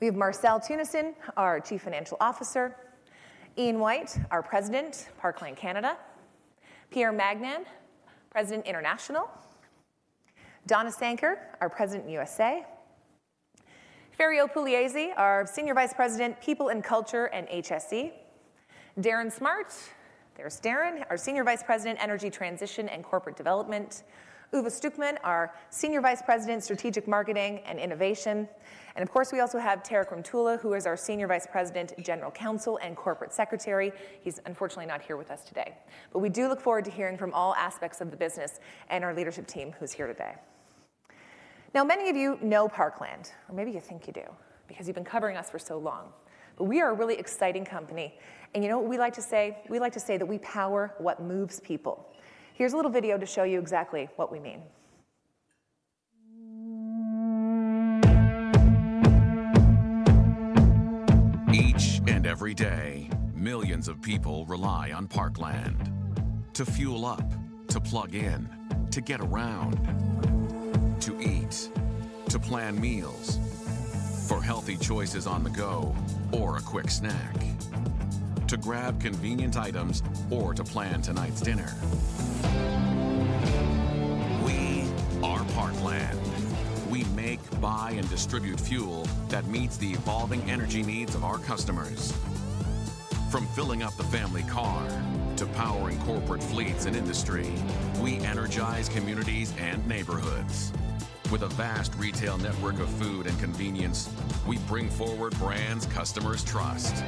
We have Marcel Teunissen, our Chief Financial Officer, Ian White, our President, Parkland Canada, Pierre Magnan, President International, Donna Sanker, our President USA, Ferio Pugliese, our Senior Vice President, People and Culture and HSE, Darren Smart, there's Darren, our Senior Vice President, Energy Transition and Corporate Development, Uwe Stueckmann, our Senior Vice President, Strategic Marketing and Innovation. Of course, we also have Tariq Remtulla, who is our Senior Vice President, General Counsel, and Corporate Secretary. He's unfortunately not here with us today. But we do look forward to hearing from all aspects of the business and our leadership team who's here today. Now, many of you know Parkland, or maybe you think you do because you've been covering us for so long. But we are a really exciting company, and you know what we like to say? We like to say that we power what moves people. Here's a little video to show you exactly what we mean. Each and every day, millions of people rely on Parkland to fuel up, to plug in, to get around, to eat, to plan meals, for healthy choices on the go or a quick snack, to grab convenient items or to plan tonight's dinner. We are Parkland. We make, buy, and distribute fuel that meets the evolving energy needs of our customers. From filling up the family car to powering corporate fleets and industry, we energize communities and neighborhoods. With a vast retail network of food and convenience, we bring forward brands customers trust.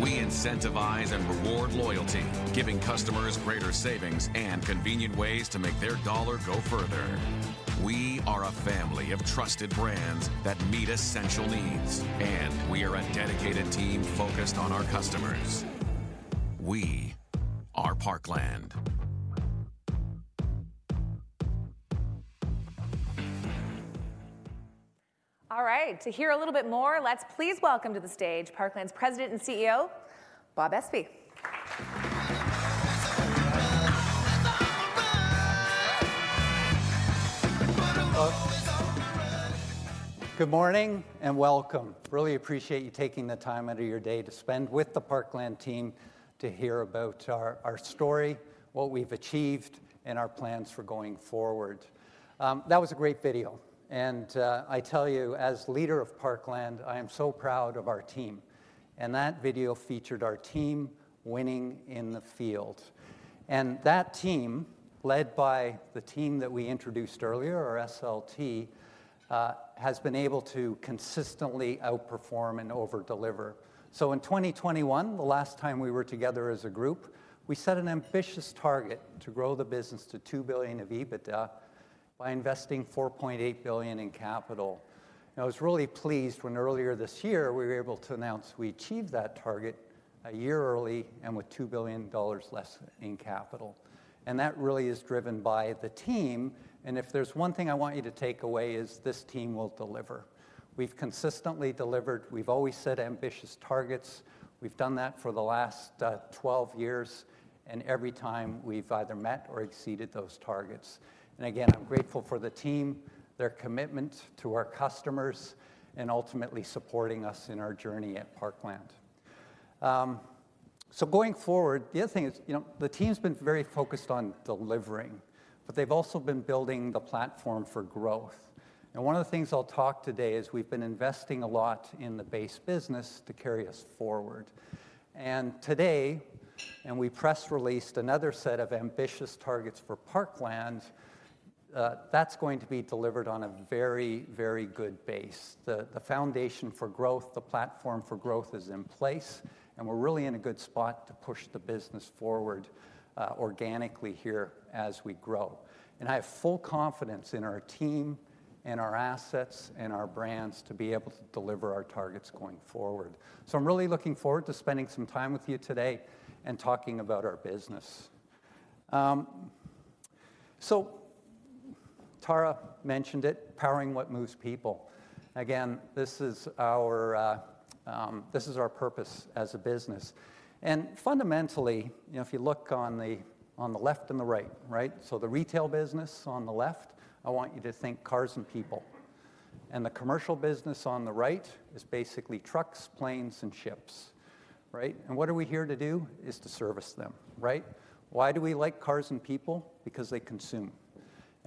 We incentivize and reward loyalty, giving customers greater savings and convenient ways to make their dollar go further. We are a family of trusted brands that meet essential needs, and we are a dedicated team focused on our customers. We are Parkland. All right, to hear a little bit more, let's please welcome to the stage Parkland's President and CEO, Bob Espey. Good morning, and welcome. Really appreciate you taking the time out of your day to spend with the Parkland team to hear about our story, what we've achieved, and our plans for going forward. That was a great video, and I tell you, as leader of Parkland, I am so proud of our team. And that video featured our team winning in the field. And that team, led by the team that we introduced earlier, our SLT, has been able to consistently outperform and over-deliver. So in 2021, the last time we were together as a group, we set an ambitious target to grow the business to 2 billion of EBITDA by investing 4.8 billion in capital.. I was really pleased when earlier this year, we were able to announce we achieved that target a year early and with 2 billion dollars less in capital. That really is driven by the team, and if there's one thing I want you to take away is this team will deliver. We've consistently delivered. We've always set ambitious targets. We've done that for the last 12 years, and every time, we've either met or exceeded those targets. Again, I'm grateful for the team, their commitment to our customers, and ultimately supporting us in our Journie at Parkland. So going forward, the other thing is, you know, the team's been very focused on delivering, but they've also been building the platform for growth. One of the things I'll talk today is we've been investing a lot in the base business to carry us forward. Today, we press released another set of ambitious targets for Parkland, that's going to be delivered on a very, very good base. The foundation for growth, the platform for growth is in place, and we're really in a good spot to push the business forward, organically here as we grow. I have full confidence in our team, in our assets, in our brands to be able to deliver our targets going forward. I'm really looking forward to spending some time with you today and talking about our business. So Tara mentioned it, powering what moves people. Again, this is our purpose as a business. Fundamentally, you know, if you look on the left and the right, right? The retail business on the left, I want you to think cars and people. The commercial business on the right is basically trucks, planes, and ships, right? What are we here to do, is to service them, right? Why do we like cars and people? Because they consume.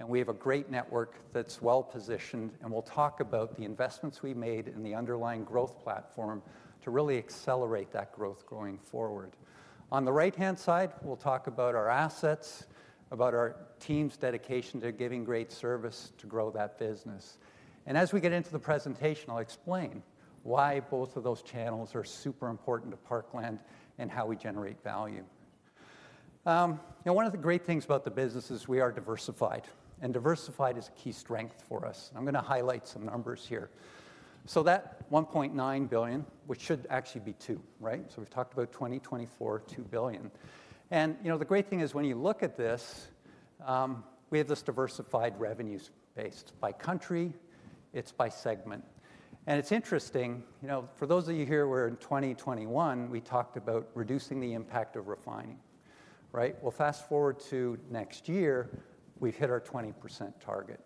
We have a great network that's well-positioned, and we'll talk about the investments we made in the underlying growth platform to really accelerate that growth going forward. On the right-hand side, we'll talk about our assets, about our team's dedication to giving great service to grow that business. As we get into the presentation, I'll explain why both of those channels are super important to Parkland and how we generate value. Now, one of the great things about the business is we are diversified, and diversified is a key strength for us. I'm gonna highlight some numbers here. That 1.9 billion, which should actually be 2 billion, right? So we've talked about 2024, 2 billion. And you know, the great thing is when you look at this, we have this diversified revenues based by country, it's by segment. And it's interesting, you know, for those of you here where in 2021, we talked about reducing the impact of refining. Right? Well, fast forward to next year, we've hit our 20% target.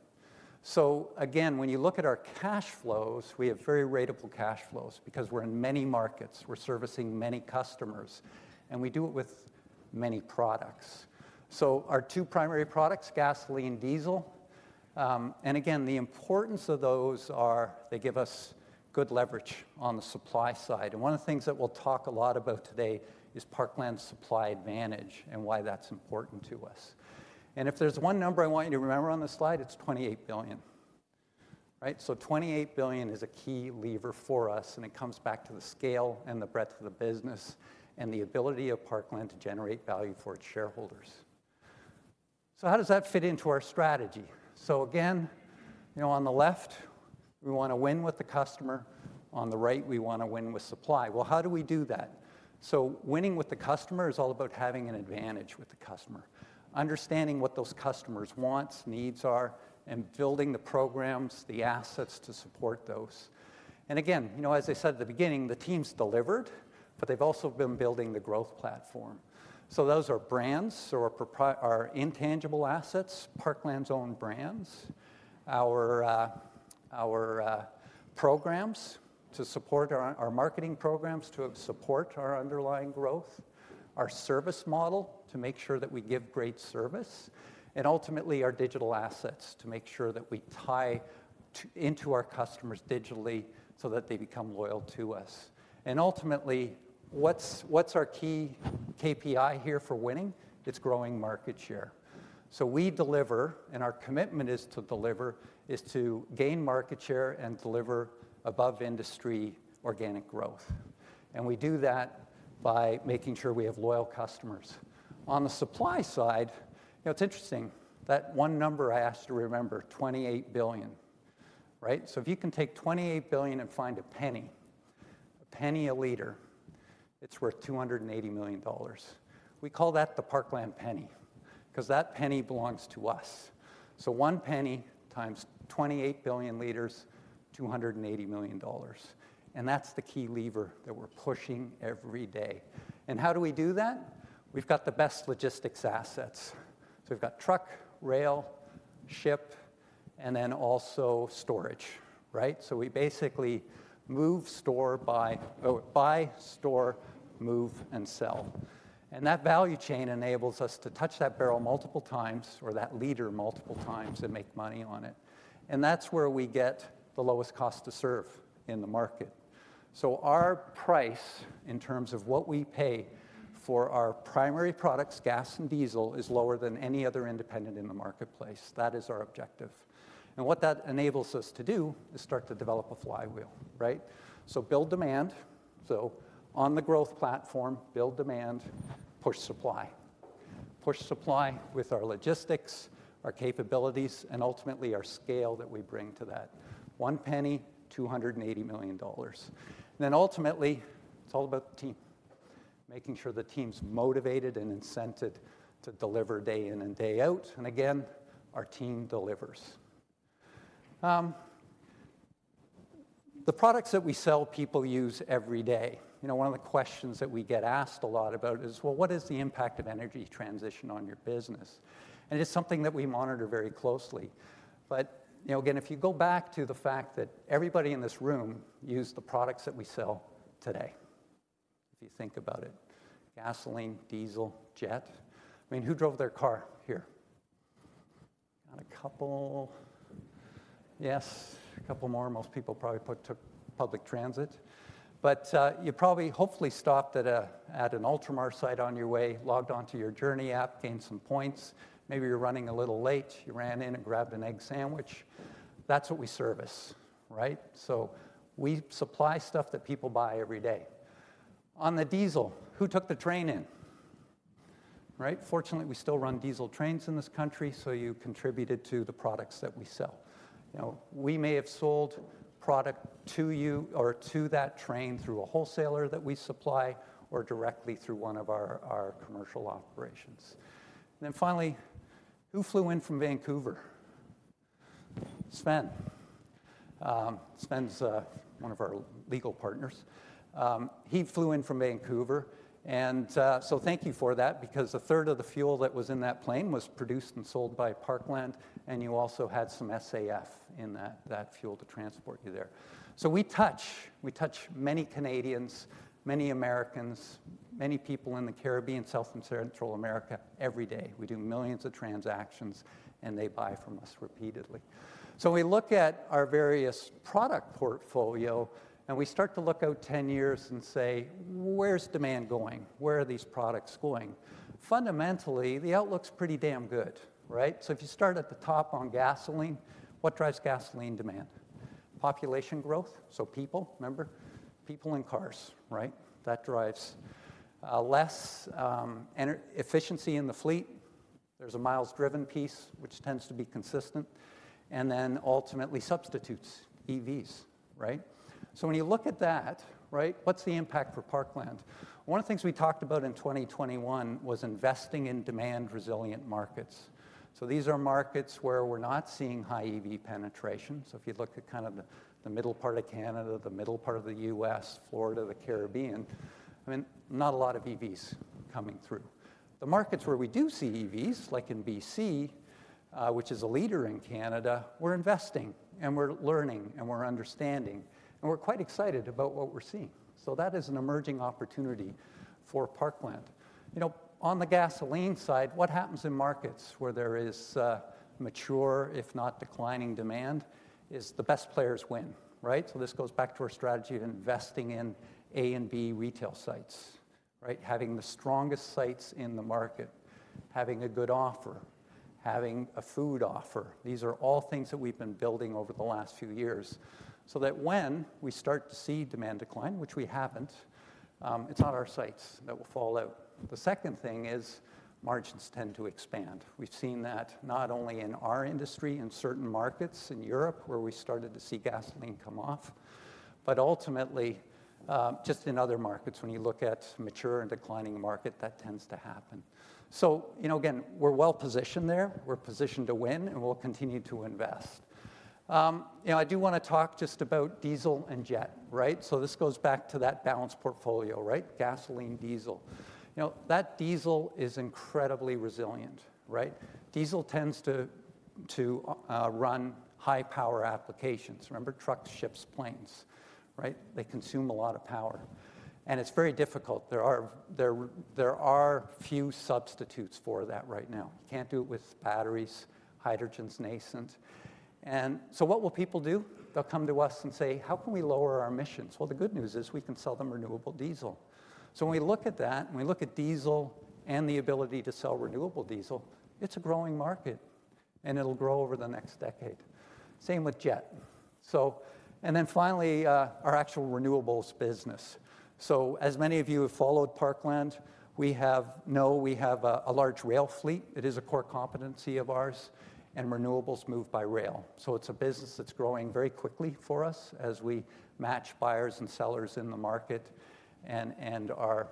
So again, when you look at our cash flows, we have very ratable cash flows because we're in many markets, we're servicing many customers, and we do it with many products. So our two primary products, gasoline and diesel, and again, the importance of those are they give us good leverage on the supply side. And one of the things that we'll talk a lot about today is Parkland's supply advantage and why that's important to us. If there's one number I want you to remember on this slide, it's 28 billion. Right? 28 billion is a key lever for us, and it comes back to the scale and the breadth of the business and the ability of Parkland to generate value for its shareholders. How does that fit into our strategy? Again, you know, on the left, we want to win with the customer. On the right, we want to win with supply. Well, how do we do that? Winning with the customer is all about having an advantage with the customer, understanding what those customers wants, needs are, and building the programs, the assets to support those. Again, you know, as I said at the beginning, the team's delivered, but they've also been building the growth platform. So those are brands or our intangible assets, Parkland's own brands, our programs to support our marketing programs, to support our underlying growth, our service model to make sure that we give great service, and ultimately, our digital assets to make sure that we tie into our customers digitally so that they become loyal to us. And ultimately, what's our key KPI here for winning? It's growing market share. So we deliver, and our commitment is to deliver, is to gain market share and deliver above-industry organic growth. And we do that by making sure we have loyal customers. On the supply side, you know, it's interesting, that one number I asked you to remember, 28 billion, right? So if you can take 28 billion and find a penny, a penny a liter, it's worth 280 million dollars. We call that the Parkland Penny, 'cause that penny belongs to us. So one penny times 28 billion liters, 280 million dollars. And that's the key lever that we're pushing every day. And how do we do that? We've got the best logistics assets. So we've got truck, rail, ship, and then also storage. Right? So we basically move, store, buy... buy, store, move, and sell. And that value chain enables us to touch that barrel multiple times or that liter multiple times and make money on it. And that's where we get the lowest cost to serve in the market. So our price, in terms of what we pay for our primary products, gas and diesel, is lower than any other independent in the marketplace. That is our objective. And what that enables us to do is start to develop a flywheel, right? So build demand. So on the growth platform, build demand, push supply. Push supply with our logistics, our capabilities, and ultimately, our scale that we bring to that. One penny, 280 million dollars. Then ultimately, it's all about the team. Making sure the team's motivated and incented to deliver day in and day out. And again, our team delivers. The products that we sell, people use every day. You know, one of the questions that we get asked a lot about is, "Well, what is the impact of energy transition on your business?" And it's something that we monitor very closely. But, you know, again, if you go back to the fact that everybody in this room used the products that we sell today, if you think about it, gasoline, diesel, jet. I mean, who drove their car here? Got a couple. Yes, a couple more. Most people probably took public transit. But you probably, hopefully stopped at an Ultramar site on your way, logged on to your Journie app, gained some points. Maybe you're running a little late, you ran in and grabbed an egg sandwich. That's what we service, right? So we supply stuff that people buy every day. On the diesel, who took the train in? Right? Fortunately, we still run diesel trains in this country, so you contributed to the products that we sell. Now, we may have sold product to you or to that train through a wholesaler that we supply or directly through one of our commercial operations. And then finally, who flew in from Vancouver? Sven. Sven's one of our legal partners. He flew in from Vancouver, and so thank you for that, because a third of the fuel that was in that plane was produced and sold by Parkland, and you also had some SAF in that fuel to transport you there. So we touch many Canadians, many Americans, many people in the Caribbean, South and Central America, every day. We do millions of transactions, and they buy from us repeatedly. So we look at our various product portfolio, and we start to look out 10 years and say, "Where's demand going? Where are these products going?" Fundamentally, the outlook's pretty damn good, right? So if you start at the top on gasoline, what drives gasoline demand? Population growth. So people, remember, people in cars, right? That drives less energy efficiency in the fleet. There's a miles-driven piece, which tends to be consistent, and then ultimately substitutes, EVs, right? So when you look at that, right, what's the impact for Parkland? One of the things we talked about in 2021 was investing in demand-resilient markets. So these are markets where we're not seeing high EV penetration. So if you look at kind of the middle part of Canada, the middle part of the U.S., Florida, the Caribbean. I mean, not a lot of EVs coming through. The markets where we do see EVs, like in B.C., which is a leader in Canada, we're investing, and we're learning, and we're understanding, and we're quite excited about what we're seeing. So that is an emerging opportunity for Parkland. You know, on the gasoline side, what happens in markets where there is mature, if not declining demand, is the best players win, right? So this goes back to our strategy of investing in A and B retail sites, right? Having the strongest sites in the market, having a good offer, having a food offer. These are all things that we've been building over the last few years, so that when we start to see demand decline, which we haven't, it's not our sites that will fall out. The second thing is margins tend to expand. We've seen that not only in our industry, in certain markets in Europe, where we started to see gasoline come off, but ultimately, just in other markets, when you look at mature and declining market, that tends to happen. So, you know, again, we're well positioned there. We're positioned to win, and we'll continue to invest. You know, I do want to talk just about diesel and jet, right? So this goes back to that balanced portfolio, right? Gasoline, diesel. You know, that diesel is incredibly resilient, right? Diesel tends to run high power applications. Remember, trucks, ships, planes, right? They consume a lot of power, and it's very difficult. There are few substitutes for that right now. You can't do it with batteries; hydrogen's nascent. So what will people do? They'll come to us and say: "How can we lower our emissions?" Well, the good news is we can sell them renewable diesel. So when we look at that, and we look at diesel and the ability to sell renewable diesel, it's a growing market, and it'll grow over the next decade. Same with jet. So, and then finally, our actual renewables business. So as many of you have followed Parkland, you know we have a large rail fleet. It is a core competency of ours, and renewables move by rail. So it's a business that's growing very quickly for us as we match buyers and sellers in the market and are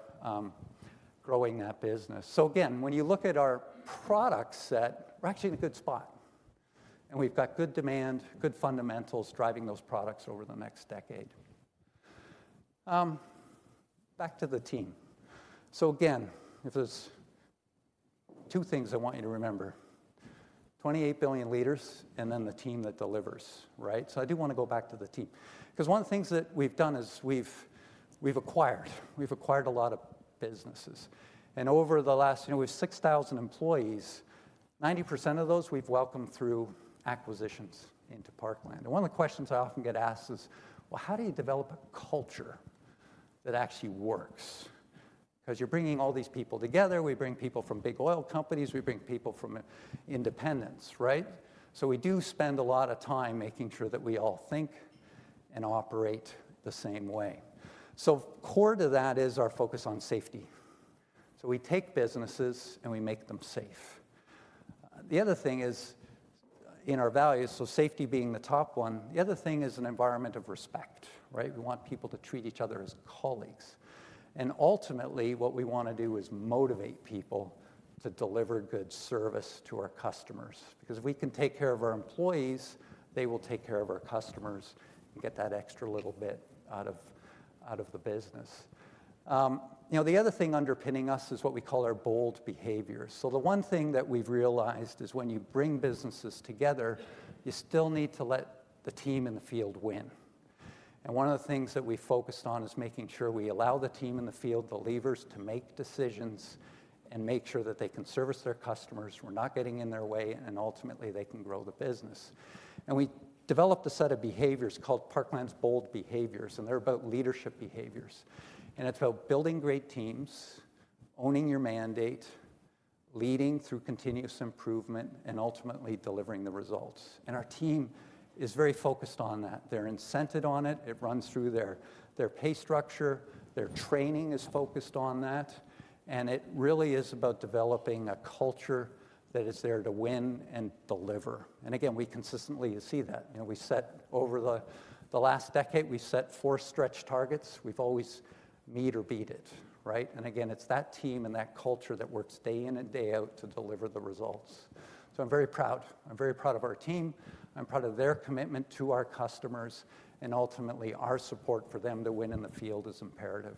growing that business. So again, when you look at our product set, we're actually in a good spot, and we've got good demand, good fundamentals driving those products over the next decade. Back to the team. So again, if there's two things I want you to remember, 28 billion liters and then the team that delivers, right? So I do want to go back to the team, 'cause one of the things that we've done is we've acquired a lot of businesses. And over the last, you know, with 6,000 employees, 90% of those, we've welcomed through acquisitions into Parkland. And one of the questions I often get asked is: "Well, how do you develop a culture that actually works?" 'Cause you're bringing all these people together. We bring people from big oil companies, we bring people from independents, right? So we do spend a lot of time making sure that we all think and operate the same way. So core to that is our focus on safety. So we take businesses, and we make them safe. The other thing is in our values, so safety being the top one, the other thing is an environment of respect, right? We want people to treat each other as colleagues. Ultimately, what we want to do is motivate people to deliver good service to our customers, because if we can take care of our employees, they will take care of our customers and get that extra little bit out of the business. You know, the other thing underpinning us is what we call our bold behaviors. So the one thing that we've realized is when you bring businesses together, you still need to let the team in the field win. And one of the things that we focused on is making sure we allow the team in the field, the levers to make decisions and make sure that they can service their customers, we're not getting in their way, and ultimately, they can grow the business. And we developed a set of behaviors called Parkland's Bold Behaviors, and they're about leadership behaviors. And it's about building great teams, owning your mandate, leading through continuous improvement, and ultimately delivering the results. Our team is very focused on that. They're incented on it. It runs through their pay structure. Their training is focused on that, and it really is about developing a culture that is there to win and deliver. And again, we consistently see that. You know, we set over the last decade, we set four stretch targets. We've always meet or beat it, right? And again, it's that team and that culture that works day in and day out to deliver the results. So I'm very proud. I'm very proud of our team. I'm proud of their commitment to our customers, and ultimately, our support for them to win in the field is imperative.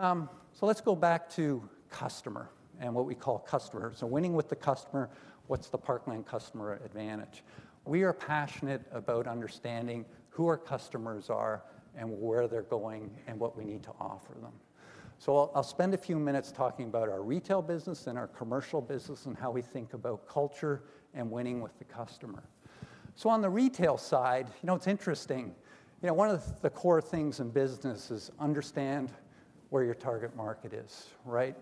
So let's go back to customer and what we call customer. So winning with the customer, what's the Parkland customer advantage? We are passionate about understanding who our customers are and where they're going and what we need to offer them. So I'll spend a few minutes talking about our retail business and our commercial business and how we think about culture and winning with the customer. So on the retail side, you know, it's interesting. You know, one of the core things in business is understand where your target market is, right?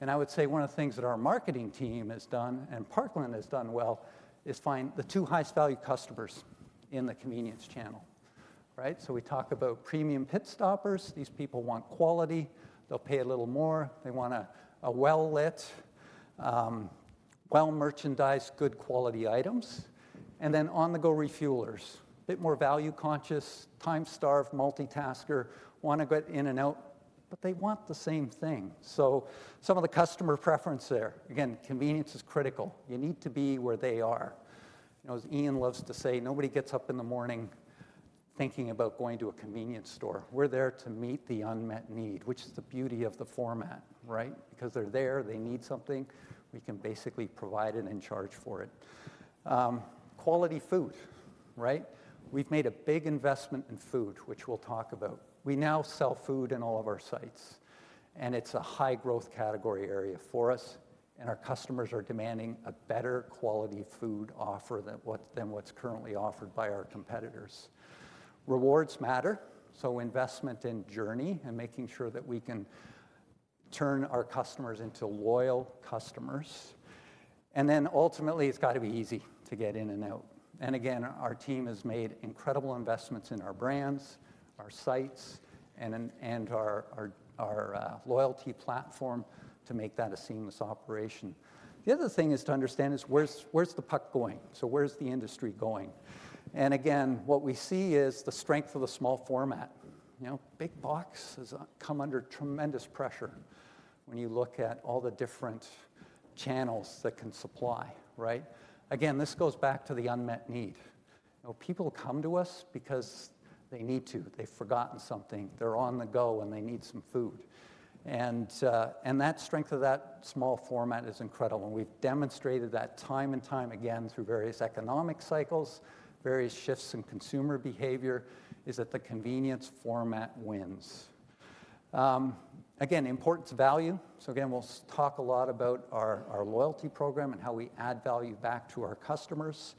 And I would say one of the things that our marketing team has done and Parkland has done well is find the two highest value customers in the convenience channel, right? So we talk about premium pit stoppers. These people want quality. They'll pay a little more. They want a well-lit, well-merchandised, good quality items. And then on-the-go refuelers, a bit more value-conscious, time-starved, multitasker, want to get in and out, but they want the same thing. So some of the customer preference there, again, convenience is critical. You need to be where they are. You know, as Ian loves to say, nobody gets up in the morning thinking about going to a convenience store. We're there to meet the unmet need, which is the beauty of the format, right? Because they're there, they need something, we can basically provide it and charge for it. Quality food, right? We've made a big investment in food, which we'll talk about. We now sell food in all of our sites, and it's a high growth category area for us, and our customers are demanding a better quality food offer than what, than what's currently offered by our competitors. Rewards matter, so investment in Journie and making sure that we can turn our customers into loyal customers. And then ultimately, it's got to be easy to get in and out. And again, our team has made incredible investments in our brands, our sites, and then, and our, our, our loyalty platform to make that a seamless operation. The other thing is to understand is where's the puck going? So where's the industry going? And again, what we see is the strength of the small format. You know, big box has come under tremendous pressure when you look at all the different channels that can supply, right? Again, this goes back to the unmet need. You know, people come to us because they need to. They've forgotten something. They're on the go, and they need some food. And that strength of that small format is incredible, and we've demonstrated that time and time again through various economic cycles, various shifts in consumer behavior: that the convenience format wins. Again, importance of value. So again, we'll talk a lot about our, our loyalty program and how we add value back to our customers.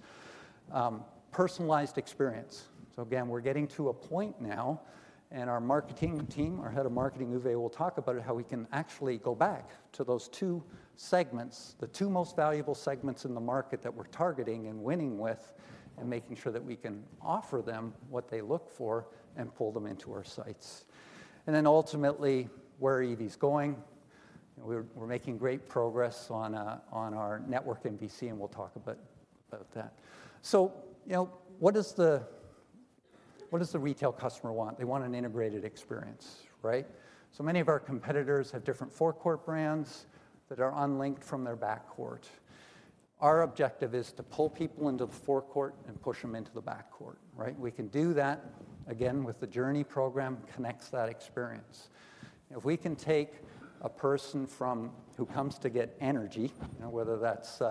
Personalized experience. So again, we're getting to a point now, and our marketing team, our head of marketing, Uwe, will talk about it: how we can actually go back to those two segments, the two most valuable segments in the market that we're targeting and winning with, and making sure that we can offer them what they look for and pull them into our sites. And then ultimately, where EV's going. We're making great progress on our network in B.C., and we'll talk a bit about that. So, you know, what does the, what does the retail customer want? They want an integrated experience, right? So many of our competitors have different forecourt brands that are unlinked from their backcourt. Our objective is to pull people into the forecourt and push them into the backcourt, right? We can do that, again, with the Journie program, connects that experience. If we can take a person from who comes to get energy, whether that's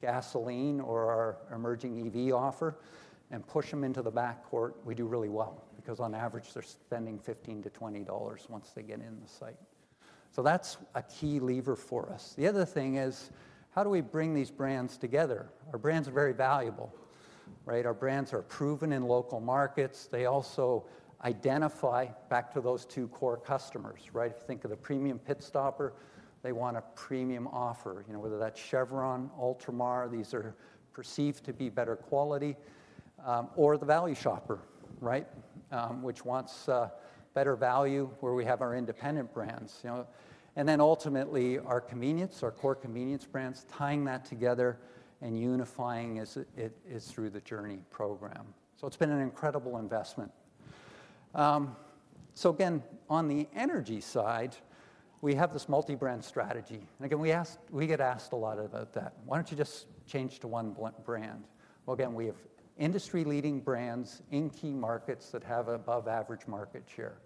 gasoline or our emerging EV offer, and push them into the backcourt, we do really well, because on average, they're spending 15-20 dollars once they get in the site. So that's a key lever for us. The other thing is, how do we bring these brands together? Our brands are very valuable, right? Our brands are proven in local markets. They also identify back to those two core customers, right? If you think of the premium pit stopper, they want a premium offer, you know, whether that's Chevron, Ultramar, these are perceived to be better quality, or the value shopper, right? Which wants a better value, where we have our independent brands, you know. And then ultimately, our convenience, our core convenience brands, tying that together and unifying is through the Journey program. So it's been an incredible investment. So again, on the energy side, we have this multi-brand strategy. And again, we get asked a lot about that. "Why don't you just change to one brand?" Well, again, we have industry-leading brands in key markets that have above average market share.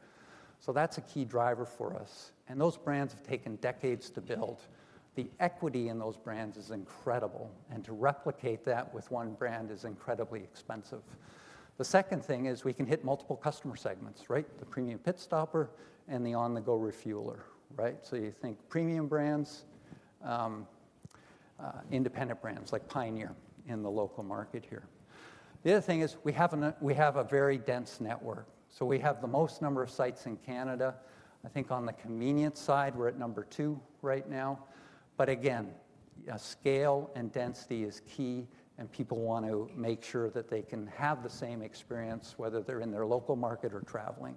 So that's a key driver for us, and those brands have taken decades to build. The equity in those brands is incredible, and to replicate that with one brand is incredibly expensive. The second thing is we can hit multiple customer segments, right? The premium pit stopper and the on-the-go refueler, right? So you think premium brands, independent brands, like Pioneer in the local market here. The other thing is we have a very dense network. So we have the most number of sites in Canada. I think on the convenience side, we're at number 2 right now. But again, scale and density is key, and people want to make sure that they can have the same experience, whether they're in their local market or traveling.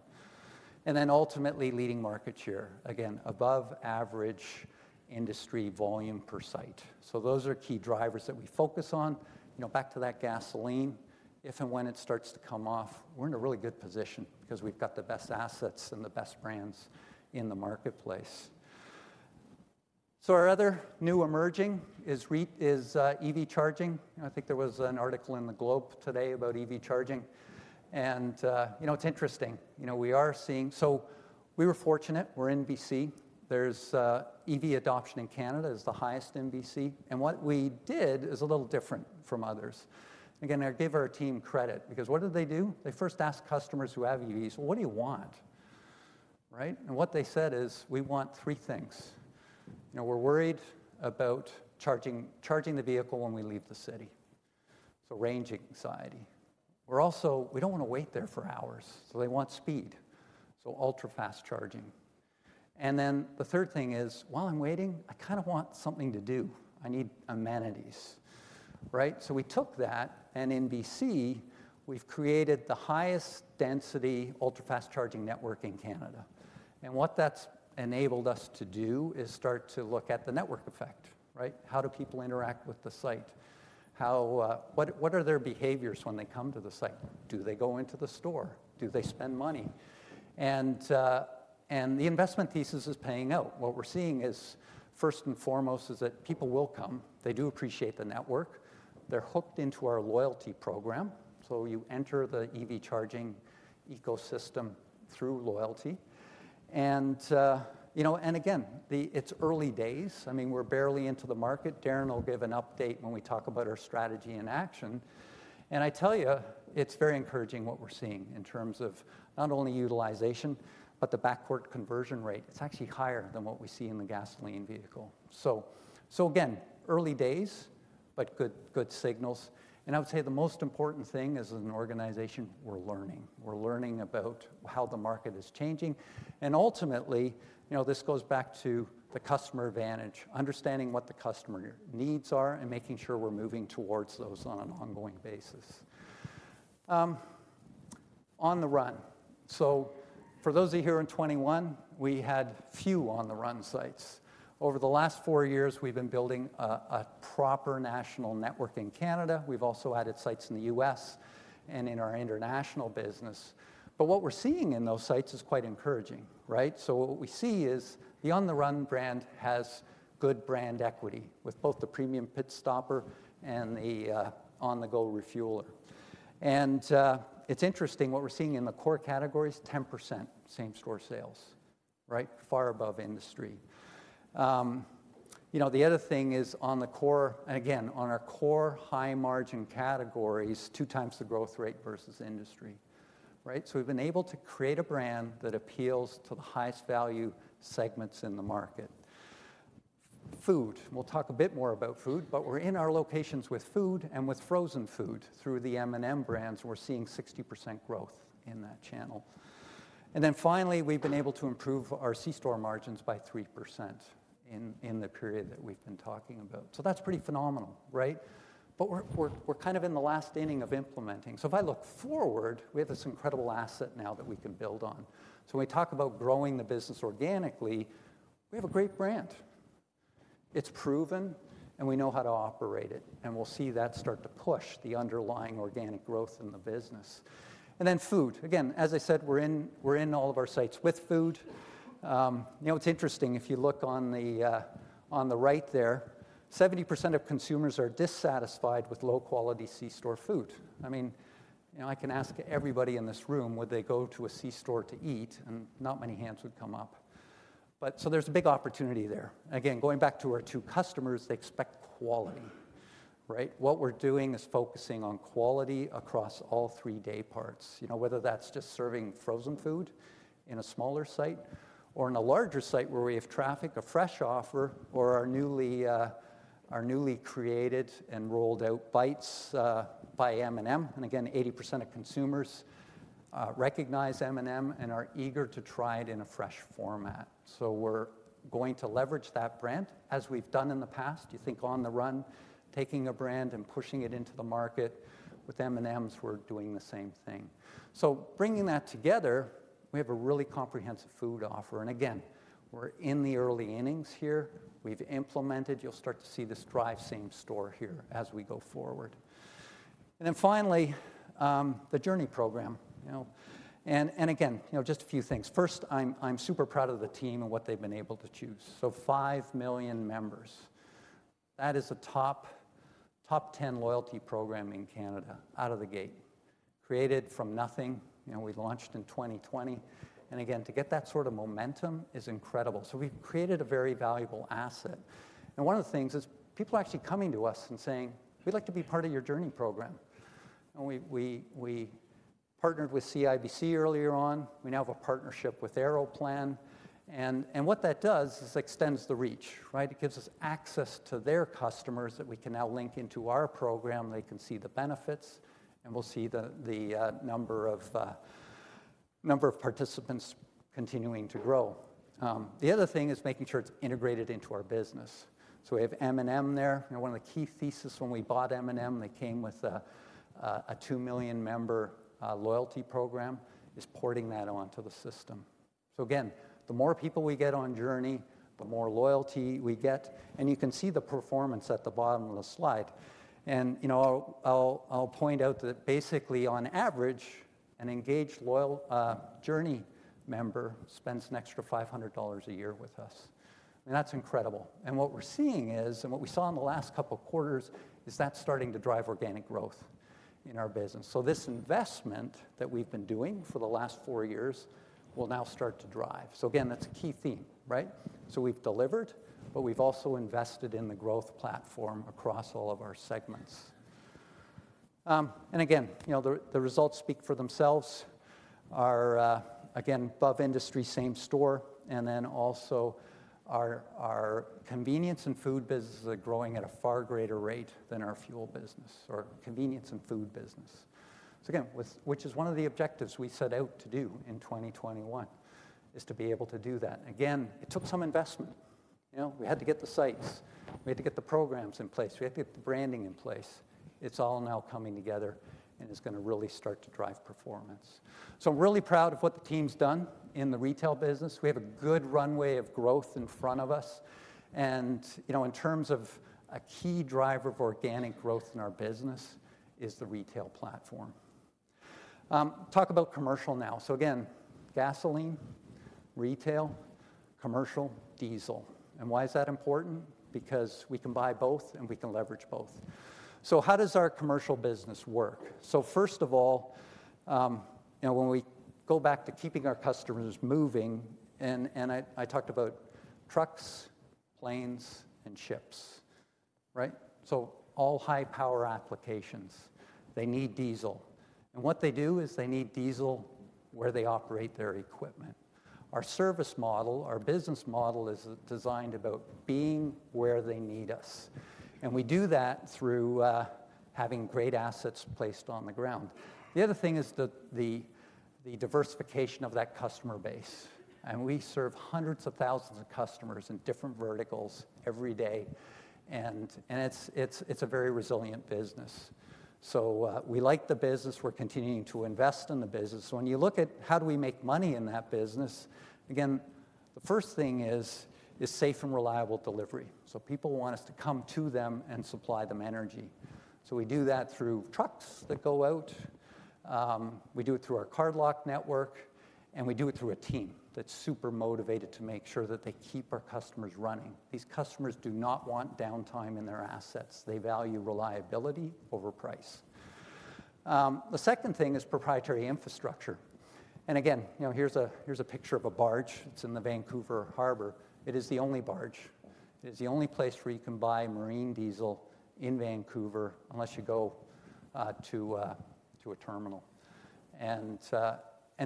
And then ultimately, leading market share. Again, above average industry volume per site. So those are key drivers that we focus on. You know, back to that gasoline, if and when it starts to come off, we're in a really good position because we've got the best assets and the best brands in the marketplace. So our other new emerging is EV charging. I think there was an article in The Globe today about EV charging, and, you know, it's interesting. You know, we are seeing... So we were fortunate, we're in B.C. There's EV adoption in Canada is the highest in B.C., and what we did is a little different from others. Again, I give our team credit because what did they do? They first asked customers who have EVs, "Well, what do you want?" Right? And what they said is, "We want three things. You know, we're worried about charging, charging the vehicle when we leave the city." So range anxiety. We're also-- We don't want to wait there for hours." So they want speed, so ultra-fast charging. And then the third thing is, "While I'm waiting, I kind of want something to do. I need amenities." Right? So we took that, and in B.C., we've created the highest density ultra-fast charging network in Canada. And what that's enabled us to do is start to look at the network effect, right? How do people interact with the site? How, what are their behaviors when they come to the site? Do they go into the store? Do they spend money? And, and the investment thesis is paying out. What we're seeing is, first and foremost, is that people will come. They do appreciate the network. They're hooked into our loyalty program, so you enter the EV charging ecosystem through loyalty. You know, and again, it's early days. I mean, we're barely into the market. Darren will give an update when we talk about our strategy in action. And I tell you, it's very encouraging what we're seeing in terms of not only utilization, but the backcourt conversion rate. It's actually higher than what we see in the gasoline vehicle. So, so again, early days, but good, good signals. And I would say the most important thing as an organization, we're learning. We're learning about how the market is changing, and ultimately, you know, this goes back to the customer advantage, understanding what the customer needs are and making sure we're moving towards those on an ongoing basis. On the Run. So for those of you here in 2021, we had few On the Run sites. Over the last four years, we've been building a proper national network in Canada. We've also added sites in the U.S. and in our international business. But what we're seeing in those sites is quite encouraging, right? So what we see is the On the Run brand has good brand equity, with both the premium pit stopper and the on-the-go refueler. It's interesting, what we're seeing in the core categories, 10% same-store sales, right? Far above industry. You know, the other thing is on the core, and again, on our core high-margin categories, two times the growth rate versus industry, right? So we've been able to create a brand that appeals to the highest value segments in the market. Food. We'll talk a bit more about food, but we're in our locations with food and with frozen food. Through the M&M brands, we're seeing 60% growth in that channel. And then finally, we've been able to improve our C-store margins by 3% in the period that we've been talking about. So that's pretty phenomenal, right? But we're kind of in the last inning of implementing. So if I look forward, we have this incredible asset now that we can build on. So when we talk about growing the business organically, we have a great brand. It's proven, and we know how to operate it, and we'll see that start to push the underlying organic growth in the business. And then food. Again, as I said, we're in all of our sites with food. You know, it's interesting, if you look on the right there, 70% of consumers are dissatisfied with low-quality C-store food. I mean, you know, I can ask everybody in this room, would they go to a C-store to eat? And not many hands would come up, but so there's a big opportunity there. Again, going back to our two customers, they expect quality, right? What we're doing is focusing on quality across all three day parts. You know, whether that's just serving frozen food in a smaller site or in a larger site where we have traffic, a fresh offer, or our newly created and rolled out bites by M&M. And again, 80% of consumers recognize M&M and are eager to try it in a fresh format. So we're going to leverage that brand, as we've done in the past. You think On the Run, taking a brand and pushing it into the market. With M&Ms, we're doing the same thing. So bringing that together, we have a really comprehensive food offer, and again, we're in the early innings here. We've implemented. You'll start to see this drive same-store here as we go forward. And then finally, the Journie program, you know, and again, you know, just a few things. First, I'm super proud of the team and what they've been able to choose. So 5 million members. That is a top ten loyalty program in Canada out of the gate, created from nothing. You know, we launched in 2020, and again, to get that sort of momentum is incredible. So we've created a very valuable asset, and one of the things is people are actually coming to us and saying, "We'd like to be part of your Journie program." And we partnered with CIBC earlier on. We now have a partnership with Aeroplan, and what that does is extends the reach, right? It gives us access to their customers that we can now link into our program. They can see the benefits, and we'll see the number of participants continuing to grow. The other thing is making sure it's integrated into our business. So we have M&M there. You know, one of the key thesis when we bought M&M, they came with a 2 million member loyalty program, is porting that onto the system. So again, the more people we get on Journey, the more loyalty we get, and you can see the performance at the bottom of the slide. You know, I'll point out that basically, on average, an engaged, loyal, Journie member spends an extra 500 dollars a year with us, and that's incredible. What we're seeing is, and what we saw in the last couple of quarters, is that's starting to drive organic growth in our business. So this investment that we've been doing for the last four years will now start to drive. So again, that's a key theme, right? So we've delivered, but we've also invested in the growth platform across all of our segments. And again, you know, the results speak for themselves. Our, again, above-industry same-store, and then also our convenience and food businesses are growing at a far greater rate than our fuel business or convenience and food business. So again, which is one of the objectives we set out to do in 2021, is to be able to do that. Again, it took some investment. You know, we had to get the sites, we had to get the programs in place, we had to get the branding in place. It's all now coming together, and it's gonna really start to drive performance. So I'm really proud of what the team's done in the retail business. We have a good runway of growth in front of us, and, you know, in terms of a key driver of organic growth in our business is the retail platform. Talk about commercial now. So again, gasoline, retail, commercial, diesel. And why is that important? Because we can buy both and we can leverage both. So how does our commercial business work? So first of all, you know, when we go back to keeping our customers moving and I talked about trucks, planes, and ships, right? So all high power applications, they need diesel. And what they do is they need diesel where they operate their equipment. Our service model, our business model, is designed about being where they need us, and we do that through having great assets placed on the ground. The other thing is the diversification of that customer base. And we serve hundreds of thousands of customers in different verticals every day, and it's a very resilient business. So, we like the business, we're continuing to invest in the business. So when you look at how do we make money in that business, again, the first thing is safe and reliable delivery. So people want us to come to them and supply them energy. So we do that through trucks that go out, we do it through our Cardlock network, and we do it through a team that's super motivated to make sure that they keep our customers running. These customers do not want downtime in their assets. They value reliability over price. The second thing is proprietary infrastructure. And again, you know, here's a picture of a barge. It's in the Vancouver Harbour. It is the only barge. It is the only place where you can buy marine diesel in Vancouver unless you go to a terminal. And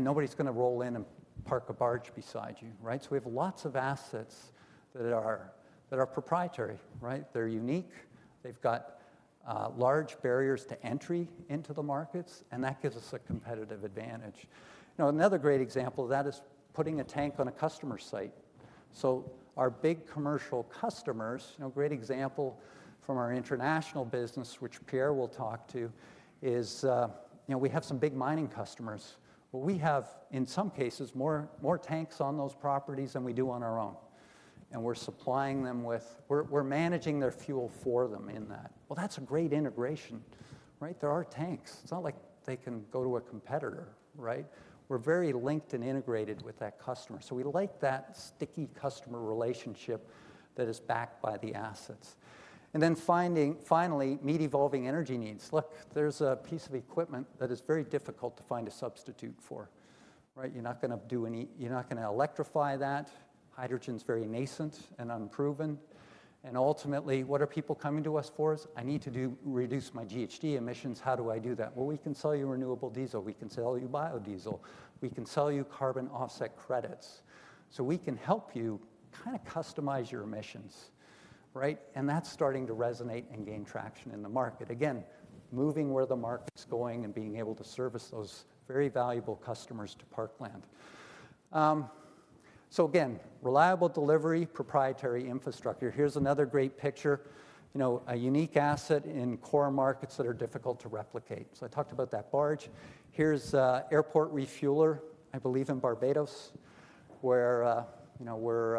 nobody's gonna roll in and park a barge beside you, right? So we have lots of assets that are proprietary, right? They're unique, they've got large barriers to entry into the markets, and that gives us a competitive advantage. Now, another great example of that is putting a tank on a customer site. So our big commercial customers, you know, great example from our international business, which Pierre will talk to, is, you know, we have some big mining customers. Well, we have, in some cases, more tanks on those properties than we do on our own. And we're supplying them with. We're managing their fuel for them in that. Well, that's a great integration, right? There are tanks. It's not like they can go to a competitor, right? We're very linked and integrated with that customer. So we like that sticky customer relationship that is backed by the assets. And then finally, meet evolving energy needs. Look, there's a piece of equipment that is very difficult to find a substitute for, right? You're not gonna do any- you're not gonna electrify that. Hydrogen's very nascent and unproven. And ultimately, what are people coming to us for is, "I need to do, reduce my GHG emissions. How do I do that?" Well, we can sell you renewable diesel. We can sell you biodiesel. We can sell you carbon offset credits. So we can help you kinda customize your emissions, right? And that's starting to resonate and gain traction in the market. Again, moving where the market's going and being able to service those very valuable customers to Parkland. So again, reliable delivery, proprietary infrastructure. Here's another great picture. You know, a unique asset in core markets that are difficult to replicate. So I talked about that barge. Here's an airport refueler, I believe, in Barbados, where, you know, we're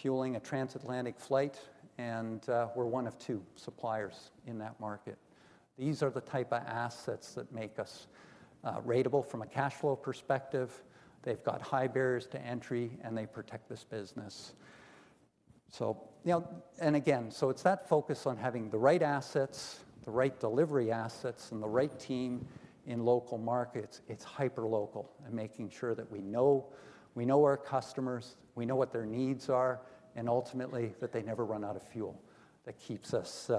fueling a transatlantic flight, and we're one of two suppliers in that market. These are the type of assets that make us ratable from a cash flow perspective. They've got high barriers to entry, and they protect this business. So, you know, and again, so it's that focus on having the right assets, the right delivery assets, and the right team in local markets. It's hyperlocal and making sure that we know, we know our customers, we know what their needs are, and ultimately, that they never run out of fuel. That keeps us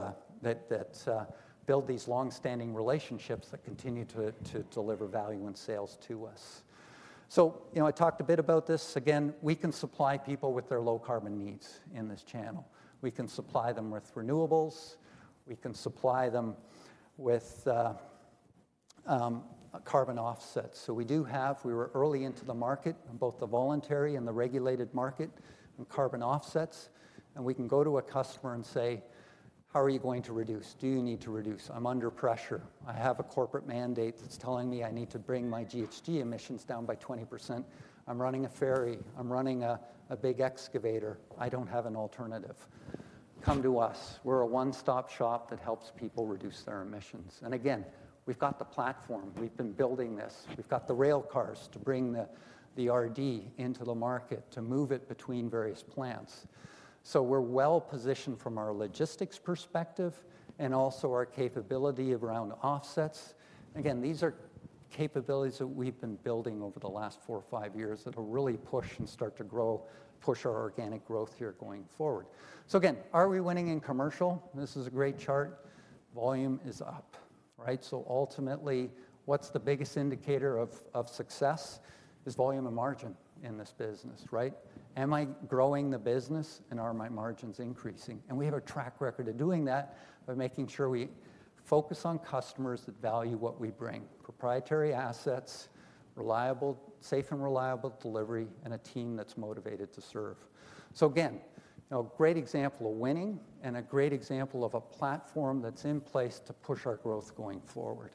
building these long-standing relationships that continue to deliver value and sales to us. So, you know, I talked a bit about this. Again, we can supply people with their low carbon needs in this channel. We can supply them with renewables, we can supply them with carbon offsets. So we do have—we were early into the market, in both the voluntary and the regulated market, in carbon offsets. And we can go to a customer and say, "How are you going to reduce? Do you need to reduce? I'm under pressure. I have a corporate mandate that's telling me I need to bring my GHG emissions down by 20%. I'm running a ferry. I'm running a big excavator. I don't have an alternative." Come to us. We're a one-stop shop that helps people reduce their emissions. And again, we've got the platform. We've been building this. We've got the rail cars to bring the RD into the market, to move it between various plants. So we're well-positioned from our logistics perspective and also our capability around offsets. Again, these are capabilities that we've been building over the last four or five years that will really push and start to grow, push our organic growth here going forward. So again, are we winning in commercial? This is a great chart. Volume is up, right? So ultimately, what's the biggest indicator of success? Is volume and margin in this business, right? Am I growing the business, and are my margins increasing? And we have a track record of doing that by making sure we focus on customers that value what we bring: proprietary assets, reliable, safe and reliable delivery, and a team that's motivated to serve. So again, a great example of winning and a great example of a platform that's in place to push our growth going forward.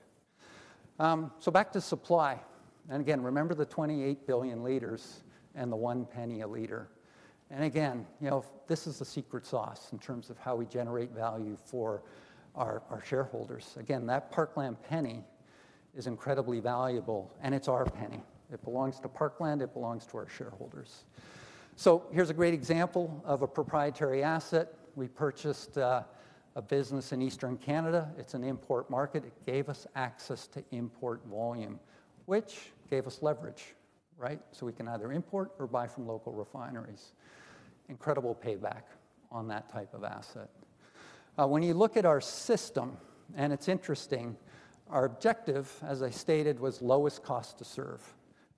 So back to supply. And again, remember the 28 billion liters and the 1 penny a liter. And again, you know, this is the secret sauce in terms of how we generate value for our, our shareholders. Again, that Parkland Penny is incredibly valuable, and it's our penny. It belongs to Parkland; it belongs to our shareholders. So here's a great example of a proprietary asset. We purchased a business in Eastern Canada. It's an import market. It gave us access to import volume, which gave us leverage, right? So we can either import or buy from local refineries. Incredible payback on that type of asset. When you look at our system, and it's interesting, our objective, as I stated, was lowest cost to serve.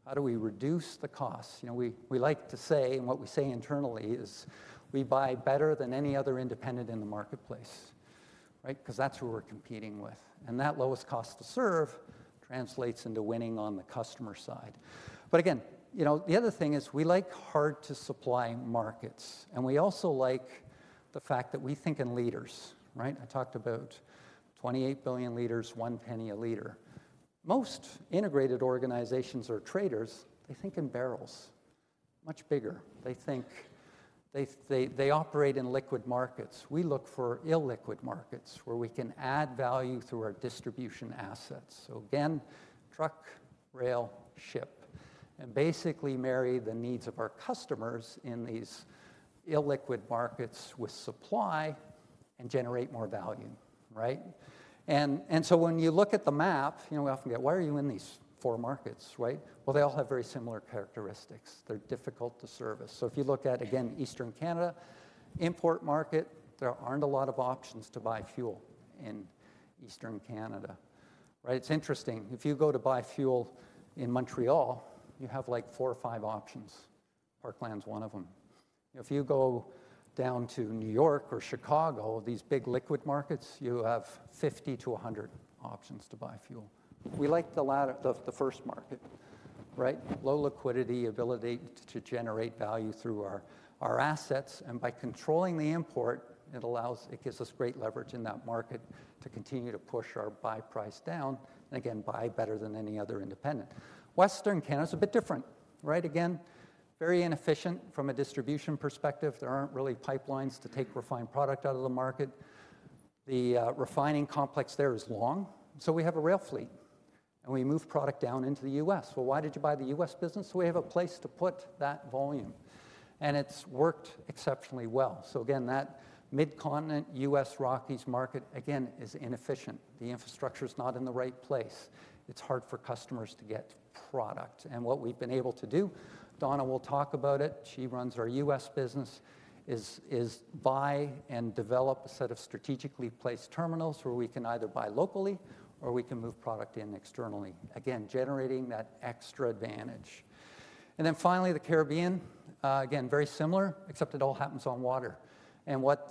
How do we reduce the cost? You know, we, we like to say, and what we say internally is, we buy better than any other independent in the marketplace, right? 'Cause that's who we're competing with, and that lowest cost to serve translates into winning on the customer side. But again, you know, the other thing is, we like hard-to-supply markets, and we also like the fact that we think in liters, right? I talked about 28 billion liters, 1 penny a liter. Most integrated organizations or traders, they think in barrels, much bigger. They think they operate in liquid markets. We look for illiquid markets, where we can add value through our distribution assets. So again, truck, rail, ship, and basically marry the needs of our customers in these illiquid markets with supply and generate more value, right? And so when you look at the map, you know, we often get, "Why are you in these four markets," right? Well, they all have very similar characteristics. They're difficult to service. So if you look at, again, Eastern Canada, import market, there aren't a lot of options to buy fuel in Eastern Canada, right? It's interesting, if you go to buy fuel in Montreal, you have, like, four or five options. Parkland's one of them. If you go down to New York or Chicago, these big liquid markets, you have 50-100 options to buy fuel. We like the latter, the, the first market, right? Low liquidity, ability to generate value through our, our assets, and by controlling the import, it allows, it gives us great leverage in that market to continue to push our buy price down, and again, buy better than any other independent. Western Canada is a bit different. Right, again, very inefficient from a distribution perspective. There aren't really pipelines to take refined product out of the market. The refining complex there is long, so we have a rail fleet, and we move product down into the U.S. Well, why did you buy the U.S. business? We have a place to put that volume, and it's worked exceptionally well. So again, that mid-continent, U.S. Rockies market, again, is inefficient. The infrastructure is not in the right place. It's hard for customers to get product. And what we've been able to do, Donna will talk about it, she runs our U.S. business, is buy and develop a set of strategically placed terminals where we can either buy locally or we can move product in externally. Again, generating that extra advantage. And then finally, the Caribbean. Again, very similar, except it all happens on water. What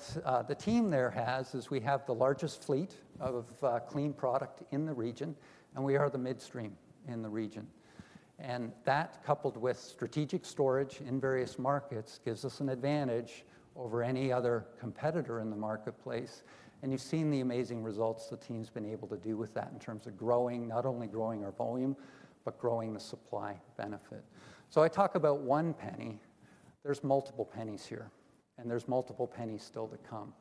the team there has is we have the largest fleet of clean product in the region, and we are the midstream in the region. That, coupled with strategic storage in various markets, gives us an advantage over any other competitor in the marketplace. You've seen the amazing results the team's been able to do with that in terms of growing, not only growing our volume, but growing the supply benefit. I talk about one penny. There's multiple pennies here, and there's multiple pennies still to come.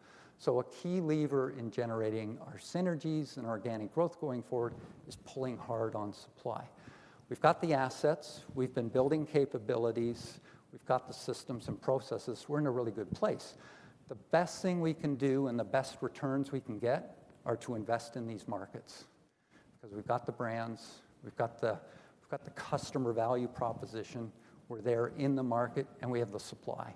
A key lever in generating our synergies and organic growth going forward is pulling hard on supply. We've got the assets, we've been building capabilities, we've got the systems and processes. We're in a really good place. The best thing we can do and the best returns we can get are to invest in these markets 'cause we've got the brands, we've got the, we've got the customer value proposition, we're there in the market, and we have the supply.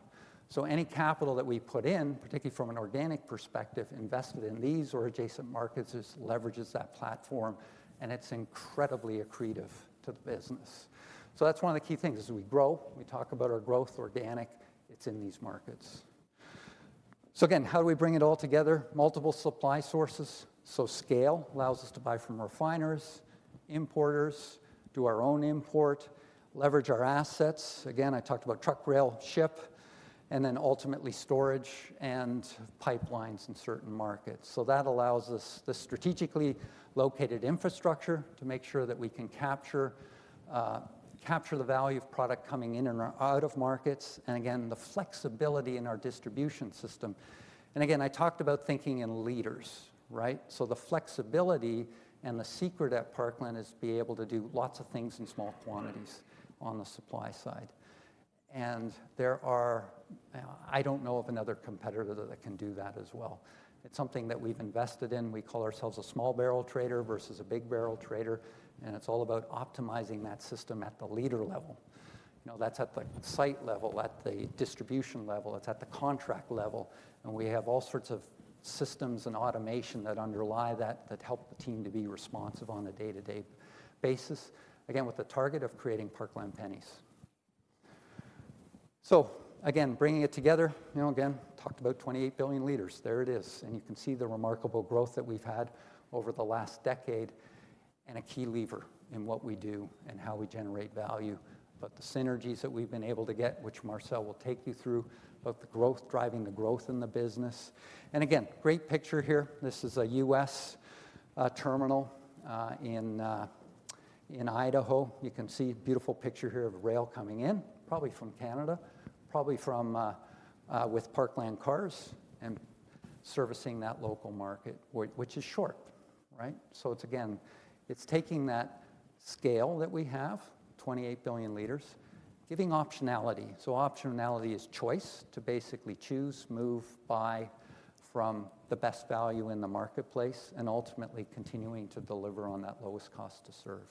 So any capital that we put in, particularly from an organic perspective, invested in these or adjacent markets, just leverages that platform, and it's incredibly accretive to the business. So that's one of the key things, as we grow, we talk about our growth, organic, it's in these markets. So again, how do we bring it all together? Multiple supply sources. So scale allows us to buy from refiners, importers, do our own import, leverage our assets. Again, I talked about truck, rail, ship, and then ultimately storage and pipelines in certain markets. So that allows us the strategically located infrastructure to make sure that we can capture, capture the value of product coming in and out of markets, and again, the flexibility in our distribution system. And again, I talked about thinking in liters, right? So the flexibility and the secret at Parkland is to be able to do lots of things in small quantities on the supply side. And there are. I don't know of another competitor that can do that as well. It's something that we've invested in. We call ourselves a small barrel trader versus a big barrel trader, and it's all about optimizing that system at the liter level. You know, that's at the site level, at the distribution level, it's at the contract level, and we have all sorts of systems and automation that underlie that, that help the team to be responsive on a day-to-day basis. Again, with the target of creating Parkland Pennies. So again, bringing it together, you know, again, talked about 28 billion liters. There it is, and you can see the remarkable growth that we've had over the last decade, and a key lever in what we do and how we generate value. But the synergies that we've been able to get, which Marcel will take you through, both the growth, driving the growth in the business... And again, great picture here. This is a U.S. terminal in... In Idaho, you can see a beautiful picture here of rail coming in, probably from Canada, probably from, with Parkland cars and servicing that local market, which, which is short, right? So it's again, it's taking that scale that we have, 28 billion liters, giving optionality. So optionality is choice, to basically choose, move, buy from the best value in the marketplace, and ultimately continuing to deliver on that lowest cost to serve.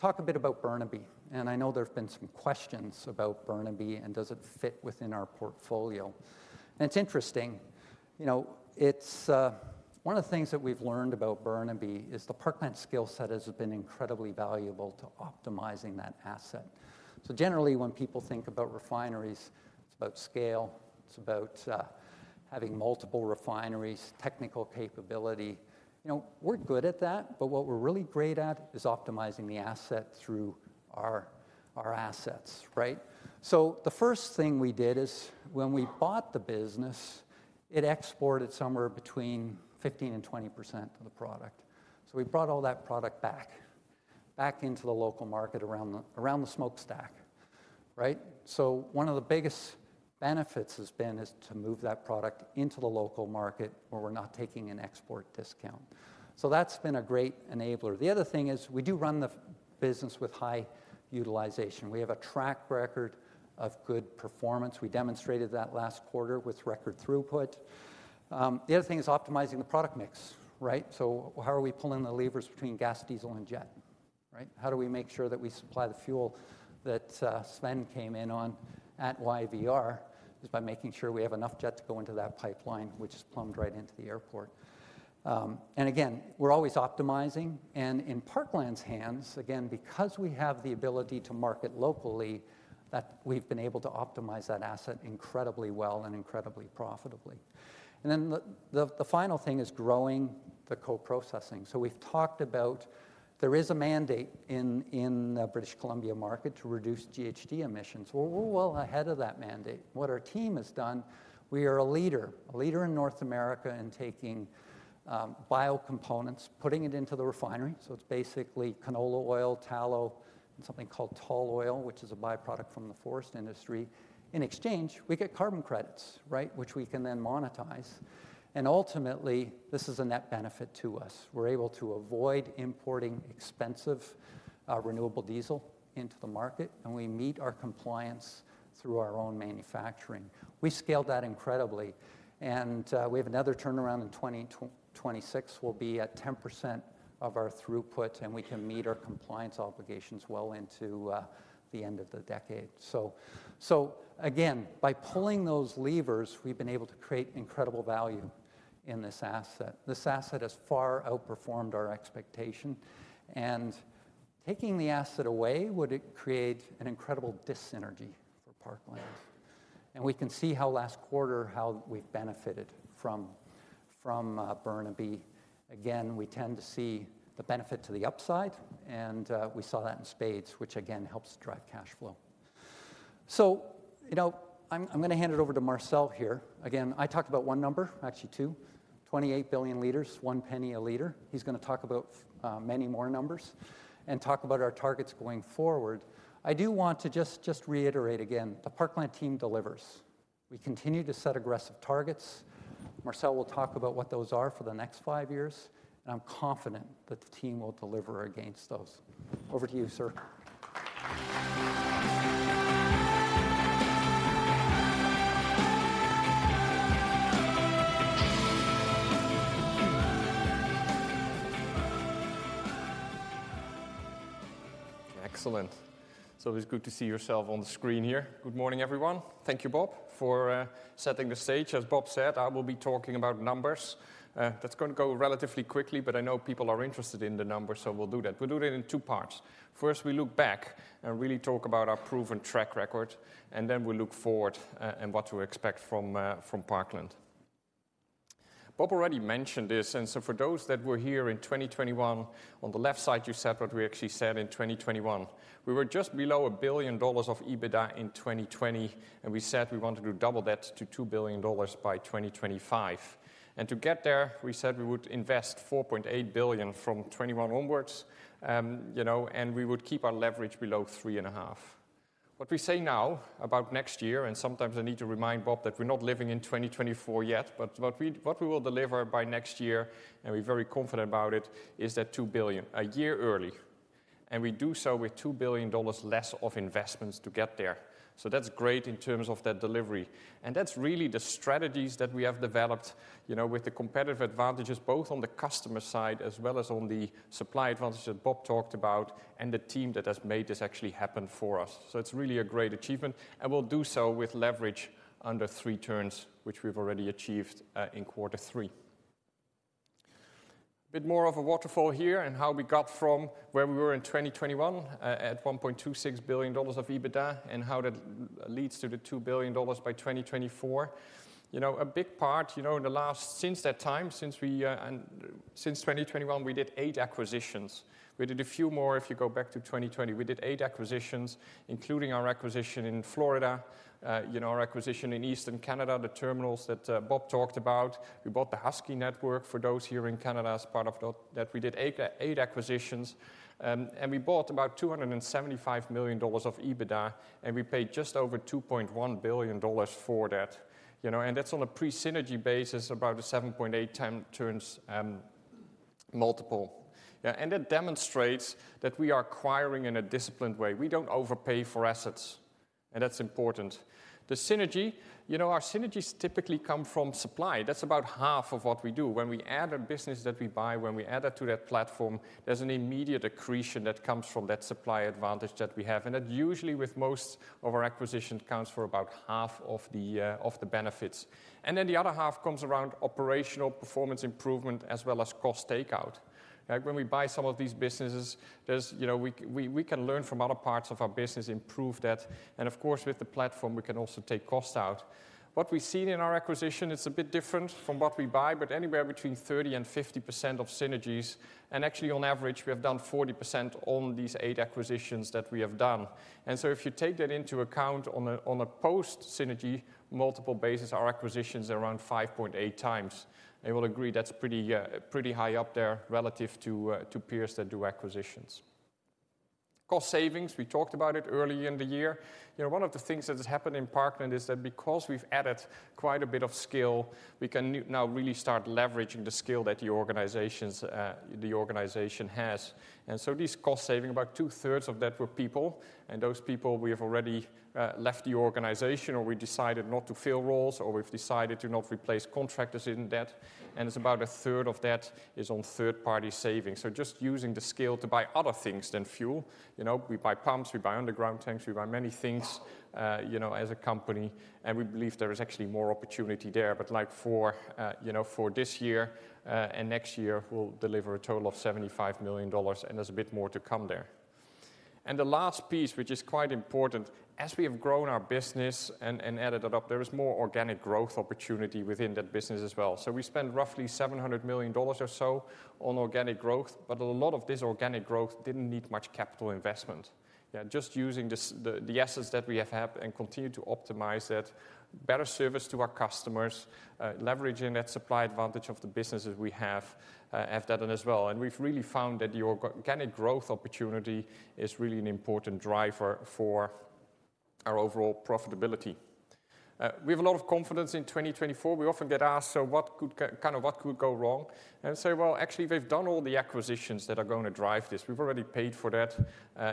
Talk a bit about Burnaby, and I know there have been some questions about Burnaby and does it fit within our portfolio? And it's interesting, you know, it's, one of the things that we've learned about Burnaby is the Parkland skill set has been incredibly valuable to optimizing that asset. So generally, when people think about refineries, it's about scale, it's about, having multiple refineries, technical capability. You know, we're good at that, but what we're really great at is optimizing the asset through our assets, right? So the first thing we did is when we bought the business, it exported somewhere between 15%-20% of the product. So we brought all that product back into the local market around the smokestack, right? So one of the biggest benefits has been is to move that product into the local market where we're not taking an export discount. So that's been a great enabler. The other thing is we do run the business with high utilization. We have a track record of good performance. We demonstrated that last quarter with record throughput. The other thing is optimizing the product mix, right? So how are we pulling the levers between gas, diesel, and jet, right? How do we make sure that we supply the fuel that Sven came in on at YVR, is by making sure we have enough jet to go into that pipeline, which is plumbed right into the airport. And again, we're always optimizing and in Parkland's hands, again, because we have the ability to market locally, that we've been able to optimize that asset incredibly well and incredibly profitably. And then the, the, the final thing is growing the co-processing. So we've talked about there is a mandate in the British Columbia market to reduce GHG emissions. Well, we're well ahead of that mandate. What our team has done, we are a leader, a leader in North America in taking bio-components, putting it into the refinery. So it's basically canola oil, tallow, and something called tall oil, which is a byproduct from the forest industry. In exchange, we get carbon credits, right? Which we can then monetize, and ultimately, this is a net benefit to us. We're able to avoid importing expensive renewable diesel into the market, and we meet our compliance through our own manufacturing. We scaled that incredibly, and we have another turnaround in 2026. We'll be at 10% of our throughput, and we can meet our compliance obligations well into the end of the decade. So again, by pulling those levers, we've been able to create incredible value in this asset. This asset has far outperformed our expectation, and taking the asset away would create an incredible dyssynergy for Parkland. And we can see how last quarter, how we've benefited from Burnaby. Again, we tend to see the benefit to the upside, and we saw that in spades, which again helps drive cash flow. So you know, I'm gonna hand it over to Marcel here. Again, I talked about one number, actually two, 28 billion liters, one penny a liter. He's gonna talk about many more numbers and talk about our targets going forward. I do want to just reiterate again, the Parkland team delivers. We continue to set aggressive targets. Marcel will talk about what those are for the next five years, and I'm confident that the team will deliver against those. Over to you, sir. Excellent. It's always good to see yourself on the screen here. Good morning, everyone. Thank you, Bob, for setting the stage. As Bob said, I will be talking about numbers. That's going to go relatively quickly, but I know people are interested in the numbers, so we'll do that. We'll do that in two parts. First, we look back and really talk about our proven track record, and then we look forward, and what to expect from from Parkland. Bob already mentioned this, and so for those that were here in 2021, on the left side, you see what we actually said in 2021. We were just below 1 billion dollars of EBITDA in 2020, and we said we wanted to double that to 2 billion dollars by 2025. To get there, we said we would invest $4.8 billion from 2021 onwards, you know, and we would keep our leverage below 3.5. What we say now about next year, and sometimes I need to remind Bob that we're not living in 2024 yet, but what we will deliver by next year, and we're very confident about it, is $2 billion, a year early. And we do so with $2 billion less of investments to get there. So that's great in terms of that delivery. And that's really the strategies that we have developed, you know, with the competitive advantages, both on the customer side as well as on the supply advantages that Bob talked about, and the team that has made this actually happen for us. So it's really a great achievement, and we'll do so with leverage under three turns, which we've already achieved in quarter three. A bit more of a waterfall here and how we got from where we were in 2021 at 1.26 billion dollars of EBITDA, and how that leads to 2 billion dollars by 2024. You know, a big part, you know, in the last since that time, since we and since 2021, we did eight acquisitions. We did a few more if you go back to 2020. We did eight acquisitions, including our acquisition in Florida, you know, our acquisition in Eastern Canada, the terminals that Bob talked about. We bought the Husky network for those here in Canada as part of that. We did eight acquisitions, and we bought about $275 million of EBITDA, and we paid just over $2.1 billion for that. You know, and that's on a pre-synergy basis, about a 7.8x multiple. Yeah, and that demonstrates that we are acquiring in a disciplined way. We don't overpay for assets, and that's important. The synergy, you know, our synergies typically come from supply. That's about half of what we do. When we add a business that we buy, when we add that to that platform, there's an immediate accretion that comes from that supply advantage that we have, and that usually, with most of our acquisitions, accounts for about half of the of the benefits. And then the other half comes around operational performance improvement as well as cost takeout. Like, when we buy some of these businesses, there's, you know, we, we, we can learn from other parts of our business, improve that, and of course, with the platform, we can also take costs out. What we've seen in our acquisition, it's a bit different from what we buy, but anywhere between 30% and 50% of synergies, and actually, on average, we have done 40% on these eight acquisitions that we have done. And so if you take that into account on a, on a post-synergy multiple basis, our acquisitions are around 5.8x. I will agree that's pretty, pretty high up there relative to, to peers that do acquisitions. Cost savings, we talked about it earlier in the year. You know, one of the things that has happened in Parkland is that because we've added quite a bit of scale, we can now really start leveraging the scale that the organizations, the organization has. And so these cost saving, about two-thirds of that were people, and those people we have already left the organization, or we decided not to fill roles, or we've decided to not replace contractors in that, and it's about a third of that is on third-party savings. So just using the scale to buy other things than fuel. You know, we buy pumps, we buy underground tanks, we buy many things, you know, as a company, and we believe there is actually more opportunity there. But like for, you know, for this year, and next year, we'll deliver a total of 75 million dollars, and there's a bit more to come there. And the last piece, which is quite important, as we have grown our business and added it up, there is more organic growth opportunity within that business as well. So we spend roughly 700 million dollars or so on organic growth, but a lot of this organic growth didn't need much capital investment. Yeah, just using the the assets that we have had and continue to optimize that, better service to our customers, leveraging that supply advantage of the businesses we have, have done as well, and we've really found that the organic growth opportunity is really an important driver for our overall profitability. We have a lot of confidence in 2024. We often get asked, "So what could go wrong?" Well, actually, we've done all the acquisitions that are going to drive this. We've already paid for that,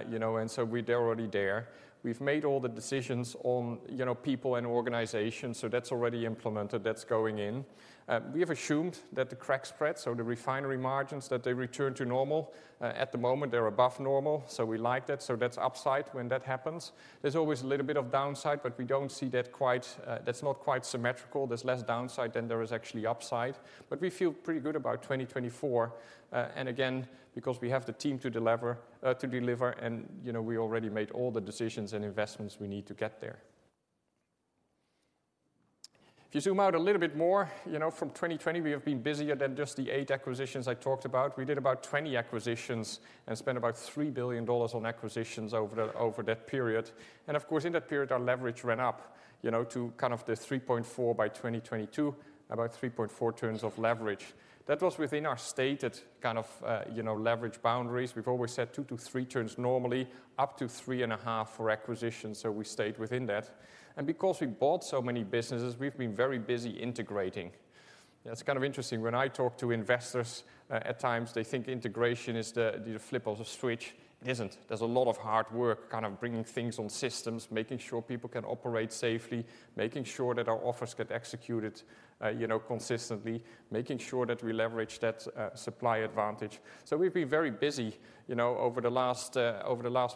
you know, and so we're already there. We've made all the decisions on, you know, people and organization, so that's already implemented. That's going in. We have assumed that the crack spreads or the refinery margins, that they return to normal. At the moment, they're above normal, so we like that. So that's upside when that happens. There's always a little bit of downside, but we don't see that quite. That's not quite symmetrical. There's less downside than there is actually upside. But we feel pretty good about 2024, and again, because we have the team to deliver, to deliver, and, you know, we already made all the decisions and investments we need to get there. If you zoom out a little bit more, you know, from 2020, we have been busier than just the eight acquisitions I talked about. We did about 20 acquisitions and spent about 3 billion dollars on acquisitions over the, over that period. And of course, in that period, our leverage went up, you know, to kind of the 3.4 by 2022, about 3.4 turns of leverage. That was within our stated kind of, you know, leverage boundaries. We've always said 2-3 turns normally, up to 3.5 for acquisitions, so we stayed within that. Because we bought so many businesses, we've been very busy integrating. That's kind of interesting. When I talk to investors, at times, they think integration is the flip of a switch. It isn't. There's a lot of hard work, kind of bringing things on systems, making sure people can operate safely, making sure that our offers get executed, you know, consistently, making sure that we leverage that supply advantage. So we've been very busy, you know, over the last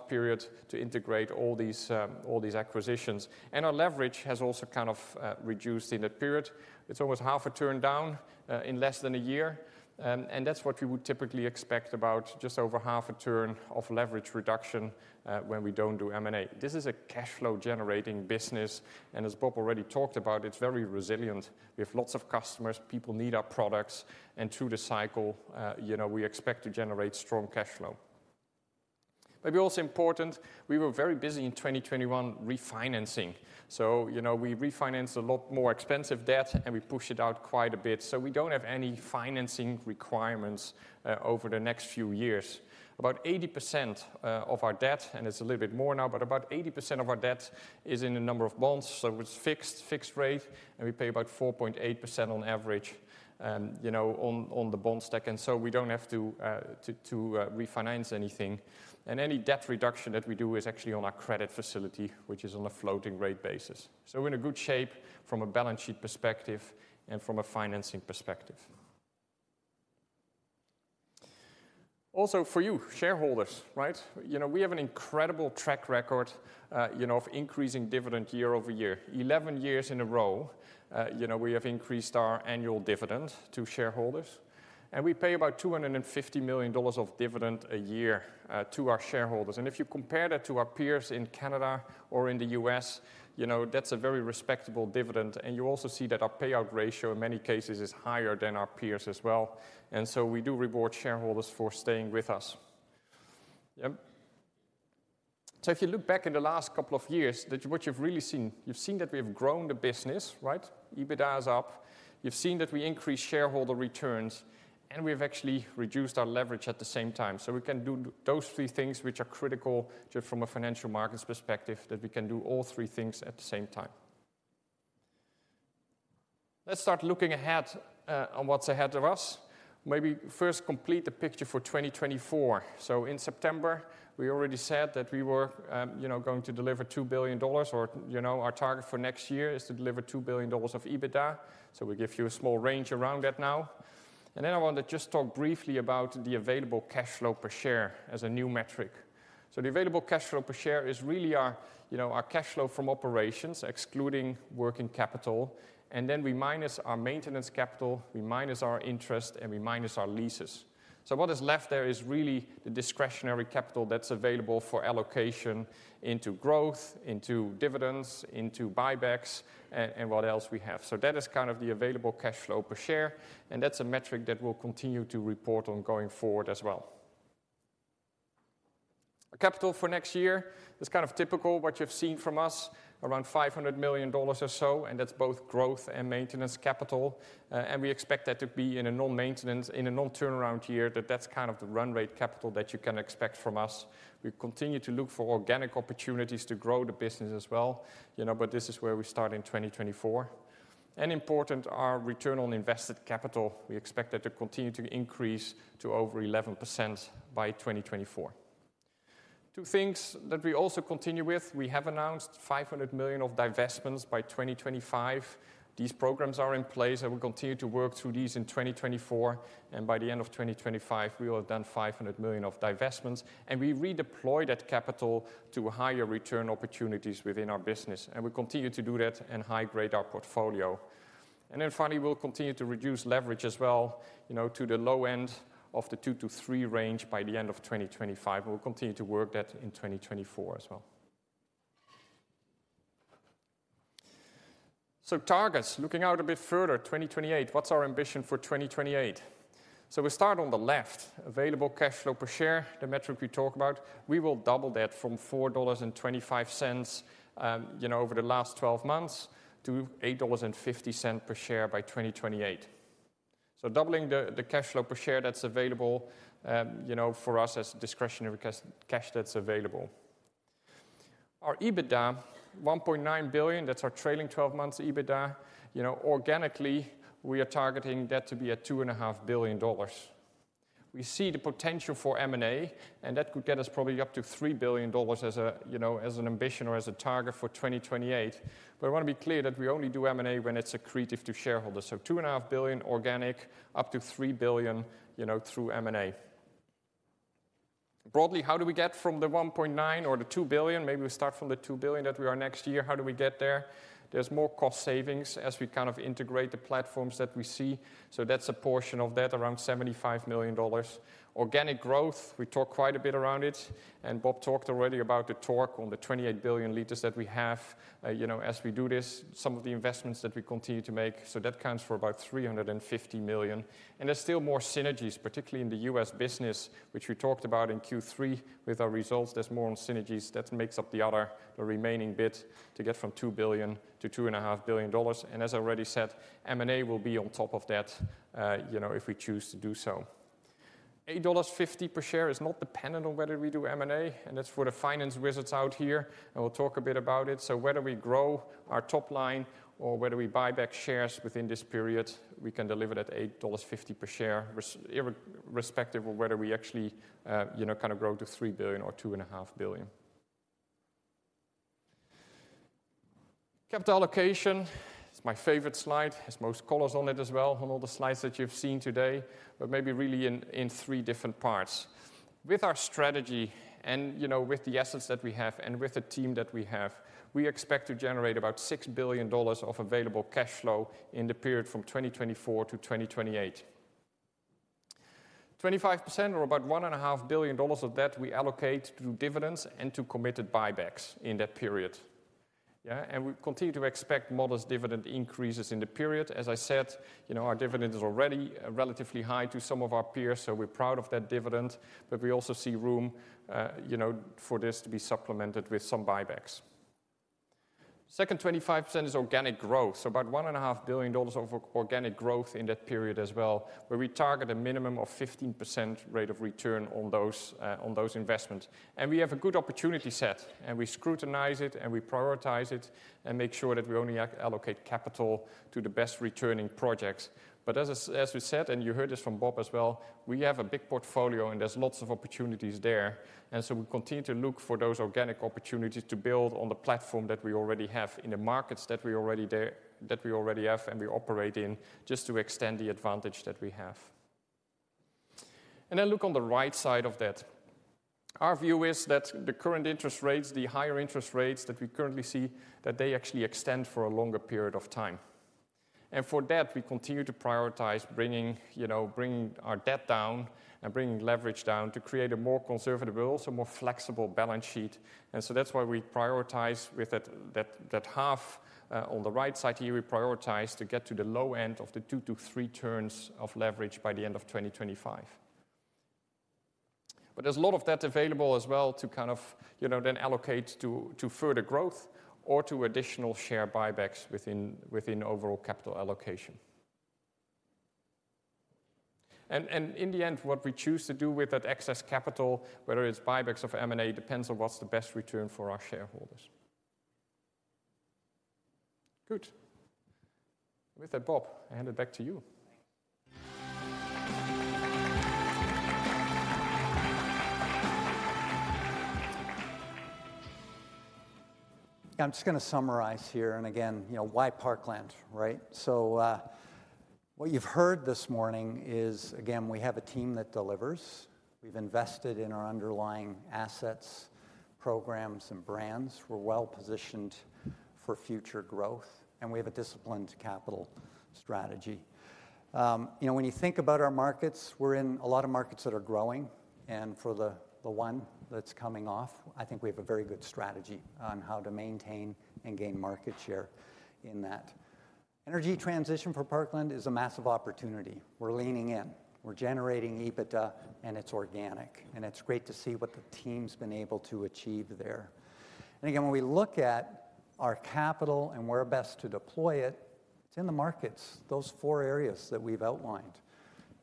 period, to integrate all these acquisitions. And our leverage has also kind of reduced in that period. It's almost half a turn down in less than a year. And that's what we would typically expect, about just over half a turn of leverage reduction, when we don't do M&A. This is a cash flow-generating business, and as Bob already talked about, it's very resilient. We have lots of customers. People need our products, and through the cycle, you know, we expect to generate strong cash flow. Maybe also important, we were very busy in 2021 refinancing. So, you know, we refinanced a lot more expensive debt, and we pushed it out quite a bit. So we don't have any financing requirements over the next few years. About 80% of our debt, and it's a little bit more now, but about 80% of our debt is in a number of bonds, so it's fixed, fixed rate, and we pay about 4.8% on average, you know, on the bond stack, and so we don't have to refinance anything. Any debt reduction that we do is actually on our credit facility, which is on a floating rate basis. So we're in a good shape from a balance sheet perspective and from a financing perspective. Also, for you, shareholders, right? You know, we have an incredible track record, you know, of increasing dividend year-over-year. 11 years in a row, you know, we have increased our annual dividend to shareholders, and we pay about 250 million dollars of dividend a year, to our shareholders. And if you compare that to our peers in Canada or in the U.S., you know, that's a very respectable dividend. And you also see that our payout ratio in many cases is higher than our peers as well, and so we do reward shareholders for staying with us. Yep. So if you look back in the last couple of years, that's what you've really seen, you've seen that we have grown the business, right? EBITDA is up. You've seen that we increased shareholder returns, and we've actually reduced our leverage at the same time. So we can do those three things, which are critical just from a financial markets perspective, that we can do all three things at the same time. Let's start looking ahead on what's ahead of us. Maybe first complete the picture for 2024. So in September, we already said that we were, you know, going to deliver 2 billion dollars, or, you know, our target for next year is to deliver 2 billion dollars of EBITDA. So we give you a small range around that now. Then I want to just talk briefly about the Available Cash Flow per Share as a new metric. So the Available Cash Flow per Share is really our, you know, our cash flow from operations, excluding working capital, and then we minus our maintenance capital, we minus our interest, and we minus our leases. So what is left there is really the discretionary capital that's available for allocation into growth, into dividends, into buybacks, and what else we have. So that is kind of the Available Cash Flow per Share, and that's a metric that we'll continue to report on going forward as well. Capital for next year is kind of typical, what you've seen from us, around 500 million dollars or so, and that's both growth and maintenance capital. And we expect that to be in a non-maintenance, in a non-turnaround year, that that's kind of the run rate capital that you can expect from us. We continue to look for organic opportunities to grow the business as well, you know, but this is where we start in 2024. And important, our return on invested capital, we expect that to continue to increase to over 11% by 2024. Two things that we also continue with, we have announced 500 million of divestments by 2025. These programs are in place, and we continue to work through these in 2024, and by the end of 2025, we will have done 500 million of divestments, and we redeploy that capital to higher return opportunities within our business, and we continue to do that and high-grade our portfolio. Then finally, we'll continue to reduce leverage as well, you know, to the low end of the 2-3 range by the end of 2025, and we'll continue to work that in 2024 as well. So targets, looking out a bit further, 2028. What's our ambition for 2028? So we start on the left, available cash flow per share, the metric we talk about, we will double that from 4.25 dollars, you know, over the last 12 months, to 8.50 dollars per share by 2028. So doubling the cash flow per share that's available, you know, for us as discretionary cash that's available. Our EBITDA, 1.9 billion, that's our trailing 12 months EBITDA. You know, organically, we are targeting that to be at 2.5 billion dollars. We see the potential for M&A, and that could get us probably up to 3 billion dollars as a, you know, as an ambition or as a target for 2028. But I want to be clear that we only do M&A when it's accretive to shareholders. So 2.5 billion organic, up to 3 billion, you know, through M&A. Broadly, how do we get from the 1.9 billion or the 2 billion? Maybe we start from the 2 billion that we are next year. How do we get there? There's more cost savings as we kind of integrate the platforms that we see, so that's a portion of that, around 75 million dollars. Organic growth, we talk quite a bit around it, and Bob talked already about the torque on the 28 billion liters that we have. You know, as we do this, some of the investments that we continue to make, so that counts for about 350 million. And there's still more synergies, particularly in the U.S. business, which we talked about in Q3 with our results. There's more on synergies. That makes up the other, the remaining bit to get from 2 billion-2.5 billion dollars. And as I already said, M&A will be on top of that, you know, if we choose to do so. 8.50 dollars per share is not dependent on whether we do M&A, and that's for the finance wizards out here, and we'll talk a bit about it. Whether we grow our top line or whether we buy back shares within this period, we can deliver that $8.50 per share, respective of whether we actually, you know, kind of grow to $3 billion or $2.5 billion. Capital allocation, it's my favorite slide. It has most colors on it as well, on all the slides that you've seen today, but maybe really in three different parts. With our strategy and, you know, with the assets that we have and with the team that we have, we expect to generate about $6 billion of available cash flow in the period from 2024 to 2028. 25% or about $1.5 billion of that we allocate to dividends and to committed buybacks in that period. Yeah, and we continue to expect modest dividend increases in the period. As I said, you know, our dividend is already relatively high to some of our peers, so we're proud of that dividend, but we also see room, you know, for this to be supplemented with some buybacks. Second, 25% is organic growth, so about 1.5 billion dollars of organic growth in that period as well, where we target a minimum of 15% rate of return on those investments. And we have a good opportunity set, and we scrutinize it, and we prioritize it and make sure that we only allocate capital to the best-returning projects. But as we said, and you heard this from Bob as well, we have a big portfolio, and there's lots of opportunities there. And so we continue to look for those organic opportunities to build on the platform that we already have in the markets that we already there, that we already have and we operate in, just to extend the advantage that we have. And then look on the right side of that. Our view is that the current interest rates, the higher interest rates that we currently see, that they actually extend for a longer period of time. And for that, we continue to prioritize bringing, you know, bringing our debt down and bringing leverage down to create a more conservative, but also more flexible balance sheet. And so that's why we prioritize with that, that half, on the right side here, we prioritize to get to the low end of the 2-3 turns of leverage by the end of 2025. But there's a lot of that available as well to kind of, you know, then allocate to further growth or to additional share buybacks within overall capital allocation. And in the end, what we choose to do with that excess capital, whether it's buybacks or M&A, depends on what's the best return for our shareholders. Good. With that, Bob, I hand it back to you. I'm just gonna summarize here, and again, you know, why Parkland, right? So, what you've heard this morning is, again, we have a team that delivers. We've invested in our underlying assets, programs, and brands. We're well-positioned for future growth, and we have a disciplined capital strategy. You know, when you think about our markets, we're in a lot of markets that are growing, and for the one that's coming off, I think we have a very good strategy on how to maintain and gain market share in that. Energy transition for Parkland is a massive opportunity. We're leaning in. We're generating EBITDA, and it's organic, and it's great to see what the team's been able to achieve there. And again, when we look at our capital and where best to deploy it, it's in the markets, those four areas that we've outlined.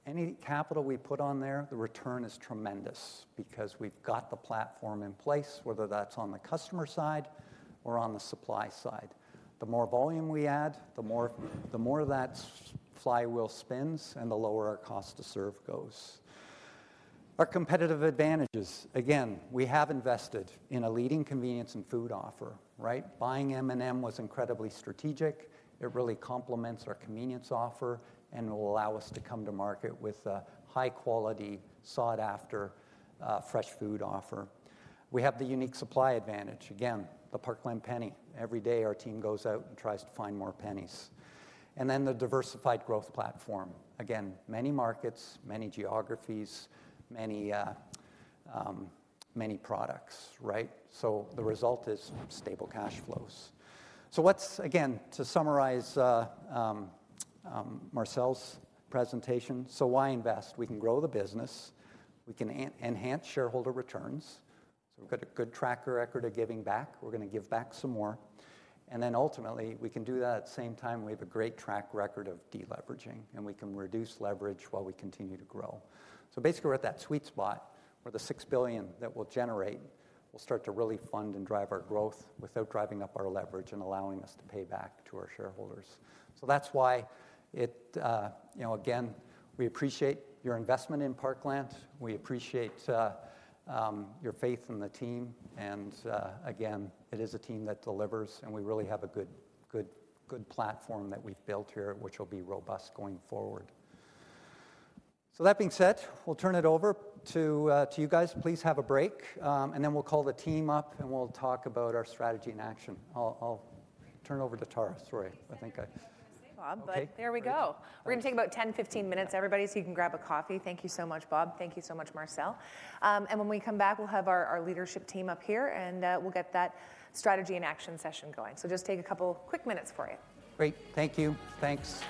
Any capital we put on there, the return is tremendous because we've got the platform in place, whether that's on the customer side or on the supply side. The more volume we add, the more that flywheel spins, and the lower our cost to serve goes. Our competitive advantages: again, we have invested in a leading convenience and food offer, right? Buying M&M was incredibly strategic. It really complements our convenience offer and will allow us to come to market with a high quality, sought after, fresh food offer. We have the unique supply advantage. Again, the Parkland Penny. Every day, our team goes out and tries to find more pennies. And then the diversified growth platform. Again, many markets, many geographies, many products, right? So the result is stable cash flows. So let's, again, to summarize, Marcel's presentation: so why invest? We can grow the business. We can enhance shareholder returns. So we've got a good track record of giving back. We're gonna give back some more, and then ultimately, we can do that at the same time we have a great track record of deleveraging, and we can reduce leverage while we continue to grow. So basically, we're at that sweet spot where the 6 billion that we'll generate will start to really fund and drive our growth without driving up our leverage and allowing us to pay back to our shareholders. So that's why it... You know, again, we appreciate your investment in Parkland. We appreciate your faith in the team, and again, it is a team that delivers, and we really have a good, good, good platform that we've built here, which will be robust going forward. So that being said, we'll turn it over to you guys. Please have a break, and then we'll call the team up, and we'll talk about our strategy in action. I'll turn it over to Tariq. Sorry, I think I- Bob, but there we go. Okay. We're gonna take about 10, 15 minutes, everybody, so you can grab a coffee. Thank you so much, Bob. Thank you so much, Marcel. When we come back, we'll have our leadership team up here, and we'll get that strategy in action session going. So just take a couple quick minutes for you. Great. Thank you, thanks.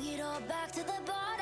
All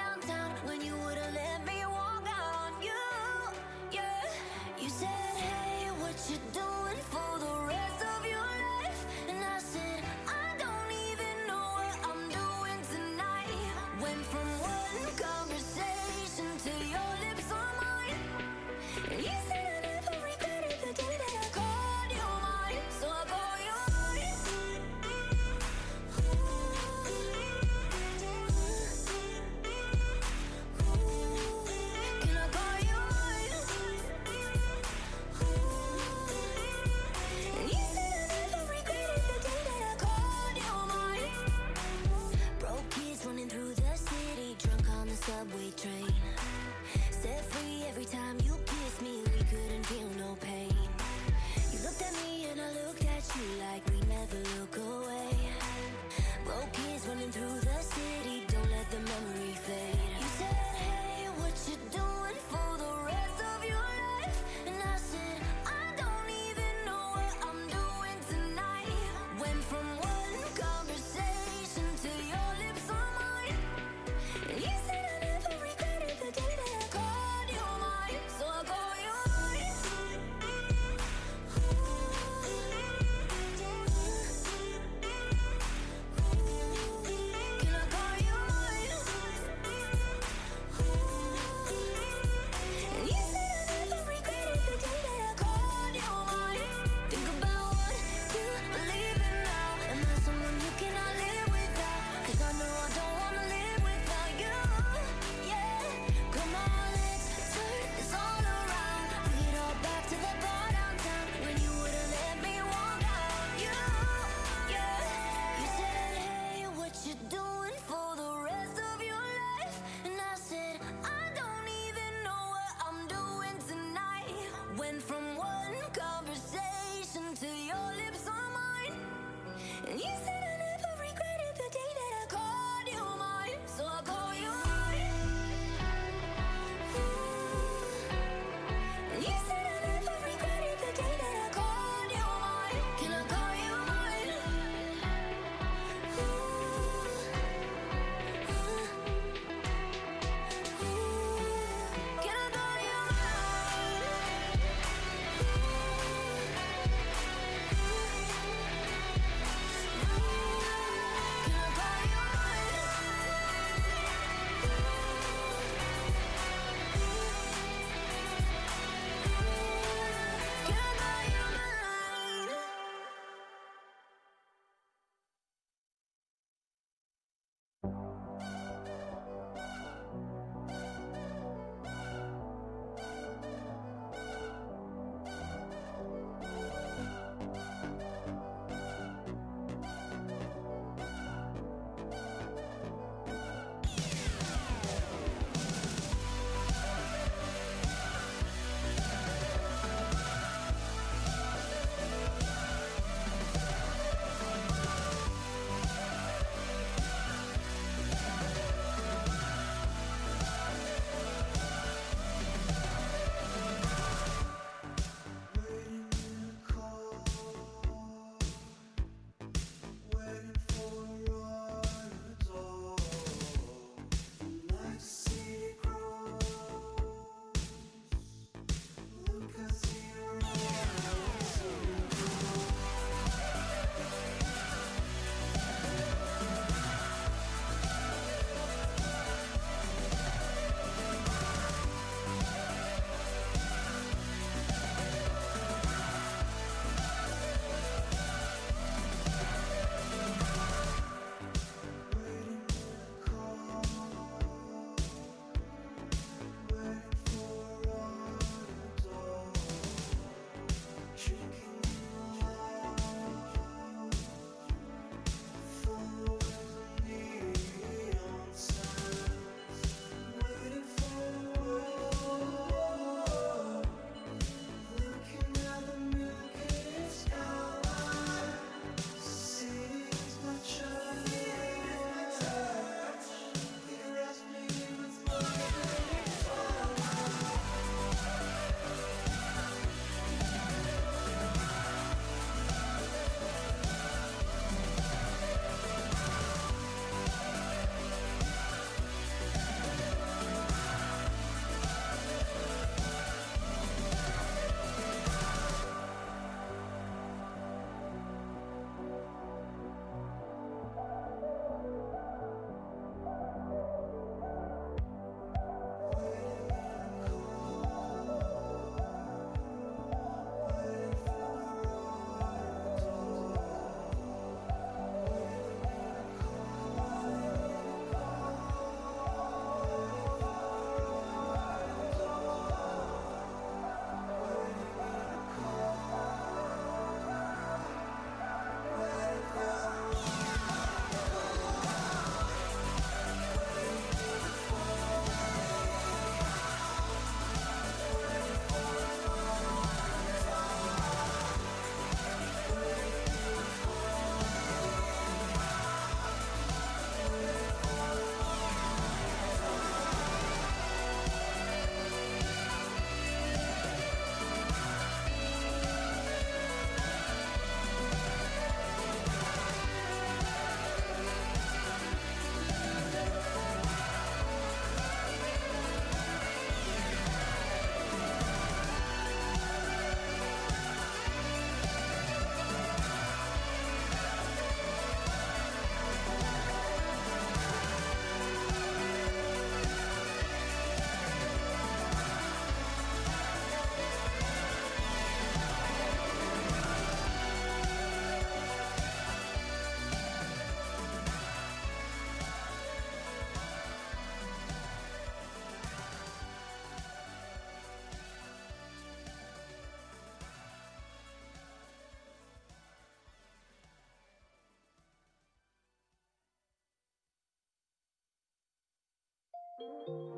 right,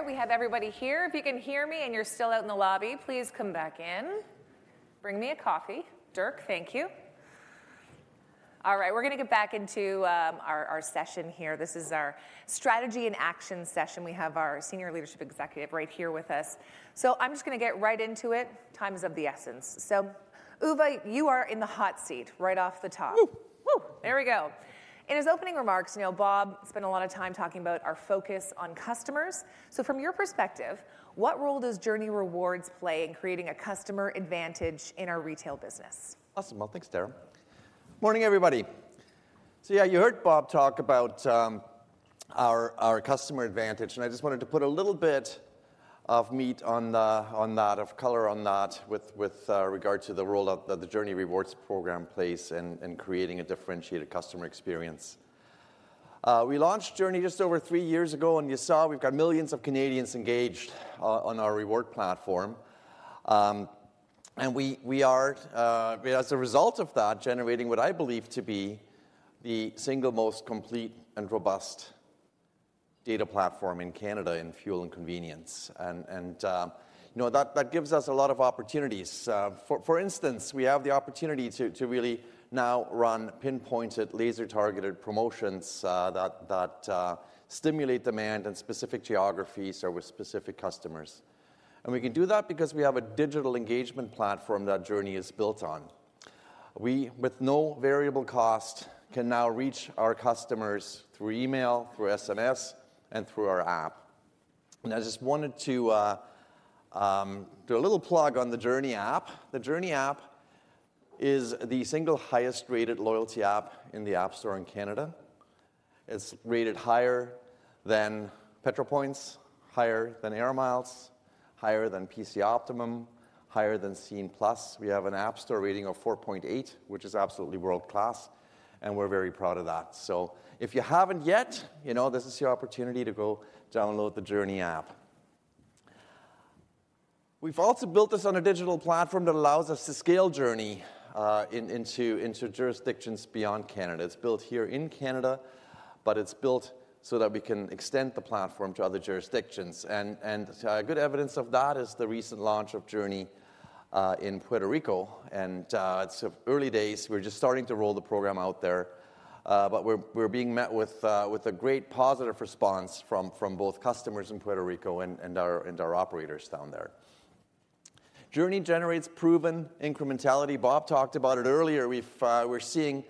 we have everybody here. If you can hear me, and you're still out in the lobby, please come back in. Bring me a coffee, Dirk. Thank you. All right, we're gonna get back into our session here. This is our Strategy and Action session. We have our senior leadership executive right here with us. So I'm just gonna get right into it. Time is of the essence. So, Uwe, you are in the hot seat right off the top. Woo! Woo! There we go. In his opening remarks, you know, Bob spent a lot of time talking about our focus on customers. From your perspective, what role does Journie Rewards play in creating a customer advantage in our retail business? Awesome. Well, thanks, Tara. Morning, everybody. So yeah, you heard Bob talk about our customer advantage, and I just wanted to put a little bit of meat on that, add some color to that, with regard to the role the Journie Rewards program plays in creating a differentiated customer experience. We launched Journie just over three years ago, and you saw we've got millions of Canadians engaged on our reward platform. And we are, as a result of that, generating what I believe to be the single most complete and robust data platform in Canada, in fuel and convenience. And you know, that gives us a lot of opportunities. For instance, we have the opportunity to really now run pinpointed, laser-targeted promotions that stimulate demand in specific geographies or with specific customers. And we can do that because we have a digital engagement platform that Journie is built on. We, with no variable cost, can now reach our customers through email, through SMS, and through our app. And I just wanted to do a little plug on the Journie app. The Journie app is the single highest-rated loyalty app in the App Store in Canada. It's rated higher than Petro-Points, higher than Air Miles, higher than PC Optimum, higher than Scene+. We have an App Store rating of 4.8, which is absolutely world-class, and we're very proud of that. So if you haven't yet, you know, this is your opportunity to go download the Journie app. We've also built this on a digital platform that allows us to scale Journie into jurisdictions beyond Canada. It's built here in Canada, but it's built so that we can extend the platform to other jurisdictions. And good evidence of that is the recent launch of Journie in Puerto Rico, and it's early days. We're just starting to roll the program out there, but we're being met with a great positive response from both customers in Puerto Rico and our operators down there. Journie generates proven incrementality. Bob talked about it earlier. We've... We're seeing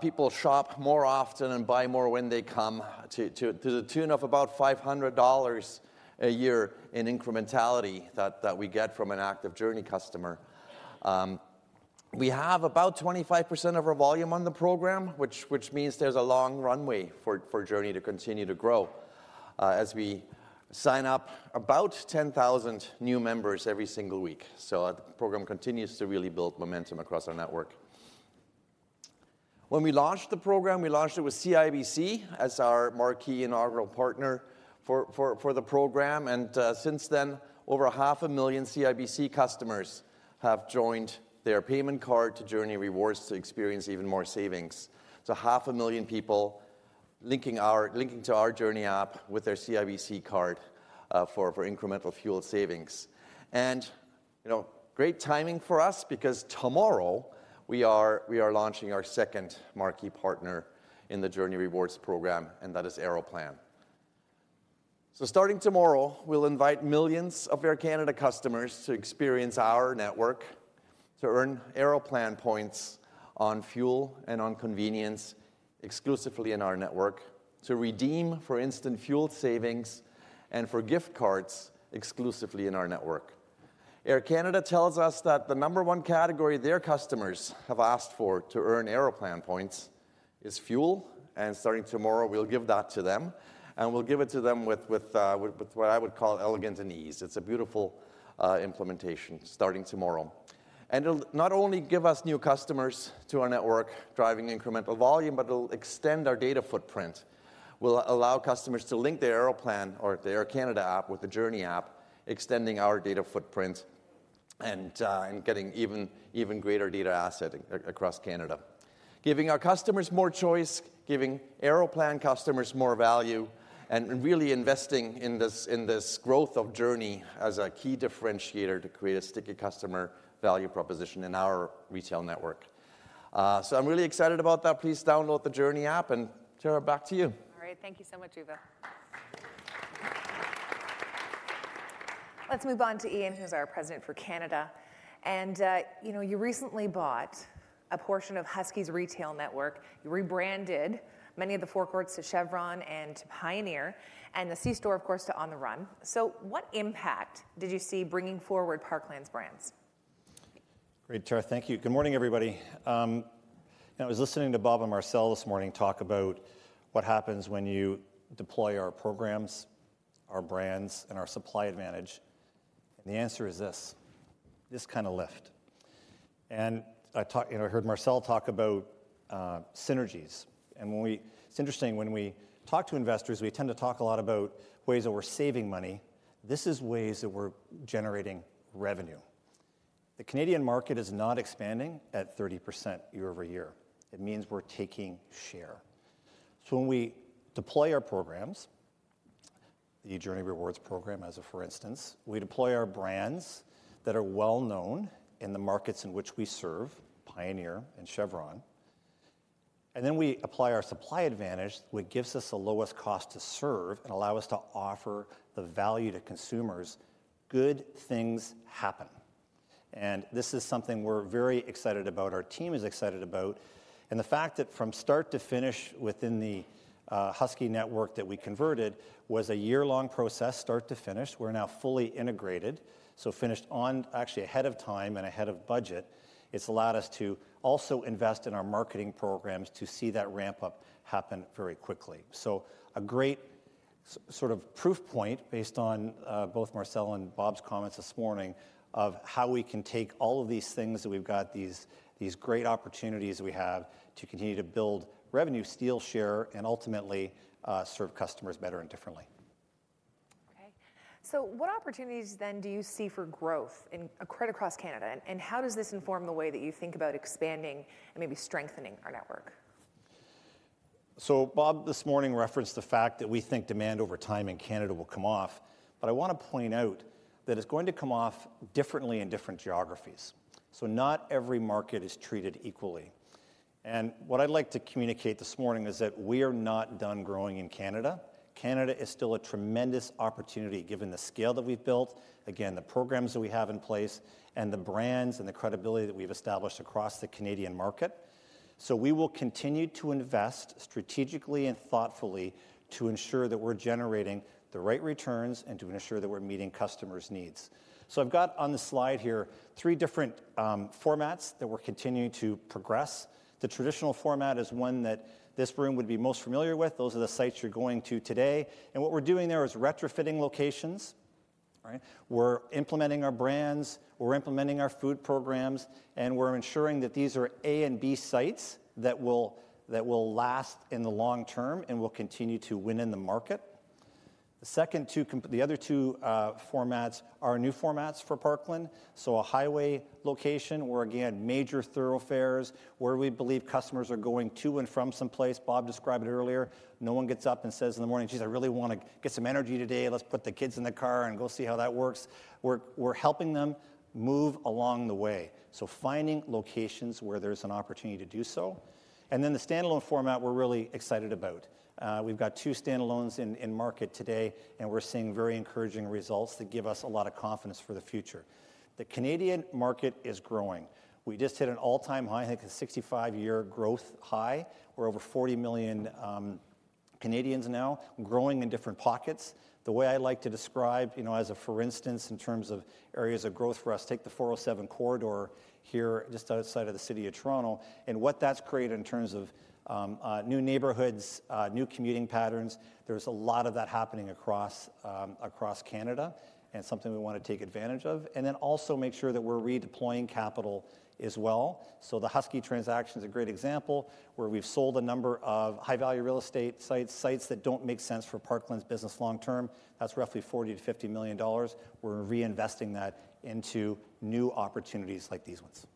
people shop more often and buy more when they come to the tune of about 500 dollars a year in incrementality that we get from an active Journie customer. We have about 25% of our volume on the program, which means there's a long runway for Journie to continue to grow, as we sign up about 10,000 new members every single week. So the program continues to really build momentum across our network. When we launched the program, we launched it with CIBC as our marquee inaugural partner for the program, and since then, over a half a million CIBC customers have joined their payment card to Journie Rewards to experience even more savings. So half a million people linking our—linking to our Journie app with their CIBC card, for incremental fuel savings. You know, great timing for us because tomorrow we are launching our second marquee partner in the Journie Rewards program, and that is Aeroplan. So starting tomorrow, we'll invite millions of Air Canada customers to experience our network, to earn Aeroplan points on fuel and on convenience exclusively in our network, to redeem for instant fuel savings and for gift cards exclusively in our network. Air Canada tells us that the number one category their customers have asked for to earn Aeroplan points is fuel, and starting tomorrow, we'll give that to them, and we'll give it to them with what I would call elegance and ease. It's a beautiful implementation starting tomorrow. And it'll not only give us new customers to our network, driving incremental volume, but it'll extend our data footprint. We'll allow customers to link their Aeroplan or their Air Canada app with the Journie app, extending our data footprint and getting even greater data asset across Canada. Giving our customers more choice, giving Aeroplan customers more value, and really investing in this, in this growth of Journie as a key differentiator to create a sticky customer value proposition in our retail network. So I'm really excited about that. Please download the Journie app, and Tara, back to you. All right. Thank you so much, Uwe. Let's move on to Ian, who's our President for Canada. And, you know, you recently bought a portion of Husky's retail network. You rebranded many of the forecourts to Chevron and Pioneer, and the c-store, of course, to On the Run. So what impact did you see bringing forward Parkland's brands? Great, Tara, thank you. Good morning, everybody. And I was listening to Bob and Marcel this morning talk about what happens when you deploy our programs, our brands, and our supply advantage, and the answer is this: this kind of lift. And I heard Marcel talk about synergies. It's interesting, when we talk to investors, we tend to talk a lot about ways that we're saving money. This is ways that we're generating revenue. The Canadian market is not expanding at 30% year-over-year. It means we're taking share. So when we deploy our programs, the Journie Rewards program as, for instance, we deploy our brands that are well known in the markets in which we serve, Pioneer and Chevron, and then we apply our supply advantage, which gives us the lowest cost to serve and allow us to offer the value to consumers, good things happen. And this is something we're very excited about, our team is excited about. And the fact that from start to finish within the Husky network that we converted was a year-long process, start to finish. We're now fully integrated, so finished actually ahead of time and ahead of budget. It's allowed us to also invest in our marketing programs to see that ramp-up happen very quickly. So a great sort of proof point, based on both Marcel and Bob's comments this morning, of how we can take all of these things that we've got, these, these great opportunities we have, to continue to build revenue, steal share, and ultimately serve customers better and differently. Okay. So what opportunities then do you see for growth in right across Canada, and, and how does this inform the way that you think about expanding and maybe strengthening our network? So Bob, this morning, referenced the fact that we think demand over time in Canada will come off, but I want to point out that it's going to come off differently in different geographies. So not every market is treated equally. And what I'd like to communicate this morning is that we are not done growing in Canada. Canada is still a tremendous opportunity, given the scale that we've built, again, the programs that we have in place, and the brands and the credibility that we've established across the Canadian market. So we will continue to invest strategically and thoughtfully to ensure that we're generating the right returns and to ensure that we're meeting customers' needs. So I've got on the slide here three different formats that we're continuing to progress. The traditional format is one that this room would be most familiar with. Those are the sites you're going to today. And what we're doing there is retrofitting locations. All right? We're implementing our brands, we're implementing our food programs, and we're ensuring that these are A and B sites that will, that will last in the long term and will continue to win in the market. The second two, the other two formats are new formats for Parkland, so a highway location, where, again, major thoroughfares, where we believe customers are going to and from some place. Bob described it earlier. No one gets up and says in the morning, "Geez, I really want to get some energy today. Let's put the kids in the car and go see how that works." We're, we're helping them move along the way, so finding locations where there's an opportunity to do so. And then the standalone format, we're really excited about. We've got two standalones in market today, and we're seeing very encouraging results that give us a lot of confidence for the future. The Canadian market is growing. We just hit an all-time high, I think a 65-year growth high. We're over 40 million Canadians now, growing in different pockets. The way I like to describe, you know, as a for instance, in terms of areas of growth for us, take the 407 corridor here, just outside of the city of Toronto, and what that's created in terms of new neighborhoods, new commuting patterns. There's a lot of that happening across Canada and something we want to take advantage of, and then also make sure that we're redeploying capital as well. The Husky transaction is a great example, where we've sold a number of high-value real estate sites, sites that don't make sense for Parkland's business long term. That's roughly 40 million-50 million dollars. We're reinvesting that into new opportunities like these ones.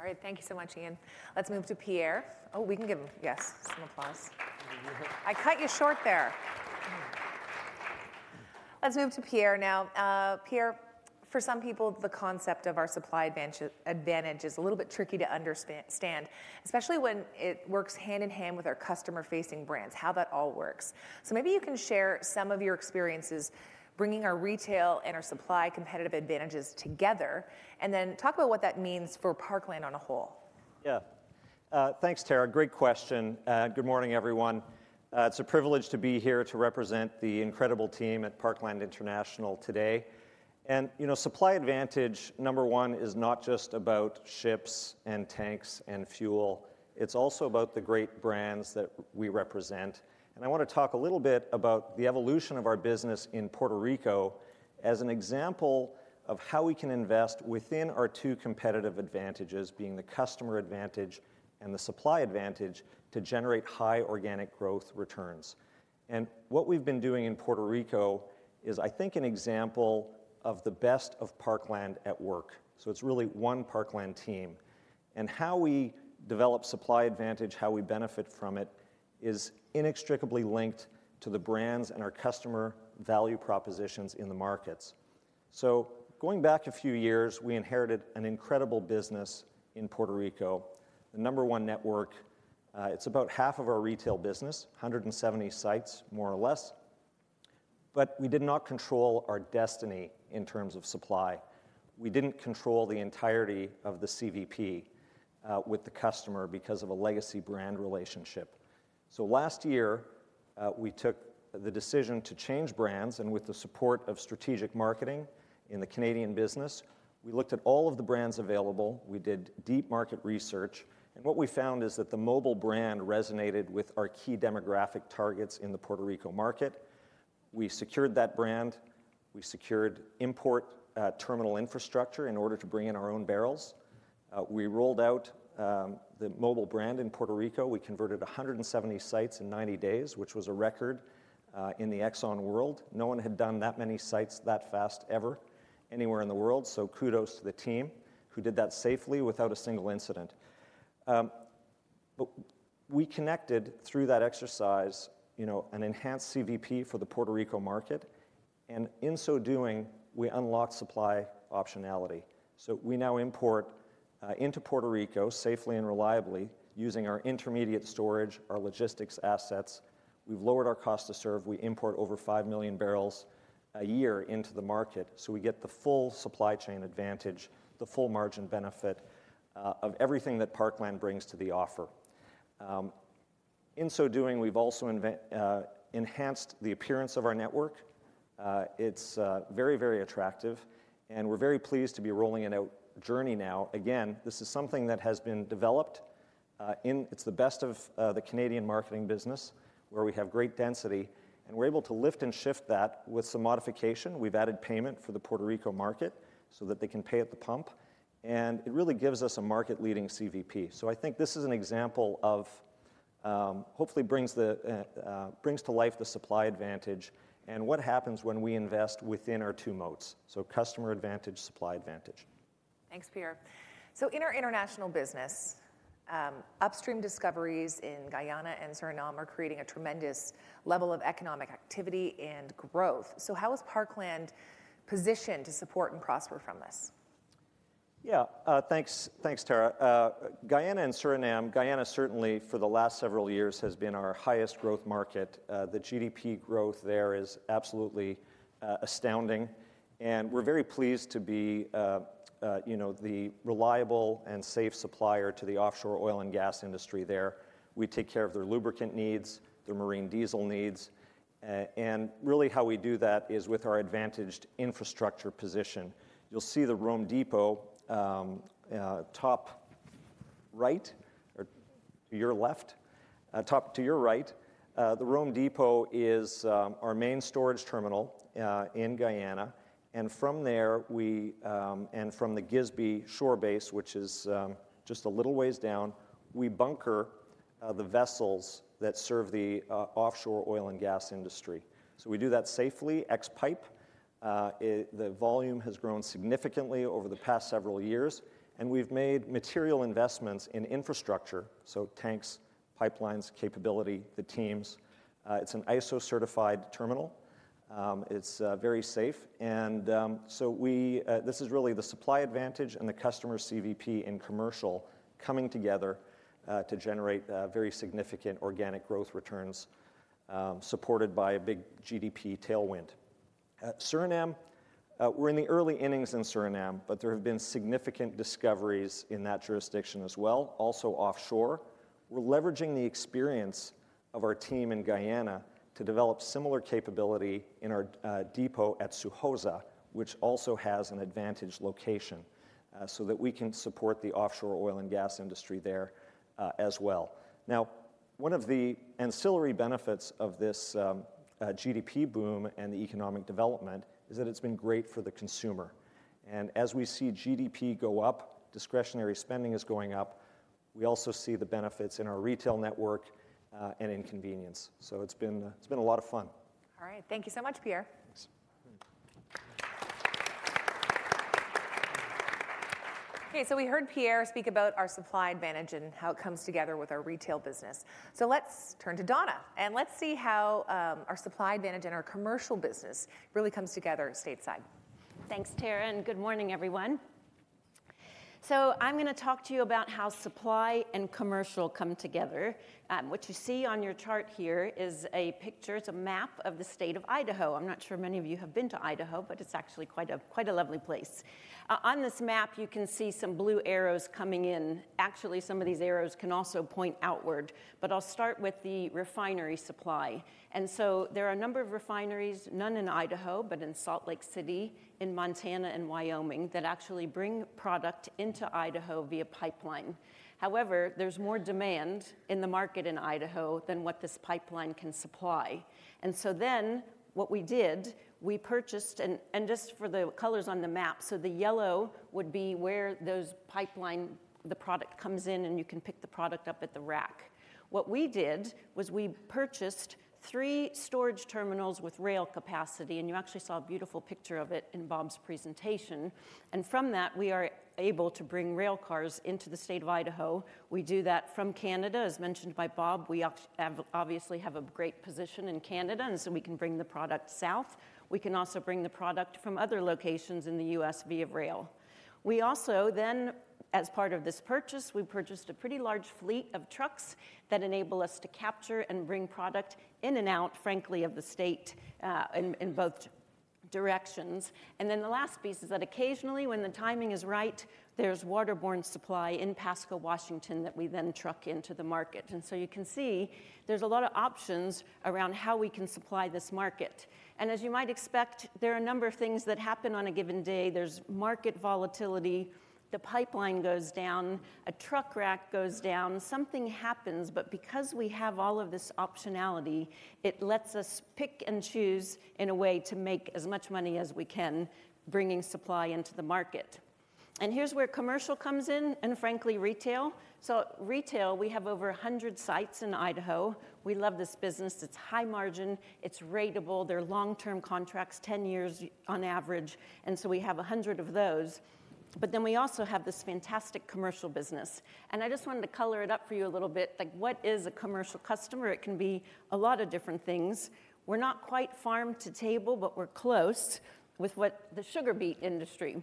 All right. Thank you so much, Ian. Let's move to Pierre. Oh, we can give him, yes, some applause. I cut you short there... Let's move to Pierre now. Pierre, for some people, the concept of our supply advantage is a little bit tricky to understand, especially when it works hand in hand with our customer-facing brands, how that all works. So maybe you can share some of your experiences bringing our retail and our supply competitive advantages together, and then talk about what that means for Parkland on a whole. Yeah. Thanks, Tara. Great question, and good morning, everyone. It's a privilege to be here to represent the incredible team at Parkland International today. And, you know, supply advantage, number one, is not just about ships and tanks and fuel. It's also about the great brands that we represent. And I wanna talk a little bit about the evolution of our business in Puerto Rico as an example of how we can invest within our two competitive advantages, being the customer advantage and the supply advantage, to generate high organic growth returns. And what we've been doing in Puerto Rico is, I think, an example of the best of Parkland at work, so it's really one Parkland team. And how we develop supply advantage, how we benefit from it, is inextricably linked to the brands and our customer value propositions in the markets. So going back a few years, we inherited an incredible business in Puerto Rico, the number one network. It's about half of our retail business, 170 sites, more or less. But we did not control our destiny in terms of supply. We didn't control the entirety of the CVP with the customer because of a legacy brand relationship. So last year, we took the decision to change brands, and with the support of strategic marketing in the Canadian business, we looked at all of the brands available. We did deep market research, and what we found is that the Mobil brand resonated with our key demographic targets in the Puerto Rico market. We secured that brand. We secured import terminal infrastructure in order to bring in our own barrels. We rolled out the Mobil brand in Puerto Rico. We converted 170 sites in 90 days, which was a record in the Exxon world. No one had done that many sites that fast, ever, anywhere in the world, so kudos to the team who did that safely without a single incident. But we connected through that exercise, you know, an enhanced CVP for the Puerto Rico market, and in so doing, we unlocked supply optionality. So we now import into Puerto Rico safely and reliably using our intermediate storage, our logistics assets. We've lowered our cost to serve. We import over 5 million barrels a year into the market, so we get the full supply chain advantage, the full margin benefit of everything that Parkland brings to the offer. In so doing, we've also enhanced the appearance of our network. It's very, very attractive, and we're very pleased to be rolling it out Journie now. Again, this is something that has been developed. It's the best of the Canadian marketing business, where we have great density, and we're able to lift and shift that with some modification. We've added payment for the Puerto Rico market so that they can pay at the pump, and it really gives us a market-leading CVP. So I think this is an example of hopefully brings to life the supply advantage and what happens when we invest within our two moats, so customer advantage, supply advantage. Thanks, Pierre. So in our international business, upstream discoveries in Guyana and Suriname are creating a tremendous level of economic activity and growth. So how is Parkland positioned to support and prosper from this? Yeah, thanks, thanks, Tara. Guyana and Suriname, Guyana, certainly for the last several years, has been our highest growth market. The GDP growth there is absolutely astounding, and we're very pleased to be, you know, the reliable and safe supplier to the offshore oil and gas industry there. We take care of their lubricant needs, their marine diesel needs, and really how we do that is with our advantaged infrastructure position. You'll see the Rome Depot, top right, or your left. Top to your right. The Rome Depot is our main storage terminal in Guyana, and from there, and from the GYSBI Shore Base, which is just a little ways down, we bunker the vessels that serve the offshore oil and gas industry. So we do that safely, ex-pipe. It... The volume has grown significantly over the past several years, and we've made material investments in infrastructure, so tanks, pipelines, capability, the teams. It's an ISO-certified terminal. It's very safe, and so this is really the supply advantage and the customer CVP and commercial coming together to generate very significant organic growth returns, supported by a big GDP tailwind. At Suriname, we're in the early innings in Suriname, but there have been significant discoveries in that jurisdiction as well, also offshore. We're leveraging the experience of our team in Guyana to develop similar capability in our depot at SUHOZA, which also has an advantage location, so that we can support the offshore oil and gas industry there, as well. Now, one of the ancillary benefits of this GDP boom and the economic development is that it's been great for the consumer, and as we see GDP go up, discretionary spending is going up. We also see the benefits in our retail network, and in convenience. So it's been, it's been a lot of fun. All right. Thank you so much, Pierre. Thanks. Okay, so we heard Pierre speak about our supply advantage and how it comes together with our retail business. So let's turn to Donna, and let's see how our supply advantage and our commercial business really comes together stateside. Thanks, Tara, and good morning, everyone. So I'm gonna talk to you about how supply and commercial come together. What you see on your chart here is a picture, it's a map of the state of Idaho. I'm not sure many of you have been to Idaho, but it's actually quite a, quite a lovely place. On this map, you can see some blue arrows coming in. Actually, some of these arrows can also point outward, but I'll start with the refinery supply. And so there are a number of refineries, none in Idaho, but in Salt Lake City, in Montana and Wyoming, that actually bring product into Idaho via pipeline. However, there's more demand in the market in Idaho than what this pipeline can supply. What we did, we purchased—and just for the colors on the map, so the yellow would be where those pipeline, the product comes in, and you can pick the product up at the rack. What we did was we purchased three storage terminals with rail capacity, and you actually saw a beautiful picture of it in Bob's presentation. And from that, we are able to bring rail cars into the state of Idaho. We do that from Canada. As mentioned by Bob, we obviously have a great position in Canada, and so we can bring the product south. We can also bring the product from other locations in the U.S. via rail. We also then, as part of this purchase, we purchased a pretty large fleet of trucks that enable us to capture and bring product in and out, frankly, of the state, in both directions. And then the last piece is that occasionally, when the timing is right, there's waterborne supply in Pasco, Washington, that we then truck into the market. And so you can see there's a lot of options around how we can supply this market. And as you might expect, there are a number of things that happen on a given day. There's market volatility, the pipeline goes down, a truck rack goes down, something happens. But because we have all of this optionality, it lets us pick and choose in a way to make as much money as we can, bringing supply into the market. And here's where commercial comes in, and frankly, retail. So retail, we have over 100 sites in Idaho. We love this business. It's high margin, it's ratable, they're long-term contracts, 10 years on average, and so we have 100 of those. But then we also have this fantastic commercial business. And I just wanted to color it up for you a little bit, like, what is a commercial customer? It can be a lot of different things. We're not quite farm to table, but we're close with what the sugar beet industry.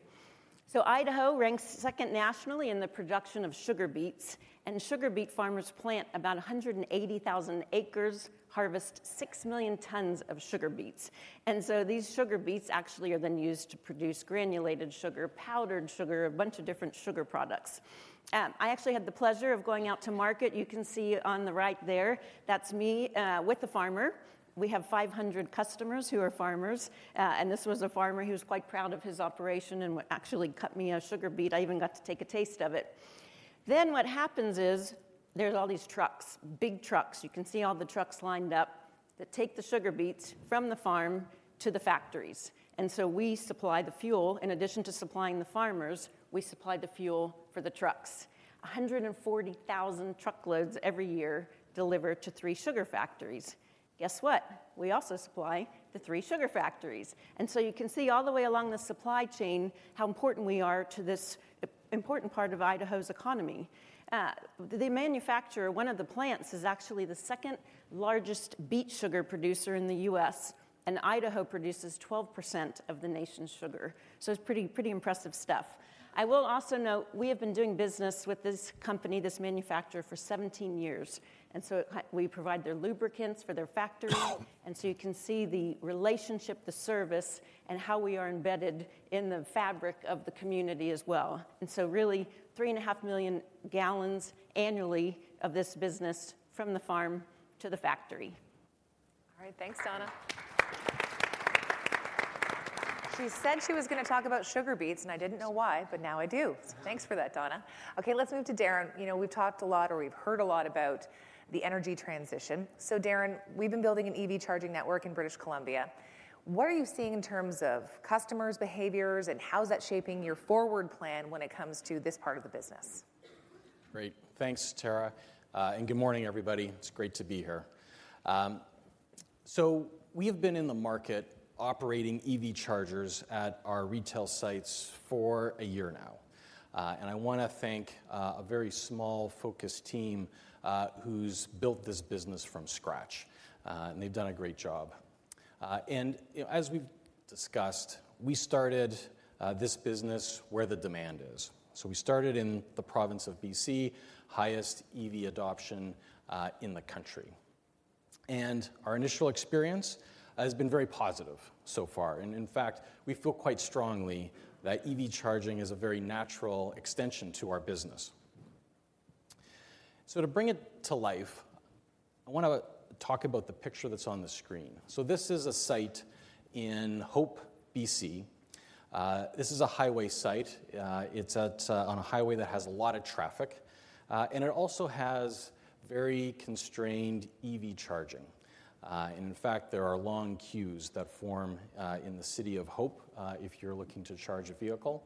So Idaho ranks second nationally in the production of sugar beets, and sugar beet farmers plant about 180,000 acres, harvest 6 million tons of sugar beets. And so these sugar beets actually are then used to produce granulated sugar, powdered sugar, a bunch of different sugar products. I actually had the pleasure of going out to market. You can see on the right there, that's me with a farmer. We have 500 customers who are farmers, and this was a farmer. He was quite proud of his operation and actually cut me a sugar beet. I even got to take a taste of it. Then what happens is, there's all these trucks, big trucks. You can see all the trucks lined up that take the sugar beets from the farm to the factories. And so we supply the fuel. In addition to supplying the farmers, we supply the fuel for the trucks. 140,000 truckloads every year delivered to three sugar factories. Guess what? We also supply the three sugar factories. And so you can see all the way along the supply chain, how important we are to this important part of Idaho's economy. The manufacturer, one of the plants, is actually the second-largest beet sugar producer in the U.S., and Idaho produces 12% of the nation's sugar. So it's pretty, pretty impressive stuff. I will also note, we have been doing business with this company, this manufacturer, for 17 years, and so we provide their lubricants for their factories. And so you can see the relationship, the service, and how we are embedded in the fabric of the community as well. And so really, 3.5 million gallons annually of this business from the farm to the factory. All right. Thanks, Donna. She said she was gonna talk about sugar beets, and I didn't know why, but now I do. Yeah. So thanks for that, Donna. Okay, let's move to Darren. You know, we've talked a lot, or we've heard a lot about the energy transition. So, Darren, we've been building an EV charging network in British Columbia. What are you seeing in terms of customers' behaviors, and how is that shaping your forward plan when it comes to this part of the business? Great. Thanks, Tara, and good morning, everybody. It's great to be here. So we have been in the market operating EV chargers at our retail sites for a year now. And I wanna thank a very small, focused team who's built this business from scratch, and they've done a great job. And, you know, as we've discussed, we started this business where the demand is. So we started in the province of B.C., highest EV adoption in the country. And our initial experience has been very positive so far, and in fact, we feel quite strongly that EV charging is a very natural extension to our business. So to bring it to life, I wanna talk about the picture that's on the screen. So this is a site in Hope, BC. This is a highway site. It's at, on a highway that has a lot of traffic, and it also has very constrained EV charging. And in fact, there are long queues that form, in the city of Hope, if you're looking to charge a vehicle.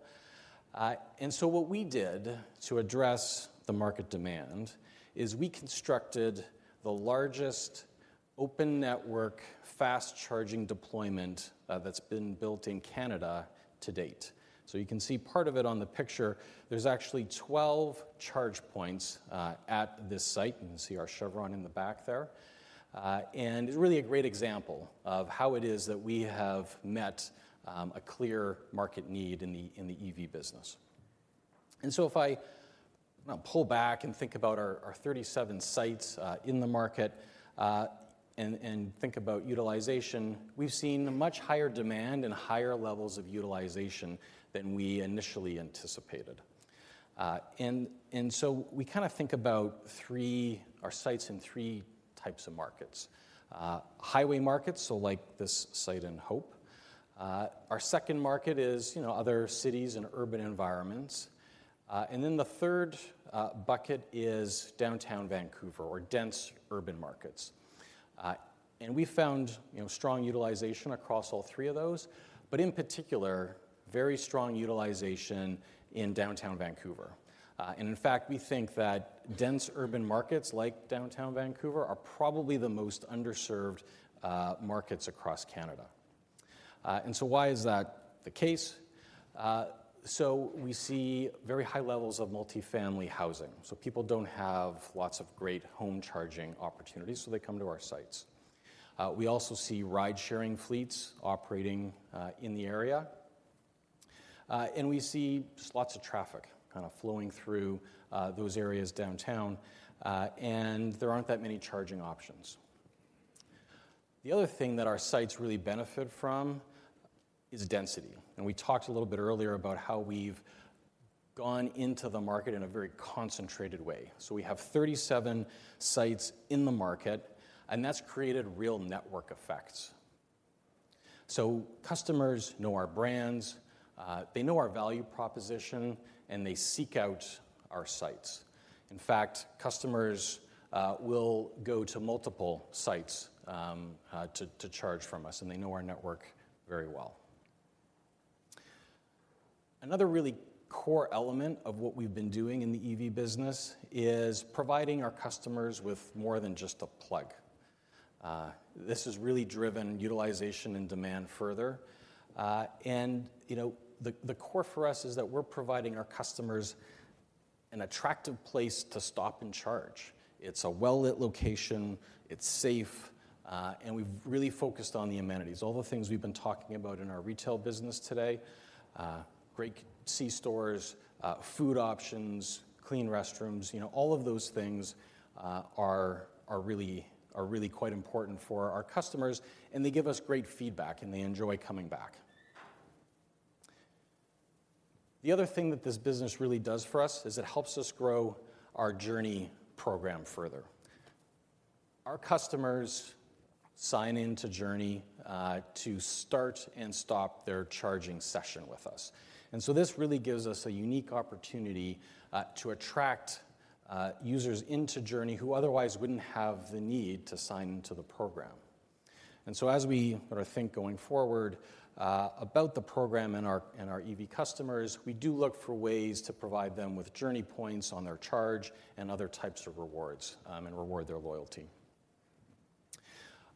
And so what we did to address the market demand is we constructed the largest EV open network, fast charging deployment, that's been built in Canada to date. So you can see part of it on the picture. There's actually 12 charge points, at this site. You can see our Chevron in the back there. And it's really a great example of how it is that we have met, a clear market need in the EV business. If I now pull back and think about our 37 sites in the market and think about utilization, we've seen a much higher demand and higher levels of utilization than we initially anticipated. So we kind of think about our sites in three types of markets. Highway markets, so like this site in Hope. Our second market is, you know, other cities and urban environments. And then the third bucket is downtown Vancouver or dense urban markets. And we found, you know, strong utilization across all three of those, but in particular, very strong utilization in downtown Vancouver. And in fact, we think that dense urban markets like downtown Vancouver are probably the most underserved markets across Canada. So why is that the case? So we see very high levels of multifamily housing. So people don't have lots of great home charging opportunities, so they come to our sites. We also see ride-sharing fleets operating in the area. And we see just lots of traffic kind of flowing through those areas downtown, and there aren't that many charging options. The other thing that our sites really benefit from is density, and we talked a little bit earlier about how we've gone into the market in a very concentrated way. So we have 37 sites in the market, and that's created real network effects. So customers know our brands, they know our value proposition, and they seek out our sites. In fact, customers will go to multiple sites to charge from us, and they know our network very well. Another really core element of what we've been doing in the EV business is providing our customers with more than just a plug. This has really driven utilization and demand further. And, you know, the core for us is that we're providing our customers an attractive place to stop and charge. It's a well-lit location, it's safe, and we've really focused on the amenities. All the things we've been talking about in our retail business today, great C-stores, food options, clean restrooms, you know, all of those things are really quite important for our customers, and they give us great feedback, and they enjoy coming back. The other thing that this business really does for us is it helps us grow our Journie program further. Our customers sign in to Journie, to start and stop their charging session with us. And so this really gives us a unique opportunity, to attract, users into Journie who otherwise wouldn't have the need to sign into the program. And so as we sort of think going forward, about the program and our, and our EV customers, we do look for ways to provide them with Journie points on their charge and other types of rewards, and reward their loyalty.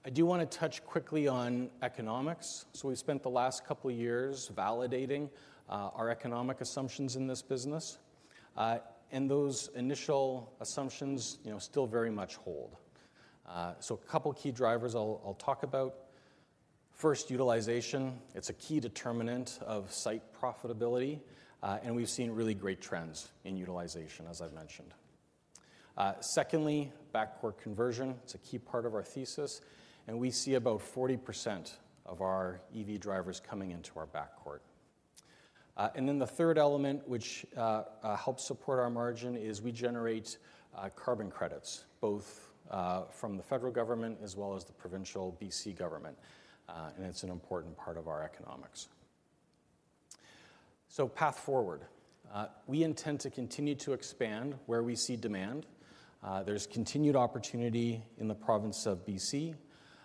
I do want to touch quickly on economics. So we've spent the last couple of years validating, our economic assumptions in this business, and those initial assumptions, you know, still very much hold. So a couple of key drivers I'll talk about. First, utilization. It's a key determinant of site profitability, and we've seen really great trends in utilization, as I've mentioned. Secondly, backcourt conversion. It's a key part of our thesis, and we see about 40% of our EV drivers coming into our backcourt. And then the third element, which helps support our margin, is we generate carbon credits, both from the federal government as well as the provincial B.C. government, and it's an important part of our economics. So path forward. We intend to continue to expand where we see demand. There's continued opportunity in the province of B.C.,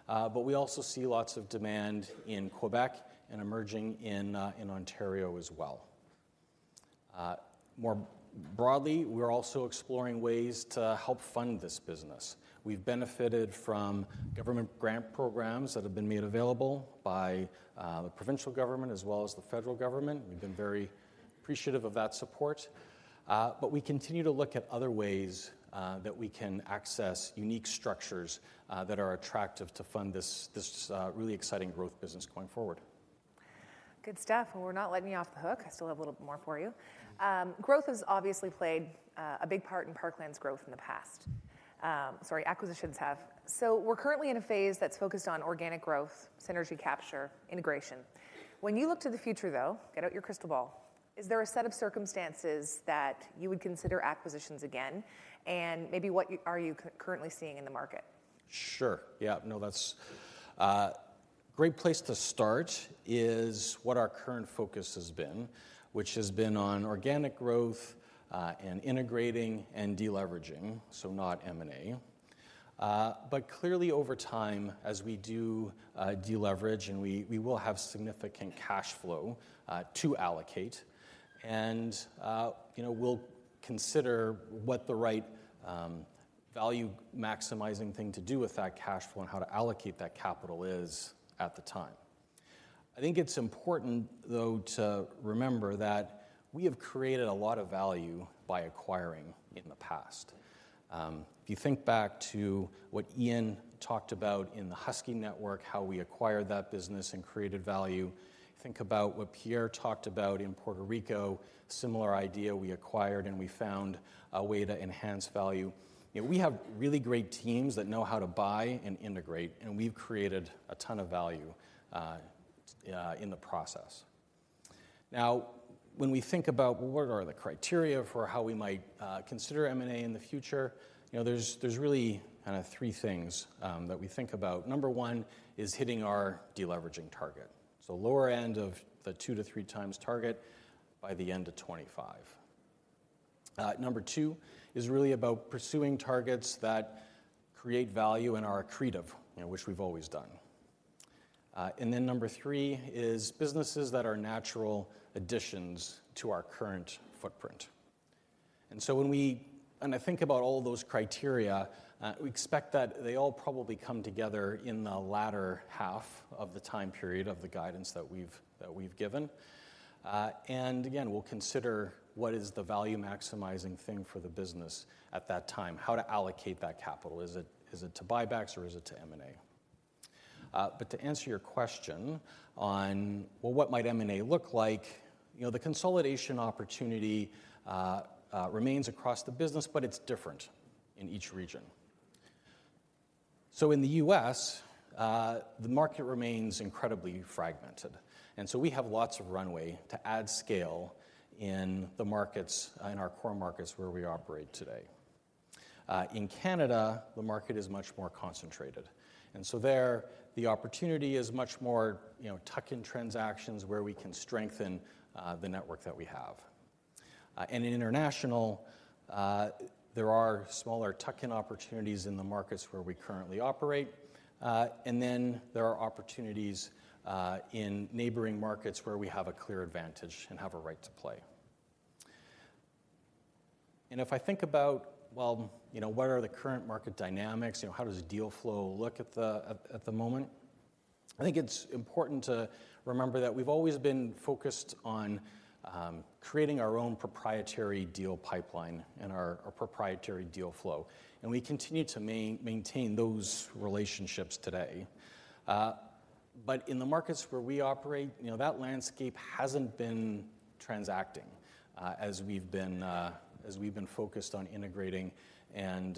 but we also see lots of demand in Quebec and emerging in Ontario as well. More broadly, we're also exploring ways to help fund this business. We've benefited from government grant programs that have been made available by the provincial government as well as the federal government. We've been very appreciative of that support, but we continue to look at other ways that we can access unique structures that are attractive to fund this really exciting growth business going forward. Good stuff, and we're not letting you off the hook. I still have a little bit more for you. Acquisitions have obviously played a big part in Parkland's growth in the past. So we're currently in a phase that's focused on organic growth, synergy capture, integration. When you look to the future, though, get out your crystal ball, is there a set of circumstances that you would consider acquisitions again? And maybe what are you currently seeing in the market? Sure. Yeah. No, that's a great place to start is what our current focus has been, which has been on organic growth, and integrating and deleveraging, so not M&A. But clearly over time, as we do, deleverage and we will have significant cash flow to allocate, and, you know, we'll consider what the right, value-maximizing thing to do with that cash flow and how to allocate that capital is at the time. I think it's important, though, to remember that we have created a lot of value by acquiring in the past. If you think back to what Ian talked about in the Husky Network, how we acquired that business and created value. Think about what Pierre talked about in Puerto Rico, similar idea, we acquired, and we found a way to enhance value. You know, we have really great teams that know how to buy and integrate, and we've created a ton of value in the process. Now, when we think about what are the criteria for how we might consider M&A in the future, you know, there's really kind of three things that we think about. Number one is hitting our deleveraging target. So lower end of the two to three times target by the end of 2025. Number two is really about pursuing targets that create value and are accretive, you know, which we've always done. And then number three is businesses that are natural additions to our current footprint. And so, I think about all those criteria, we expect that they all probably come together in the latter half of the time period of the guidance that we've given. And again, we'll consider what is the value-maximizing thing for the business at that time, how to allocate that capital. Is it to buybacks or is it to M&A? But to answer your question on, well, what might M&A look like? You know, the consolidation opportunity remains across the business, but it's different in each region. So in the U.S., the market remains incredibly fragmented, and so we have lots of runway to add scale in the markets, in our core markets, where we operate today. In Canada, the market is much more concentrated, and so there, the opportunity is much more, you know, tuck-in transactions where we can strengthen the network that we have. In international, there are smaller tuck-in opportunities in the markets where we currently operate, and then there are opportunities in neighboring markets where we have a clear advantage and have a right to play. If I think about, well, you know, what are the current market dynamics? You know, how does deal flow look at the moment? I think it's important to remember that we've always been focused on creating our own proprietary deal pipeline and our proprietary deal flow, and we continue to maintain those relationships today. But in the markets where we operate, you know, that landscape hasn't been transacting, as we've been focused on integrating and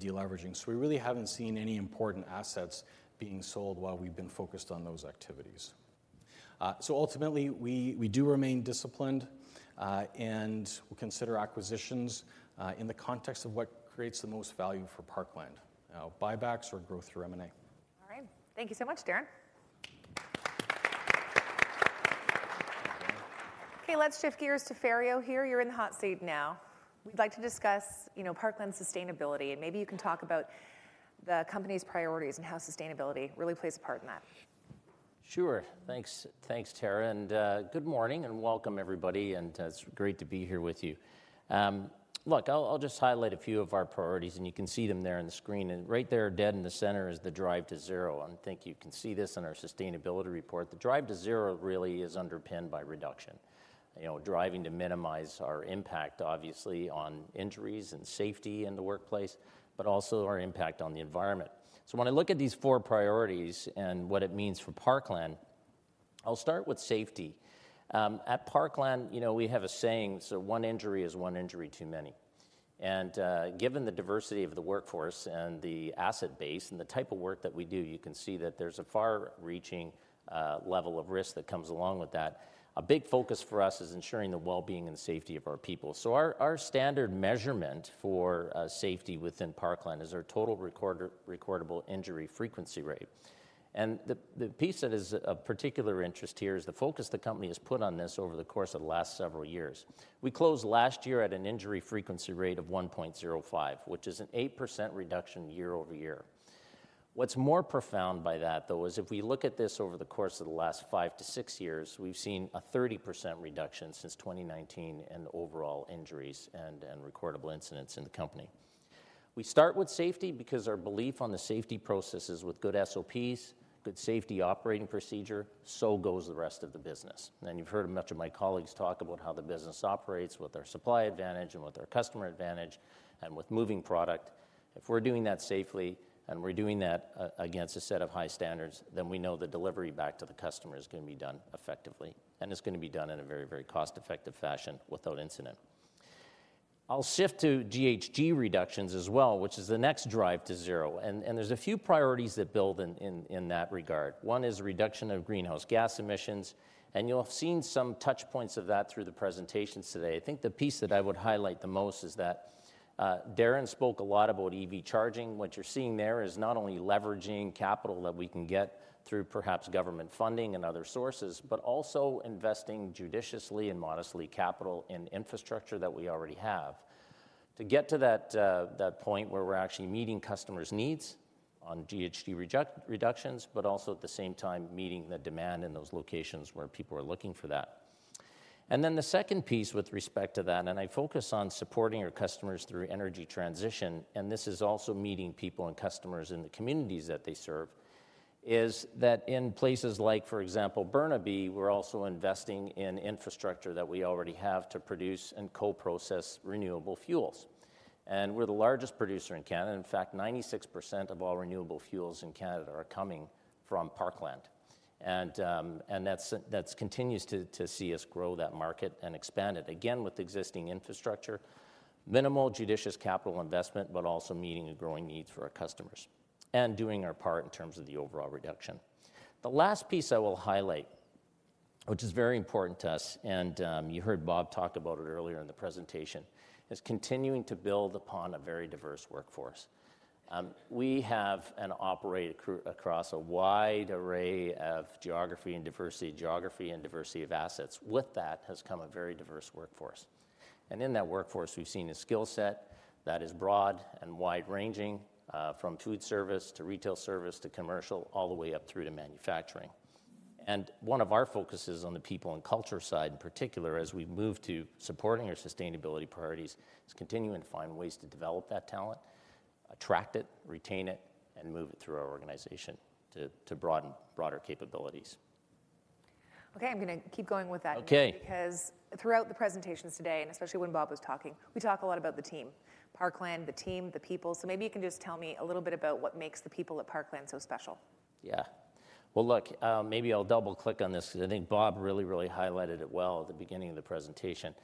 deleveraging. So we really haven't seen any important assets being sold while we've been focused on those activities. So ultimately, we do remain disciplined, and we consider acquisitions in the context of what creates the most value for Parkland, buybacks or growth through M&A. All right. Thank you so much, Darren. Okay, let's shift gears to Ferio here. You're in the hot seat now. We'd like to discuss, you know, Parkland's sustainability, and maybe you can talk about the company's priorities and how sustainability really plays a part in that. Sure. Thanks, thanks, Tara, and good morning, and welcome, everybody, and it's great to be here with you. Look, I'll, I'll just highlight a few of our priorities, and you can see them there on the screen. And right there, dead in the center, is the Drive to Zero. I think you can see this in our sustainability report. The Drive to Zero really is underpinned by reduction. You know, driving to minimize our impact, obviously, on injuries and safety in the workplace, but also our impact on the environment. So when I look at these four priorities and what it means for Parkland, I'll start with safety. At Parkland, you know, we have a saying, so "One injury is one injury too many." And given the diversity of the workforce and the asset base and the type of work that we do, you can see that there's a far-reaching level of risk that comes along with that. A big focus for us is ensuring the well-being and safety of our people. So our standard measurement for safety within Parkland is our total recordable injury frequency rate. And the piece that is of particular interest here is the focus the company has put on this over the course of the last several years. We closed last year at an injury frequency rate of 1.05, which is an 8% reduction year-over-year. What's more profound by that, though, is if we look at this over the course of the last 5-6 years, we've seen a 30% reduction since 2019 in the overall injuries and recordable incidents in the company. We start with safety because our belief on the safety process is with good SOPs, good safety operating procedure, so goes the rest of the business. You've heard much of my colleagues talk about how the business operates with our supply advantage and with our customer advantage and with moving product. If we're doing that safely and we're doing that against a set of high standards, then we know the delivery back to the customer is gonna be done effectively and is gonna be done in a very, very cost-effective fashion without incident. I'll shift to GHG reductions as well, which is the next Drive to Zero, and there's a few priorities that build in, in that regard. One is reduction of greenhouse gas emissions, and you'll have seen some touch points of that through the presentations today. I think the piece that I would highlight the most is that, Darren spoke a lot about EV charging. What you're seeing there is not only leveraging capital that we can get through perhaps government funding and other sources, but also investing judiciously and modestly capital in infrastructure that we already have. To get to that point where we're actually meeting customers' needs on GHG reductions, but also at the same time, meeting the demand in those locations where people are looking for that. And then the second piece with respect to that, and I focus on supporting our customers through energy transition, and this is also meeting people and customers in the communities that they serve, is that in places like, for example, Burnaby, we're also investing in infrastructure that we already have to produce and co-process renewable fuels. We're the largest producer in Canada. In fact, 96% of all renewable fuels in Canada are coming from Parkland. And that's that continues to see us grow that market and expand it, again, with existing infrastructure, minimal judicious capital investment, but also meeting the growing needs for our customers and doing our part in terms of the overall reduction. The last piece I will highlight, which is very important to us, and, you heard Bob talk about it earlier in the presentation, is continuing to build upon a very diverse workforce. We have and operate across a wide array of geography and diversity, geography and diversity of assets. With that, has come a very diverse workforce. And in that workforce, we've seen a skill set that is broad and wide-ranging, from food service to retail service, to commercial, all the way up through to manufacturing. And one of our focuses on the people and culture side, in particular, as we move to supporting our sustainability priorities, is continuing to find ways to develop that talent, attract it, retain it, and move it through our organization to broaden broader capabilities. Okay, I'm gonna keep going with that- Okay. because throughout the presentations today, and especially when Bob was talking, we talk a lot about the team. Parkland, the team, the people. So maybe you can just tell me a little bit about what makes the people at Parkland so special. Yeah. Well, look, maybe I'll double-click on this because I think Bob really, really highlighted it well at the beginning of the presentation.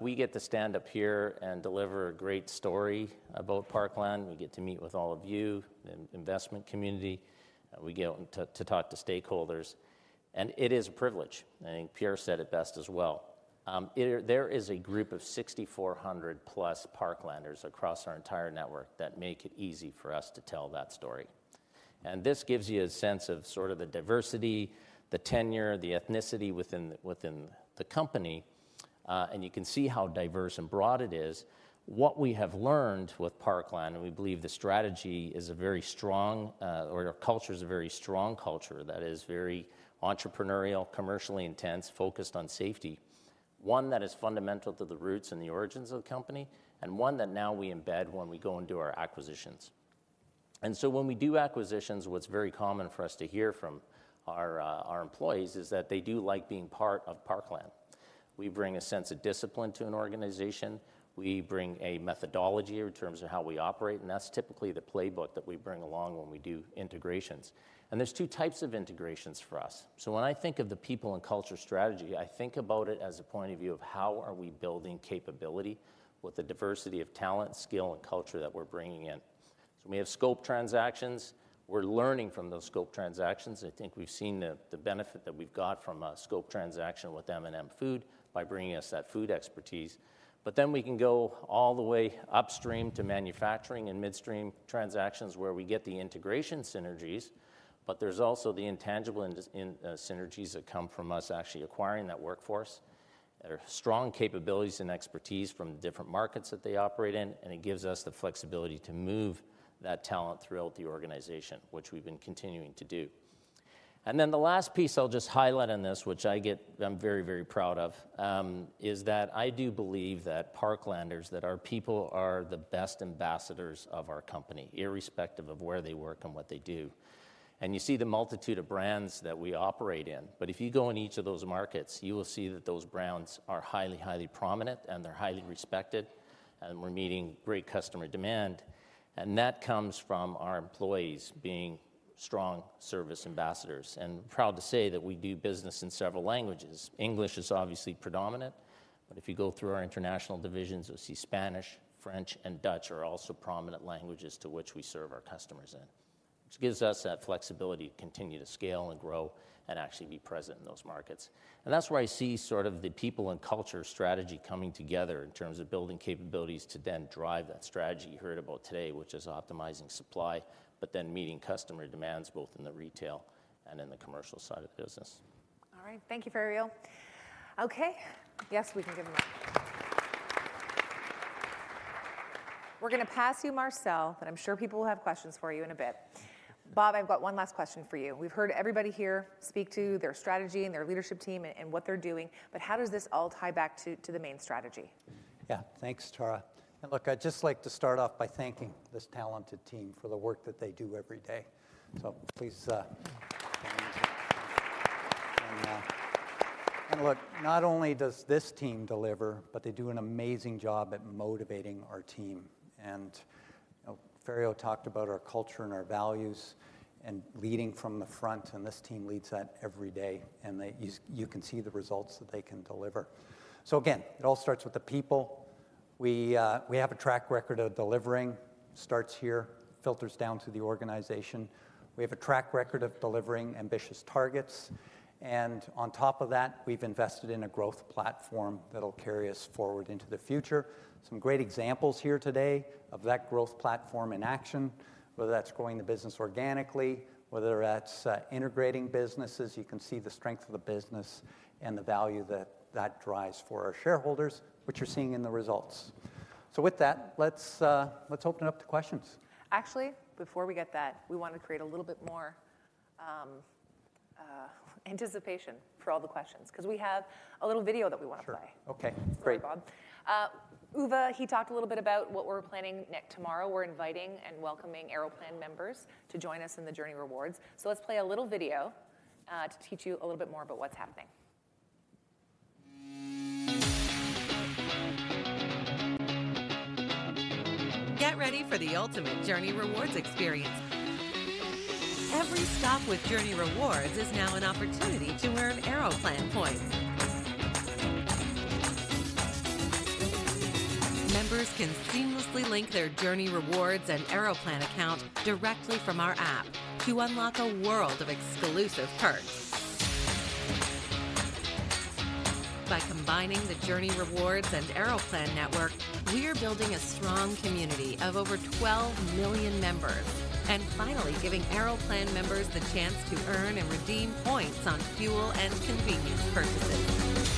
We get to stand up here and deliver a great story about Parkland. We get to meet with all of you, investment community, we get out to talk to stakeholders, and it is a privilege, and Pierre said it best as well. There is a group of 6,400+ Parklanders across our entire network that make it easy for us to tell that story. This gives you a sense of sort of the diversity, the tenure, the ethnicity within the company, and you can see how diverse and broad it is. What we have learned with Parkland, and we believe the strategy is a very strong, or our culture is a very strong culture that is very entrepreneurial, commercially intense, focused on safety. One that is fundamental to the roots and the origins of the company, and one that now we embed when we go and do our acquisitions. And so when we do acquisitions, what's very common for us to hear from our, our employees is that they do like being part of Parkland. We bring a sense of discipline to an organization. We bring a methodology in terms of how we operate, and that's typically the playbook that we bring along when we do integrations. And there's two types of integrations for us. So when I think of the people and culture strategy, I think about it as a point of view of how are we building capability with the diversity of talent, skill, and culture that we're bringing in? So we have scope transactions. We're learning from those scope transactions. I think we've seen the benefit that we've got from a scope transaction with M&M Food by bringing us that food expertise. But then we can go all the way upstream to manufacturing and midstream transactions, where we get the integration synergies, but there's also the intangible synergies that come from us actually acquiring that workforce. There are strong capabilities and expertise from different markets that they operate in, and it gives us the flexibility to move that talent throughout the organization, which we've been continuing to do. And then the last piece I'll just highlight on this, which I get... I'm very, very proud of, is that I do believe that Parklanders, that our people are the best ambassadors of our company, irrespective of where they work and what they do. And you see the multitude of brands that we operate in. But if you go in each of those markets, you will see that those brands are highly, highly prominent, and they're highly respected, and we're meeting great customer demand, and that comes from our employees being strong service ambassadors. And proud to say that we do business in several languages. English is obviously predominant, but if you go through our international divisions, you'll see Spanish, French, and Dutch are also prominent languages to which we serve our customers in, which gives us that flexibility to continue to scale and grow and actually be present in those markets. That's where I see sort of the people and culture strategy coming together in terms of building capabilities to then drive that strategy you heard about today, which is optimizing supply, but then meeting customer demands both in the retail and in the commercial side of the business. All right. Thank you, Ferio. Okay. Yes, we can give him an applause. We're going to pass you, Marcel, but I'm sure people will have questions for you in a bit. Bob, I've got one last question for you. We've heard everybody here speak to their strategy and their leadership team and, and what they're doing, but how does this all tie back to, to the main strategy? Yeah. Thanks, Tara. And look, I'd just like to start off by thanking this talented team for the work that they do every day. And look, not only does this team deliver, but they do an amazing job at motivating our team. And Ferio talked about our culture and our values and leading from the front, and this team leads that every day, and they, you, you can see the results that they can deliver. So again, it all starts with the people. We, we have a track record of delivering, starts here, filters down to the organization. We have a track record of delivering ambitious targets, and on top of that, we've invested in a growth platform that'll carry us forward into the future. Some great examples here today of that growth platform in action, whether that's growing the business organically, whether that's integrating businesses, you can see the strength of the business and the value that that drives for our shareholders, which you're seeing in the results. So with that, let's open it up to questions. Actually, before we get that, we want to create a little bit more anticipation for all the questions, 'cause we have a little video that we want to play. Sure. Okay, great. Sorry, Bob. Uwe, he talked a little bit about what we're planning next. Tomorrow, we're inviting and welcoming Aeroplan members to join us in the Journie Rewards. So let's play a little video to teach you a little bit more about what's happening. Get ready for the ultimate Journie Rewards experience. Every stop with Journie Rewards is now an opportunity to earn Aeroplan points. Members can seamlessly link their Journie Rewards and Aeroplan account directly from our app to unlock a world of exclusive perks. By combining the Journie Rewards and Aeroplan network, we are building a strong community of over 12 million members, and finally giving Aeroplan members the chance to earn and redeem points on fuel and convenience purchases.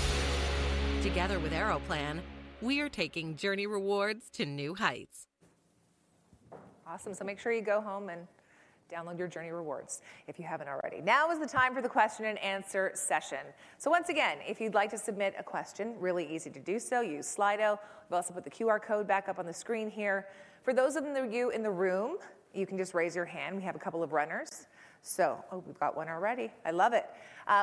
Together with Aeroplan, we are taking Journie Rewards to new heights. Awesome! So make sure you go home and download your Journie Rewards, if you haven't already. Now is the time for the question and answer session. So once again, if you'd like to submit a question, really easy to do so, use Slido. We've also put the QR code back up on the screen here. For those of you in the room, you can just raise your hand. We have a couple of runners, so... Oh, we've got one already. I love it.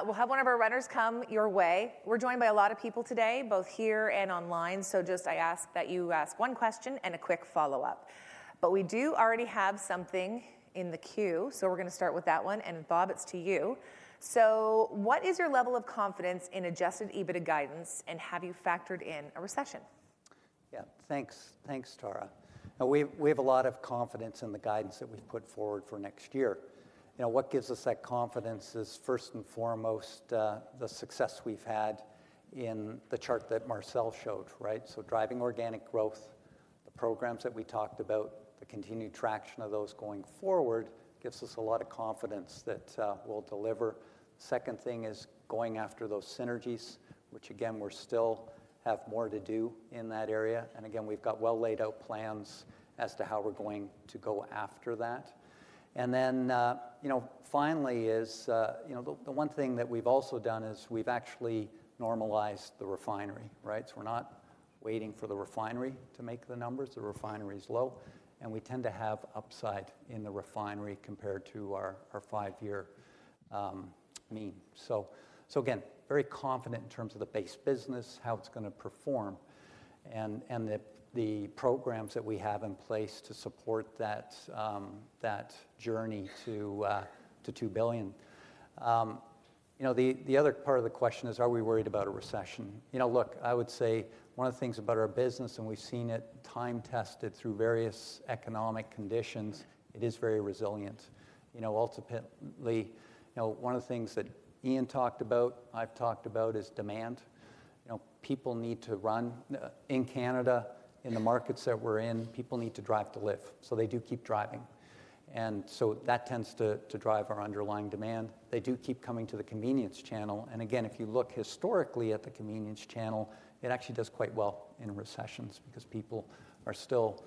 We'll have one of our runners come your way. We're joined by a lot of people today, both here and online, so just I ask that you ask one question and a quick follow-up. But we do already have something in the queue, so we're gonna start with that one, and Bob, it's to you. What is your level of confidence in Adjusted EBITDA guidance, and have you factored in a recession? Yeah, thanks. Thanks, Tara. We, we have a lot of confidence in the guidance that we've put forward for next year. You know, what gives us that confidence is, first and foremost, the success we've had in the chart that Marcel showed, right? So driving organic growth, the programs that we talked about, the continued traction of those going forward, gives us a lot of confidence that, we'll deliver. Second thing is going after those synergies, which again, we're still have more to do in that area. And again, we've got well-laid-out plans as to how we're going to go after that. And then, you know, finally is, you know, the, the one thing that we've also done is we've actually normalized the refinery, right? So we're not waiting for the refinery to make the numbers. The refinery is low, and we tend to have upside in the refinery compared to our five-year mean. So again, very confident in terms of the base business, how it's gonna perform, and the programs that we have in place to support that, that journey to 2 billion. You know, the other part of the question is, are we worried about a recession? You know, look, I would say one of the things about our business, and we've seen it time-tested through various economic conditions, it is very resilient. You know, ultimately, you know, one of the things that Ian talked about, I've talked about, is demand. You know, people need to run in Canada, in the markets that we're in, people need to drive to live, so they do keep driving. And so that tends to drive our underlying demand. They do keep coming to the convenience channel, and again, if you look historically at the convenience channel, it actually does quite well in recessions because people are still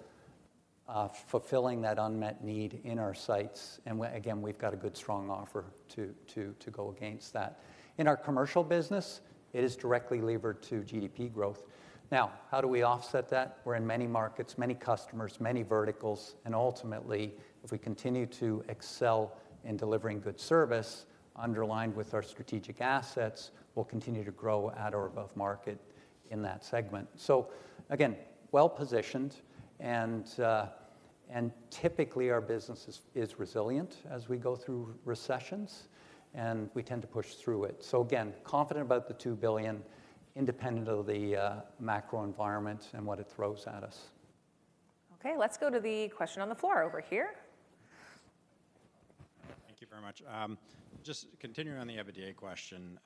fulfilling that unmet need in our sites. And again, we've got a good, strong offer to go against that. In our commercial business, it is directly levered to GDP growth. Now, how do we offset that? We're in many markets, many customers, many verticals, and ultimately, if we continue to excel in delivering good service, underlined with our strategic assets, we'll continue to grow at or above market in that segment. So again, well-positioned, and typically, our business is resilient as we go through recessions, and we tend to push through it. So again, confident about the 2 billion, independent of the macro environment and what it throws at us. Okay, let's go to the question on the floor over here. Thank you very much. Just continuing on the EBITDA question,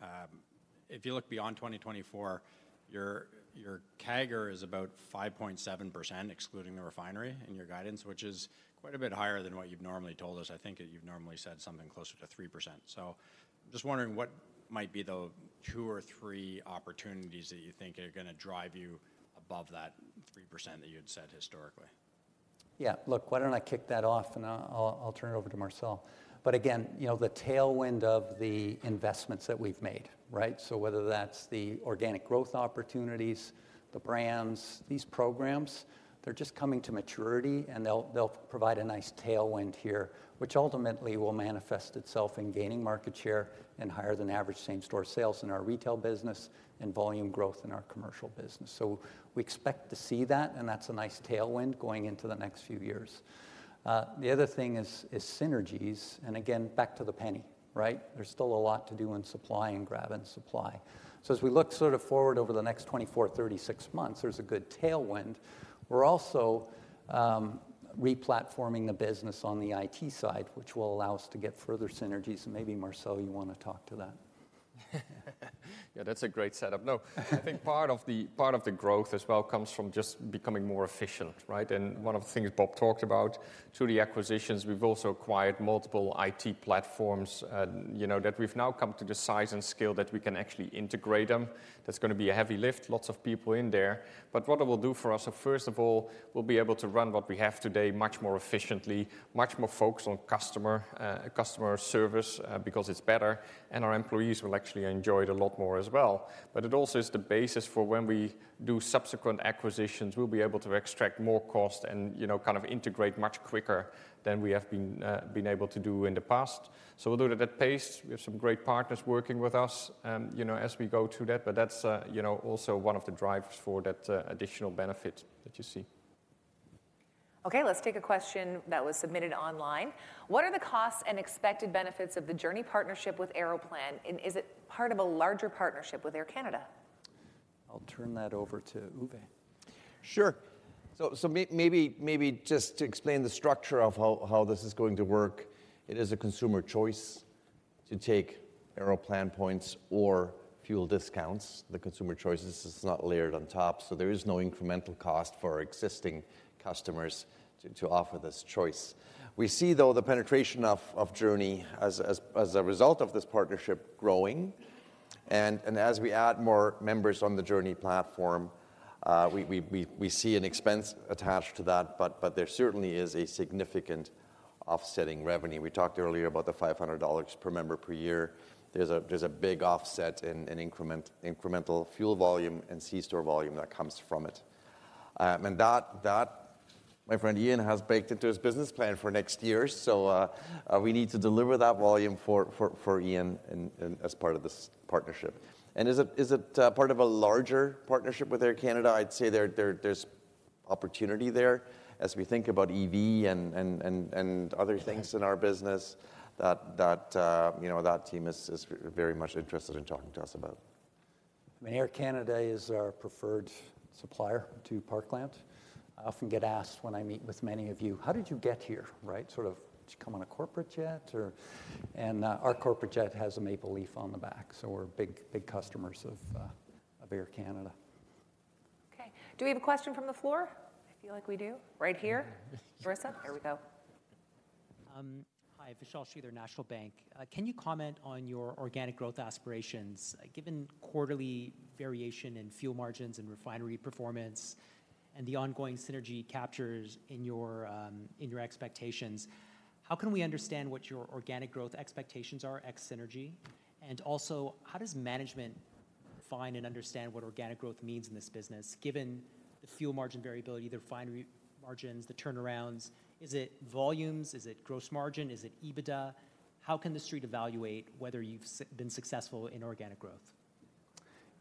if you look beyond 2024, your, your CAGR is about 5.7%, excluding the refinery and your guidance, which is quite a bit higher than what you've normally told us. I think you've normally said something closer to 3%. So just wondering, what might be the two or three opportunities that you think are gonna drive you above that 3% that you had said historically? Yeah, look, why don't I kick that off, and I'll turn it over to Marcel. But again, you know, the tailwind of the investments that we've made, right? So whether that's the organic growth opportunities, the brands, these programs, they're just coming to maturity, and they'll provide a nice tailwind here, which ultimately will manifest itself in gaining market share and higher than average same-store sales in our retail business and volume growth in our commercial business. So we expect to see that, and that's a nice tailwind going into the next few years. The other thing is synergies, and again, back to the penny, right? There's still a lot to do in supply and trading and supply. So as we look sort of forward over the next 24-36 months, there's a good tailwind. We're also re-platforming the business on the IT side, which will allow us to get further synergies, and maybe, Marcel, you wanna talk to that? Yeah, that's a great setup. No, I think part of the growth as well comes from just becoming more efficient, right? And one of the things Bob talked about, through the acquisitions, we've also acquired multiple IT platforms, you know, that we've now come to the size and scale that we can actually integrate them. That's gonna be a heavy lift, lots of people in there. But what it will do for us, so first of all, we'll be able to run what we have today much more efficiently, much more focused on customer service, because it's better, and our employees will actually enjoy it a lot more as well. But it also is the basis for when we do subsequent acquisitions, we'll be able to extract more cost and, you know, kind of integrate much quicker than we have been able to do in the past. So we'll do it at that pace. We have some great partners working with us, you know, as we go through that, but that's, you know, also one of the drivers for that, additional benefit that you see. Okay, let's take a question that was submitted online. What are the costs and expected benefits of the Journie partnership with Aeroplan, and is it part of a larger partnership with Air Canada? I'll turn that over to Uwe. Sure. So, maybe just to explain the structure of how this is going to work, it is a consumer choice to take Aeroplan points or fuel discounts. The consumer choice, this is not layered on top, so there is no incremental cost for our existing customers to offer this choice. We see, though, the penetration of Journie as a result of this partnership growing, and as we add more members on the Journie platform, we see an expense attached to that, but there certainly is a significant offsetting revenue. We talked earlier about the 500 dollars per member per year. There's a big offset in incremental fuel volume and C store volume that comes from it. And that my friend Ian has baked into his business plan for next year, so we need to deliver that volume for Ian and as part of this partnership. Is it part of a larger partnership with Air Canada? I'd say there's opportunity there as we think about EV and other things in our business that you know that team is very much interested in talking to us about. I mean, Air Canada is our preferred supplier to Parkland. I often get asked when I meet with many of you: "How did you get here?" Right? Sort of, "Did you come on a corporate jet or...?" And, our corporate jet has a maple leaf on the back, so we're big, big customers of, of Air Canada. Okay. Do we have a question from the floor? I feel like we do. Right here. Marissa, here we go. Hi, Vishal Shreedhar, National Bank. Can you comment on your organic growth aspirations? Given quarterly variation in fuel margins and refinery performance and the ongoing synergy captures in your expectations, how can we understand what your organic growth expectations are ex synergy? And also, how does management find and understand what organic growth means in this business, given the fuel margin variability, the refinery margins, the turnarounds? Is it volumes? Is it gross margin? Is it EBITDA? How can the street evaluate whether you've been successful in organic growth?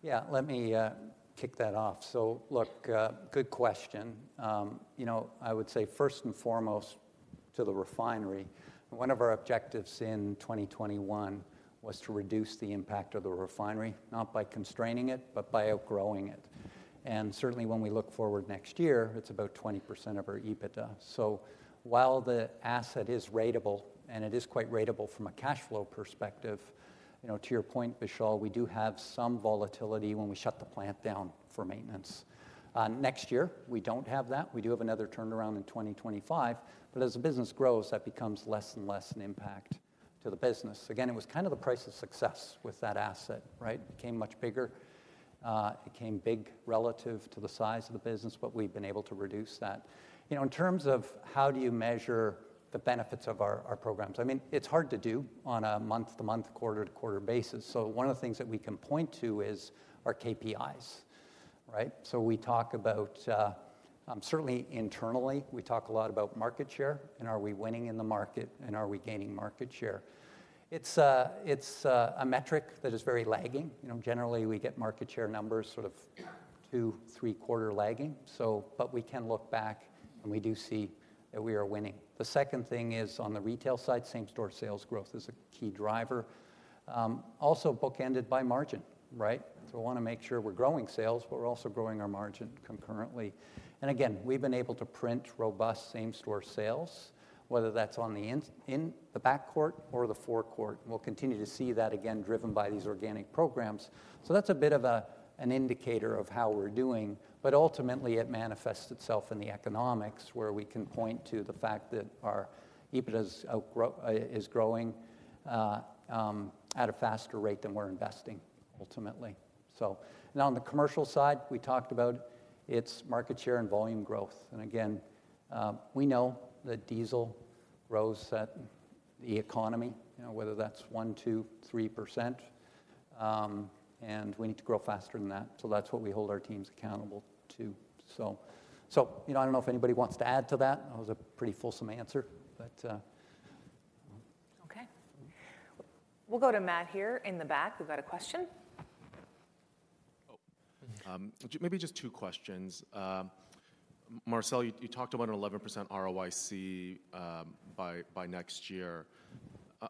Yeah, let me kick that off. So look, good question. You know, I would say first and foremost to the refinery, one of our objectives in 2021 was to reduce the impact of the refinery, not by constraining it, but by outgrowing it. And certainly when we look forward next year, it's about 20% of our EBITDA. So while the asset is ratable, and it is quite ratable from a cash flow perspective, you know, to your point, Vishal, we do have some volatility when we shut the plant down for maintenance. Next year, we don't have that. We do have another turnaround in 2025, but as the business grows, that becomes less and less an impact to the business. Again, it was kind of the price of success with that asset, right? Became much bigger. It became big relative to the size of the business, but we've been able to reduce that. You know, in terms of how do you measure the benefits of our programs, I mean, it's hard to do on a month-to-month, quarter-to-quarter basis. So one of the things that we can point to is our KPIs, right? So we talk about, certainly internally, we talk a lot about market share, and are we winning in the market, and are we gaining market share? It's a metric that is very lagging. You know, generally, we get market share numbers sort of 2-3 quarters lagging. But we can look back, and we do see that we are winning. The second thing is on the retail side, same-store sales growth is a key driver. Also bookended by margin, right? We want to make sure we're growing sales, but we're also growing our margin concurrently. Again, we've been able to print robust same-store sales, whether that's in the backcourt or the forecourt. We'll continue to see that again, driven by these organic programs. That's a bit of an indicator of how we're doing, but ultimately, it manifests itself in the economics, where we can point to the fact that our EBITDA is growing at a faster rate than we're investing, ultimately. Now on the commercial side, we talked about its market share and volume growth. Again, we know that diesel grows at the economy, you know, whether that's 1%, 2%, 3%, and we need to grow faster than that. That's what we hold our teams accountable to. So, you know, I don't know if anybody wants to add to that. That was a pretty fulsome answer, but. Okay. We'll go to Matt here in the back. We've got a question. Maybe just two questions. Marcel, you, you talked about an 11% ROIC, by, by next year.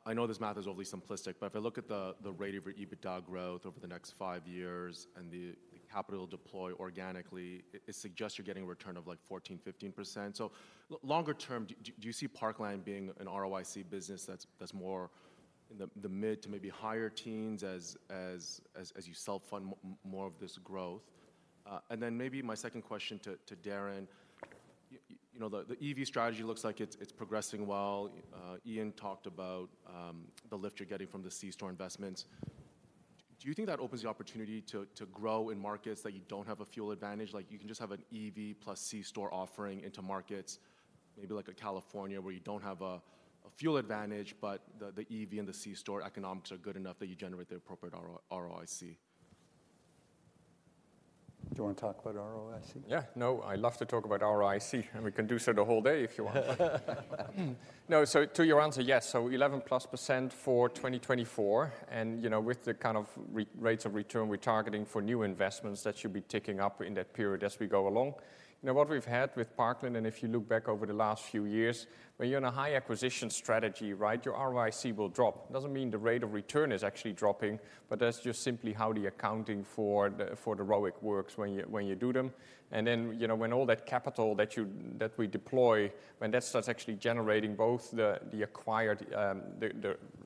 I know this math is overly simplistic, but if I look at the, the rate of your EBITDA growth over the next five years and the, the capital deploy organically, it, it suggests you're getting a return of, like, 14%, 15%. So longer term, do, do, do you see Parkland being an ROIC business that's, that's more in the, the mid to maybe higher teens as, as, as, as you self-fund more of this growth? And then maybe my second question to Darren. You know, the EV strategy looks like it's progressing well. Ian talked about the lift you're getting from the C-store investments. Do you think that opens the opportunity to grow in markets that you don't have a fuel advantage? Like, you can just have an EV plus C-store offering into markets, maybe like a California, where you don't have a fuel advantage, but the EV and the C-store economics are good enough that you generate the appropriate ROIC? Do you wanna talk about ROIC? Yeah. No, I love to talk about ROIC, and we can do so the whole day if you want. No, so to your answer, yes, so 11%+ for 2024, and, you know, with the kind of rates of return we're targeting for new investments, that should be ticking up in that period as we go along. Now, what we've had with Parkland, and if you look back over the last few years, when you're in a high acquisition strategy, right, your ROIC will drop. Doesn't mean the rate of return is actually dropping, but that's just simply how the accounting for the, for the ROIC works when you, when you do them. And then, you know, when all that capital that we deploy, when that starts actually generating both the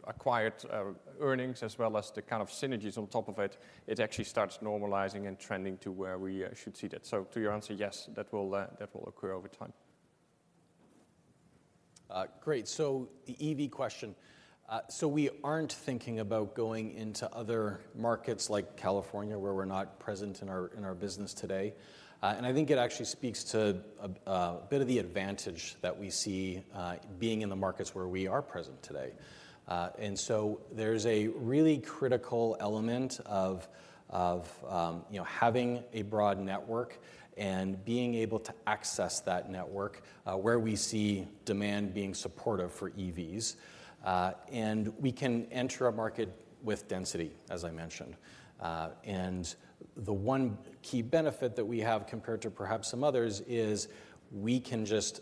acquired earnings, as well as the kind of synergies on top of it, it actually starts normalizing and trending to where we should see that. So to your answer, yes, that will occur over time. Great, so the EV question. So we aren't thinking about going into other markets like California, where we're not present in our business today. And I think it actually speaks to a bit of the advantage that we see being in the markets where we are present today. And so there's a really critical element of you know, having a broad network and being able to access that network where we see demand being supportive for EVs. And we can enter a market with density, as I mentioned. And the one key benefit that we have compared to perhaps some others is we can just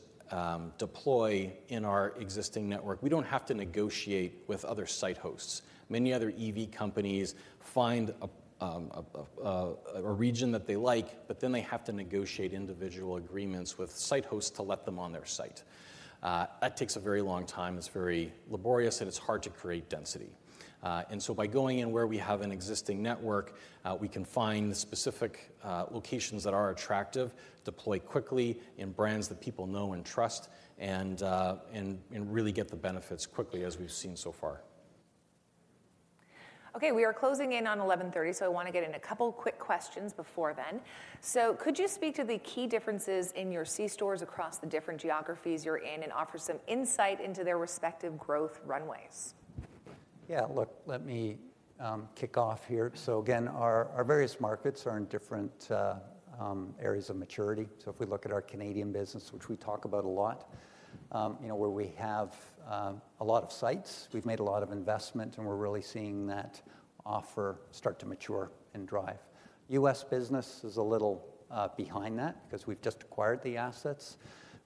deploy in our existing network. We don't have to negotiate with other site hosts. Many other EV companies find a region that they like, but then they have to negotiate individual agreements with site hosts to let them on their site. That takes a very long time, it's very laborious, and it's hard to create density. And so by going in where we have an existing network, we can find the specific locations that are attractive, deploy quickly in brands that people know and trust, and really get the benefits quickly, as we've seen so far. Okay, we are closing in on 11:30 A.M., so I wanna get in a couple quick questions before then. Could you speak to the key differences in your C-stores across the different geographies you're in and offer some insight into their respective growth runways? Yeah, look, let me kick off here. So again, our various markets are in different areas of maturity. So if we look at our Canadian business, which we talk about a lot, you know, where we have a lot of sites, we've made a lot of investment, and we're really seeing that offer start to mature and drive. U.S. business is a little behind that because we've just acquired the assets,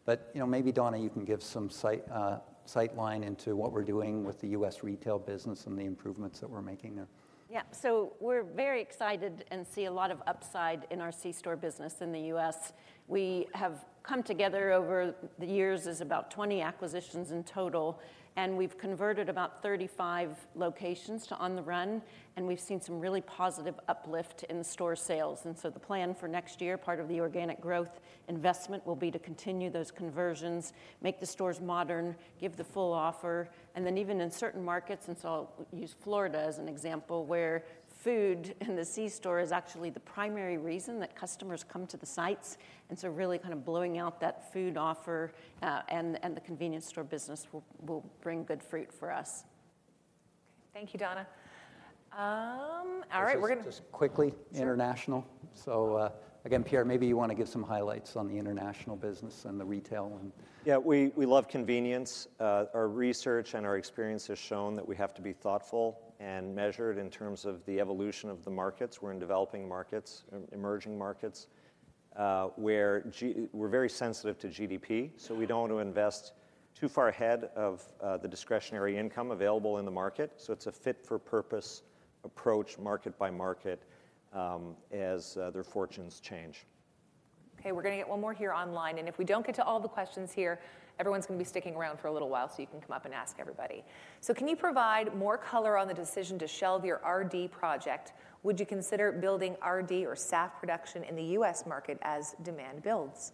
but, you know, maybe Donna, you can give some sightline into what we're doing with the U.S. retail business and the improvements that we're making there. Yeah. So we're very excited and see a lot of upside in our C-store business in the U.S. We have come together over the years, as about 20 acquisitions in total, and we've converted about 35 locations to On the Run, and we've seen some really positive uplift in store sales. And so the plan for next year, part of the organic growth investment, will be to continue those conversions, make the stores modern, give the full offer, and then even in certain markets, and so I'll use Florida as an example, where food in the C-store is actually the primary reason that customers come to the sites, and so really kind of blowing out that food offer, and the convenience store business will bring good fruit for us. Thank you, Donna. All right, we're gonna- Just quickly- Sure.... international. So, again, Pierre, maybe you wanna give some highlights on the international business and the retail and- Yeah, we love convenience. Our research and our experience has shown that we have to be thoughtful and measured in terms of the evolution of the markets. We're in developing markets, emerging markets, where we're very sensitive to GDP, so we don't want to invest too far ahead of the discretionary income available in the market. So it's a fit-for-purpose approach, market by market, as their fortunes change. Okay, we're gonna get one more here online, and if we don't get to all the questions here, everyone's gonna be sticking around for a little while, so you can come up and ask everybody. So can you provide more color on the decision to shelve your RD project? Would you consider building RD or SAF production in the U.S. market as demand builds?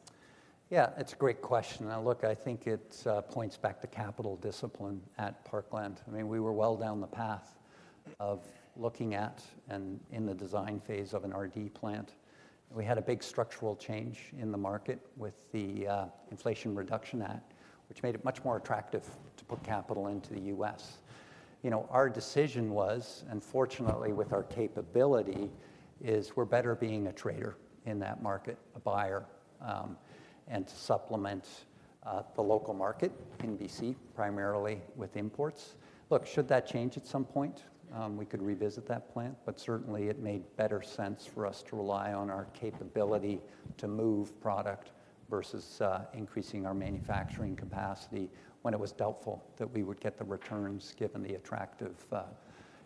Yeah, it's a great question, and look, I think it points back to capital discipline at Parkland. I mean, we were well down the path of looking at, and in the design phase of an RD plant. We had a big structural change in the market with the Inflation Reduction Act, which made it much more attractive to put capital into the U.S. You know, our decision was, and fortunately with our capability, is we're better being a trader in that market, a buyer, and to supplement the local market in B.C., primarily with imports. Look, should that change at some point, we could revisit that plan, but certainly it made better sense for us to rely on our capability to move product versus increasing our manufacturing capacity when it was doubtful that we would get the returns, given the attractive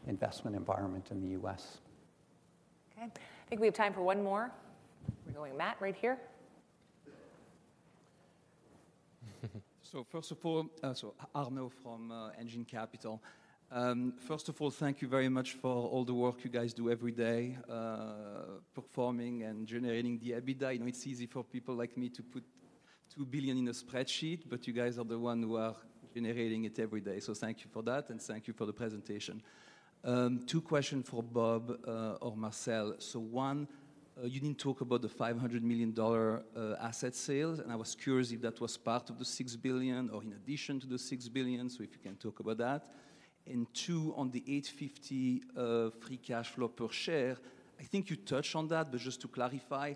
investment environment in the US. Okay. I think we have time for one more. We're going Matt, right here. So first of all, so Arnaud from Engine Capital. First of all, thank you very much for all the work you guys do every day, performing and generating the EBITDA. You know, it's easy for people like me to put 2 billion in a spreadsheet, but you guys are the ones who are generating it every day. So thank you for that, and thank you for the presentation. Two questions for Bob, or Marcel. So one, you didn't talk about the 500 million dollar asset sales, and I was curious if that was part of the 6 billion or in addition to the 6 billion. So if you can talk about that. And two, on the 8.50 free cash flow per share, I think you touched on that, but just to clarify,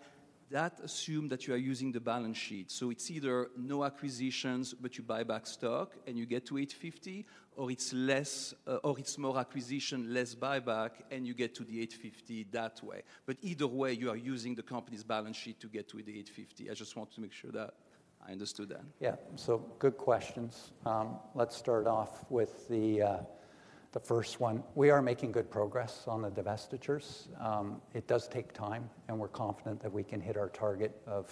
that assume that you are using the balance sheet. So it's either no acquisitions, but you buy back stock, and you get to 8.50, or it's less, or it's more acquisition, less buyback, and you get to the 8.50 that way. But either way, you are using the company's balance sheet to get to the 8.50. I just want to make sure that I understood that. Yeah. So good questions. Let's start off with the first one. We are making good progress on the divestitures. It does take time, and we're confident that we can hit our target of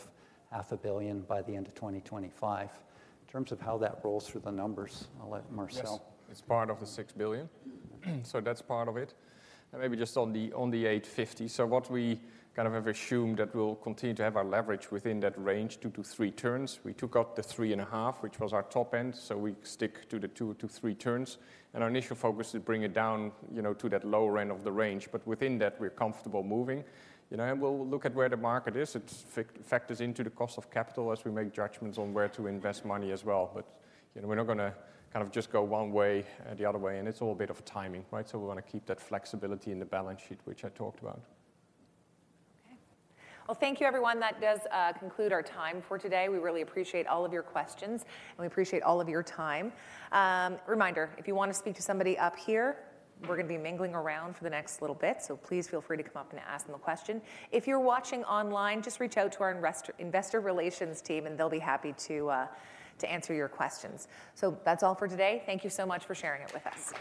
500 million by the end of 2025. In terms of how that rolls through the numbers, I'll let Marcel- Yes, it's part of the 6 billion. That's part of it. Maybe just on the, on the 850 million. What we kind of have assumed that we'll continue to have our leverage within that range, 2-3 turns. We took out the 3.5, which was our top end, so we stick to the 2-3 turns, and our initial focus is bring it down, you know, to that lower end of the range. But within that, we're comfortable moving. You know, and we'll look at where the market is. It factors into the cost of capital as we make judgments on where to invest money as well. But, you know, we're not gonna kind of just go one way and the other way, and it's all a bit of timing, right? We want to keep that flexibility in the balance sheet, which I talked about. Okay. Well, thank you, everyone. That does conclude our time for today. We really appreciate all of your questions, and we appreciate all of your time. Reminder, if you want to speak to somebody up here, we're going to be mingling around for the next little bit, so please feel free to come up and ask them a question. If you're watching online, just reach out to our investor relations team, and they'll be happy to answer your questions. So that's all for today. Thank you so much for sharing it with us.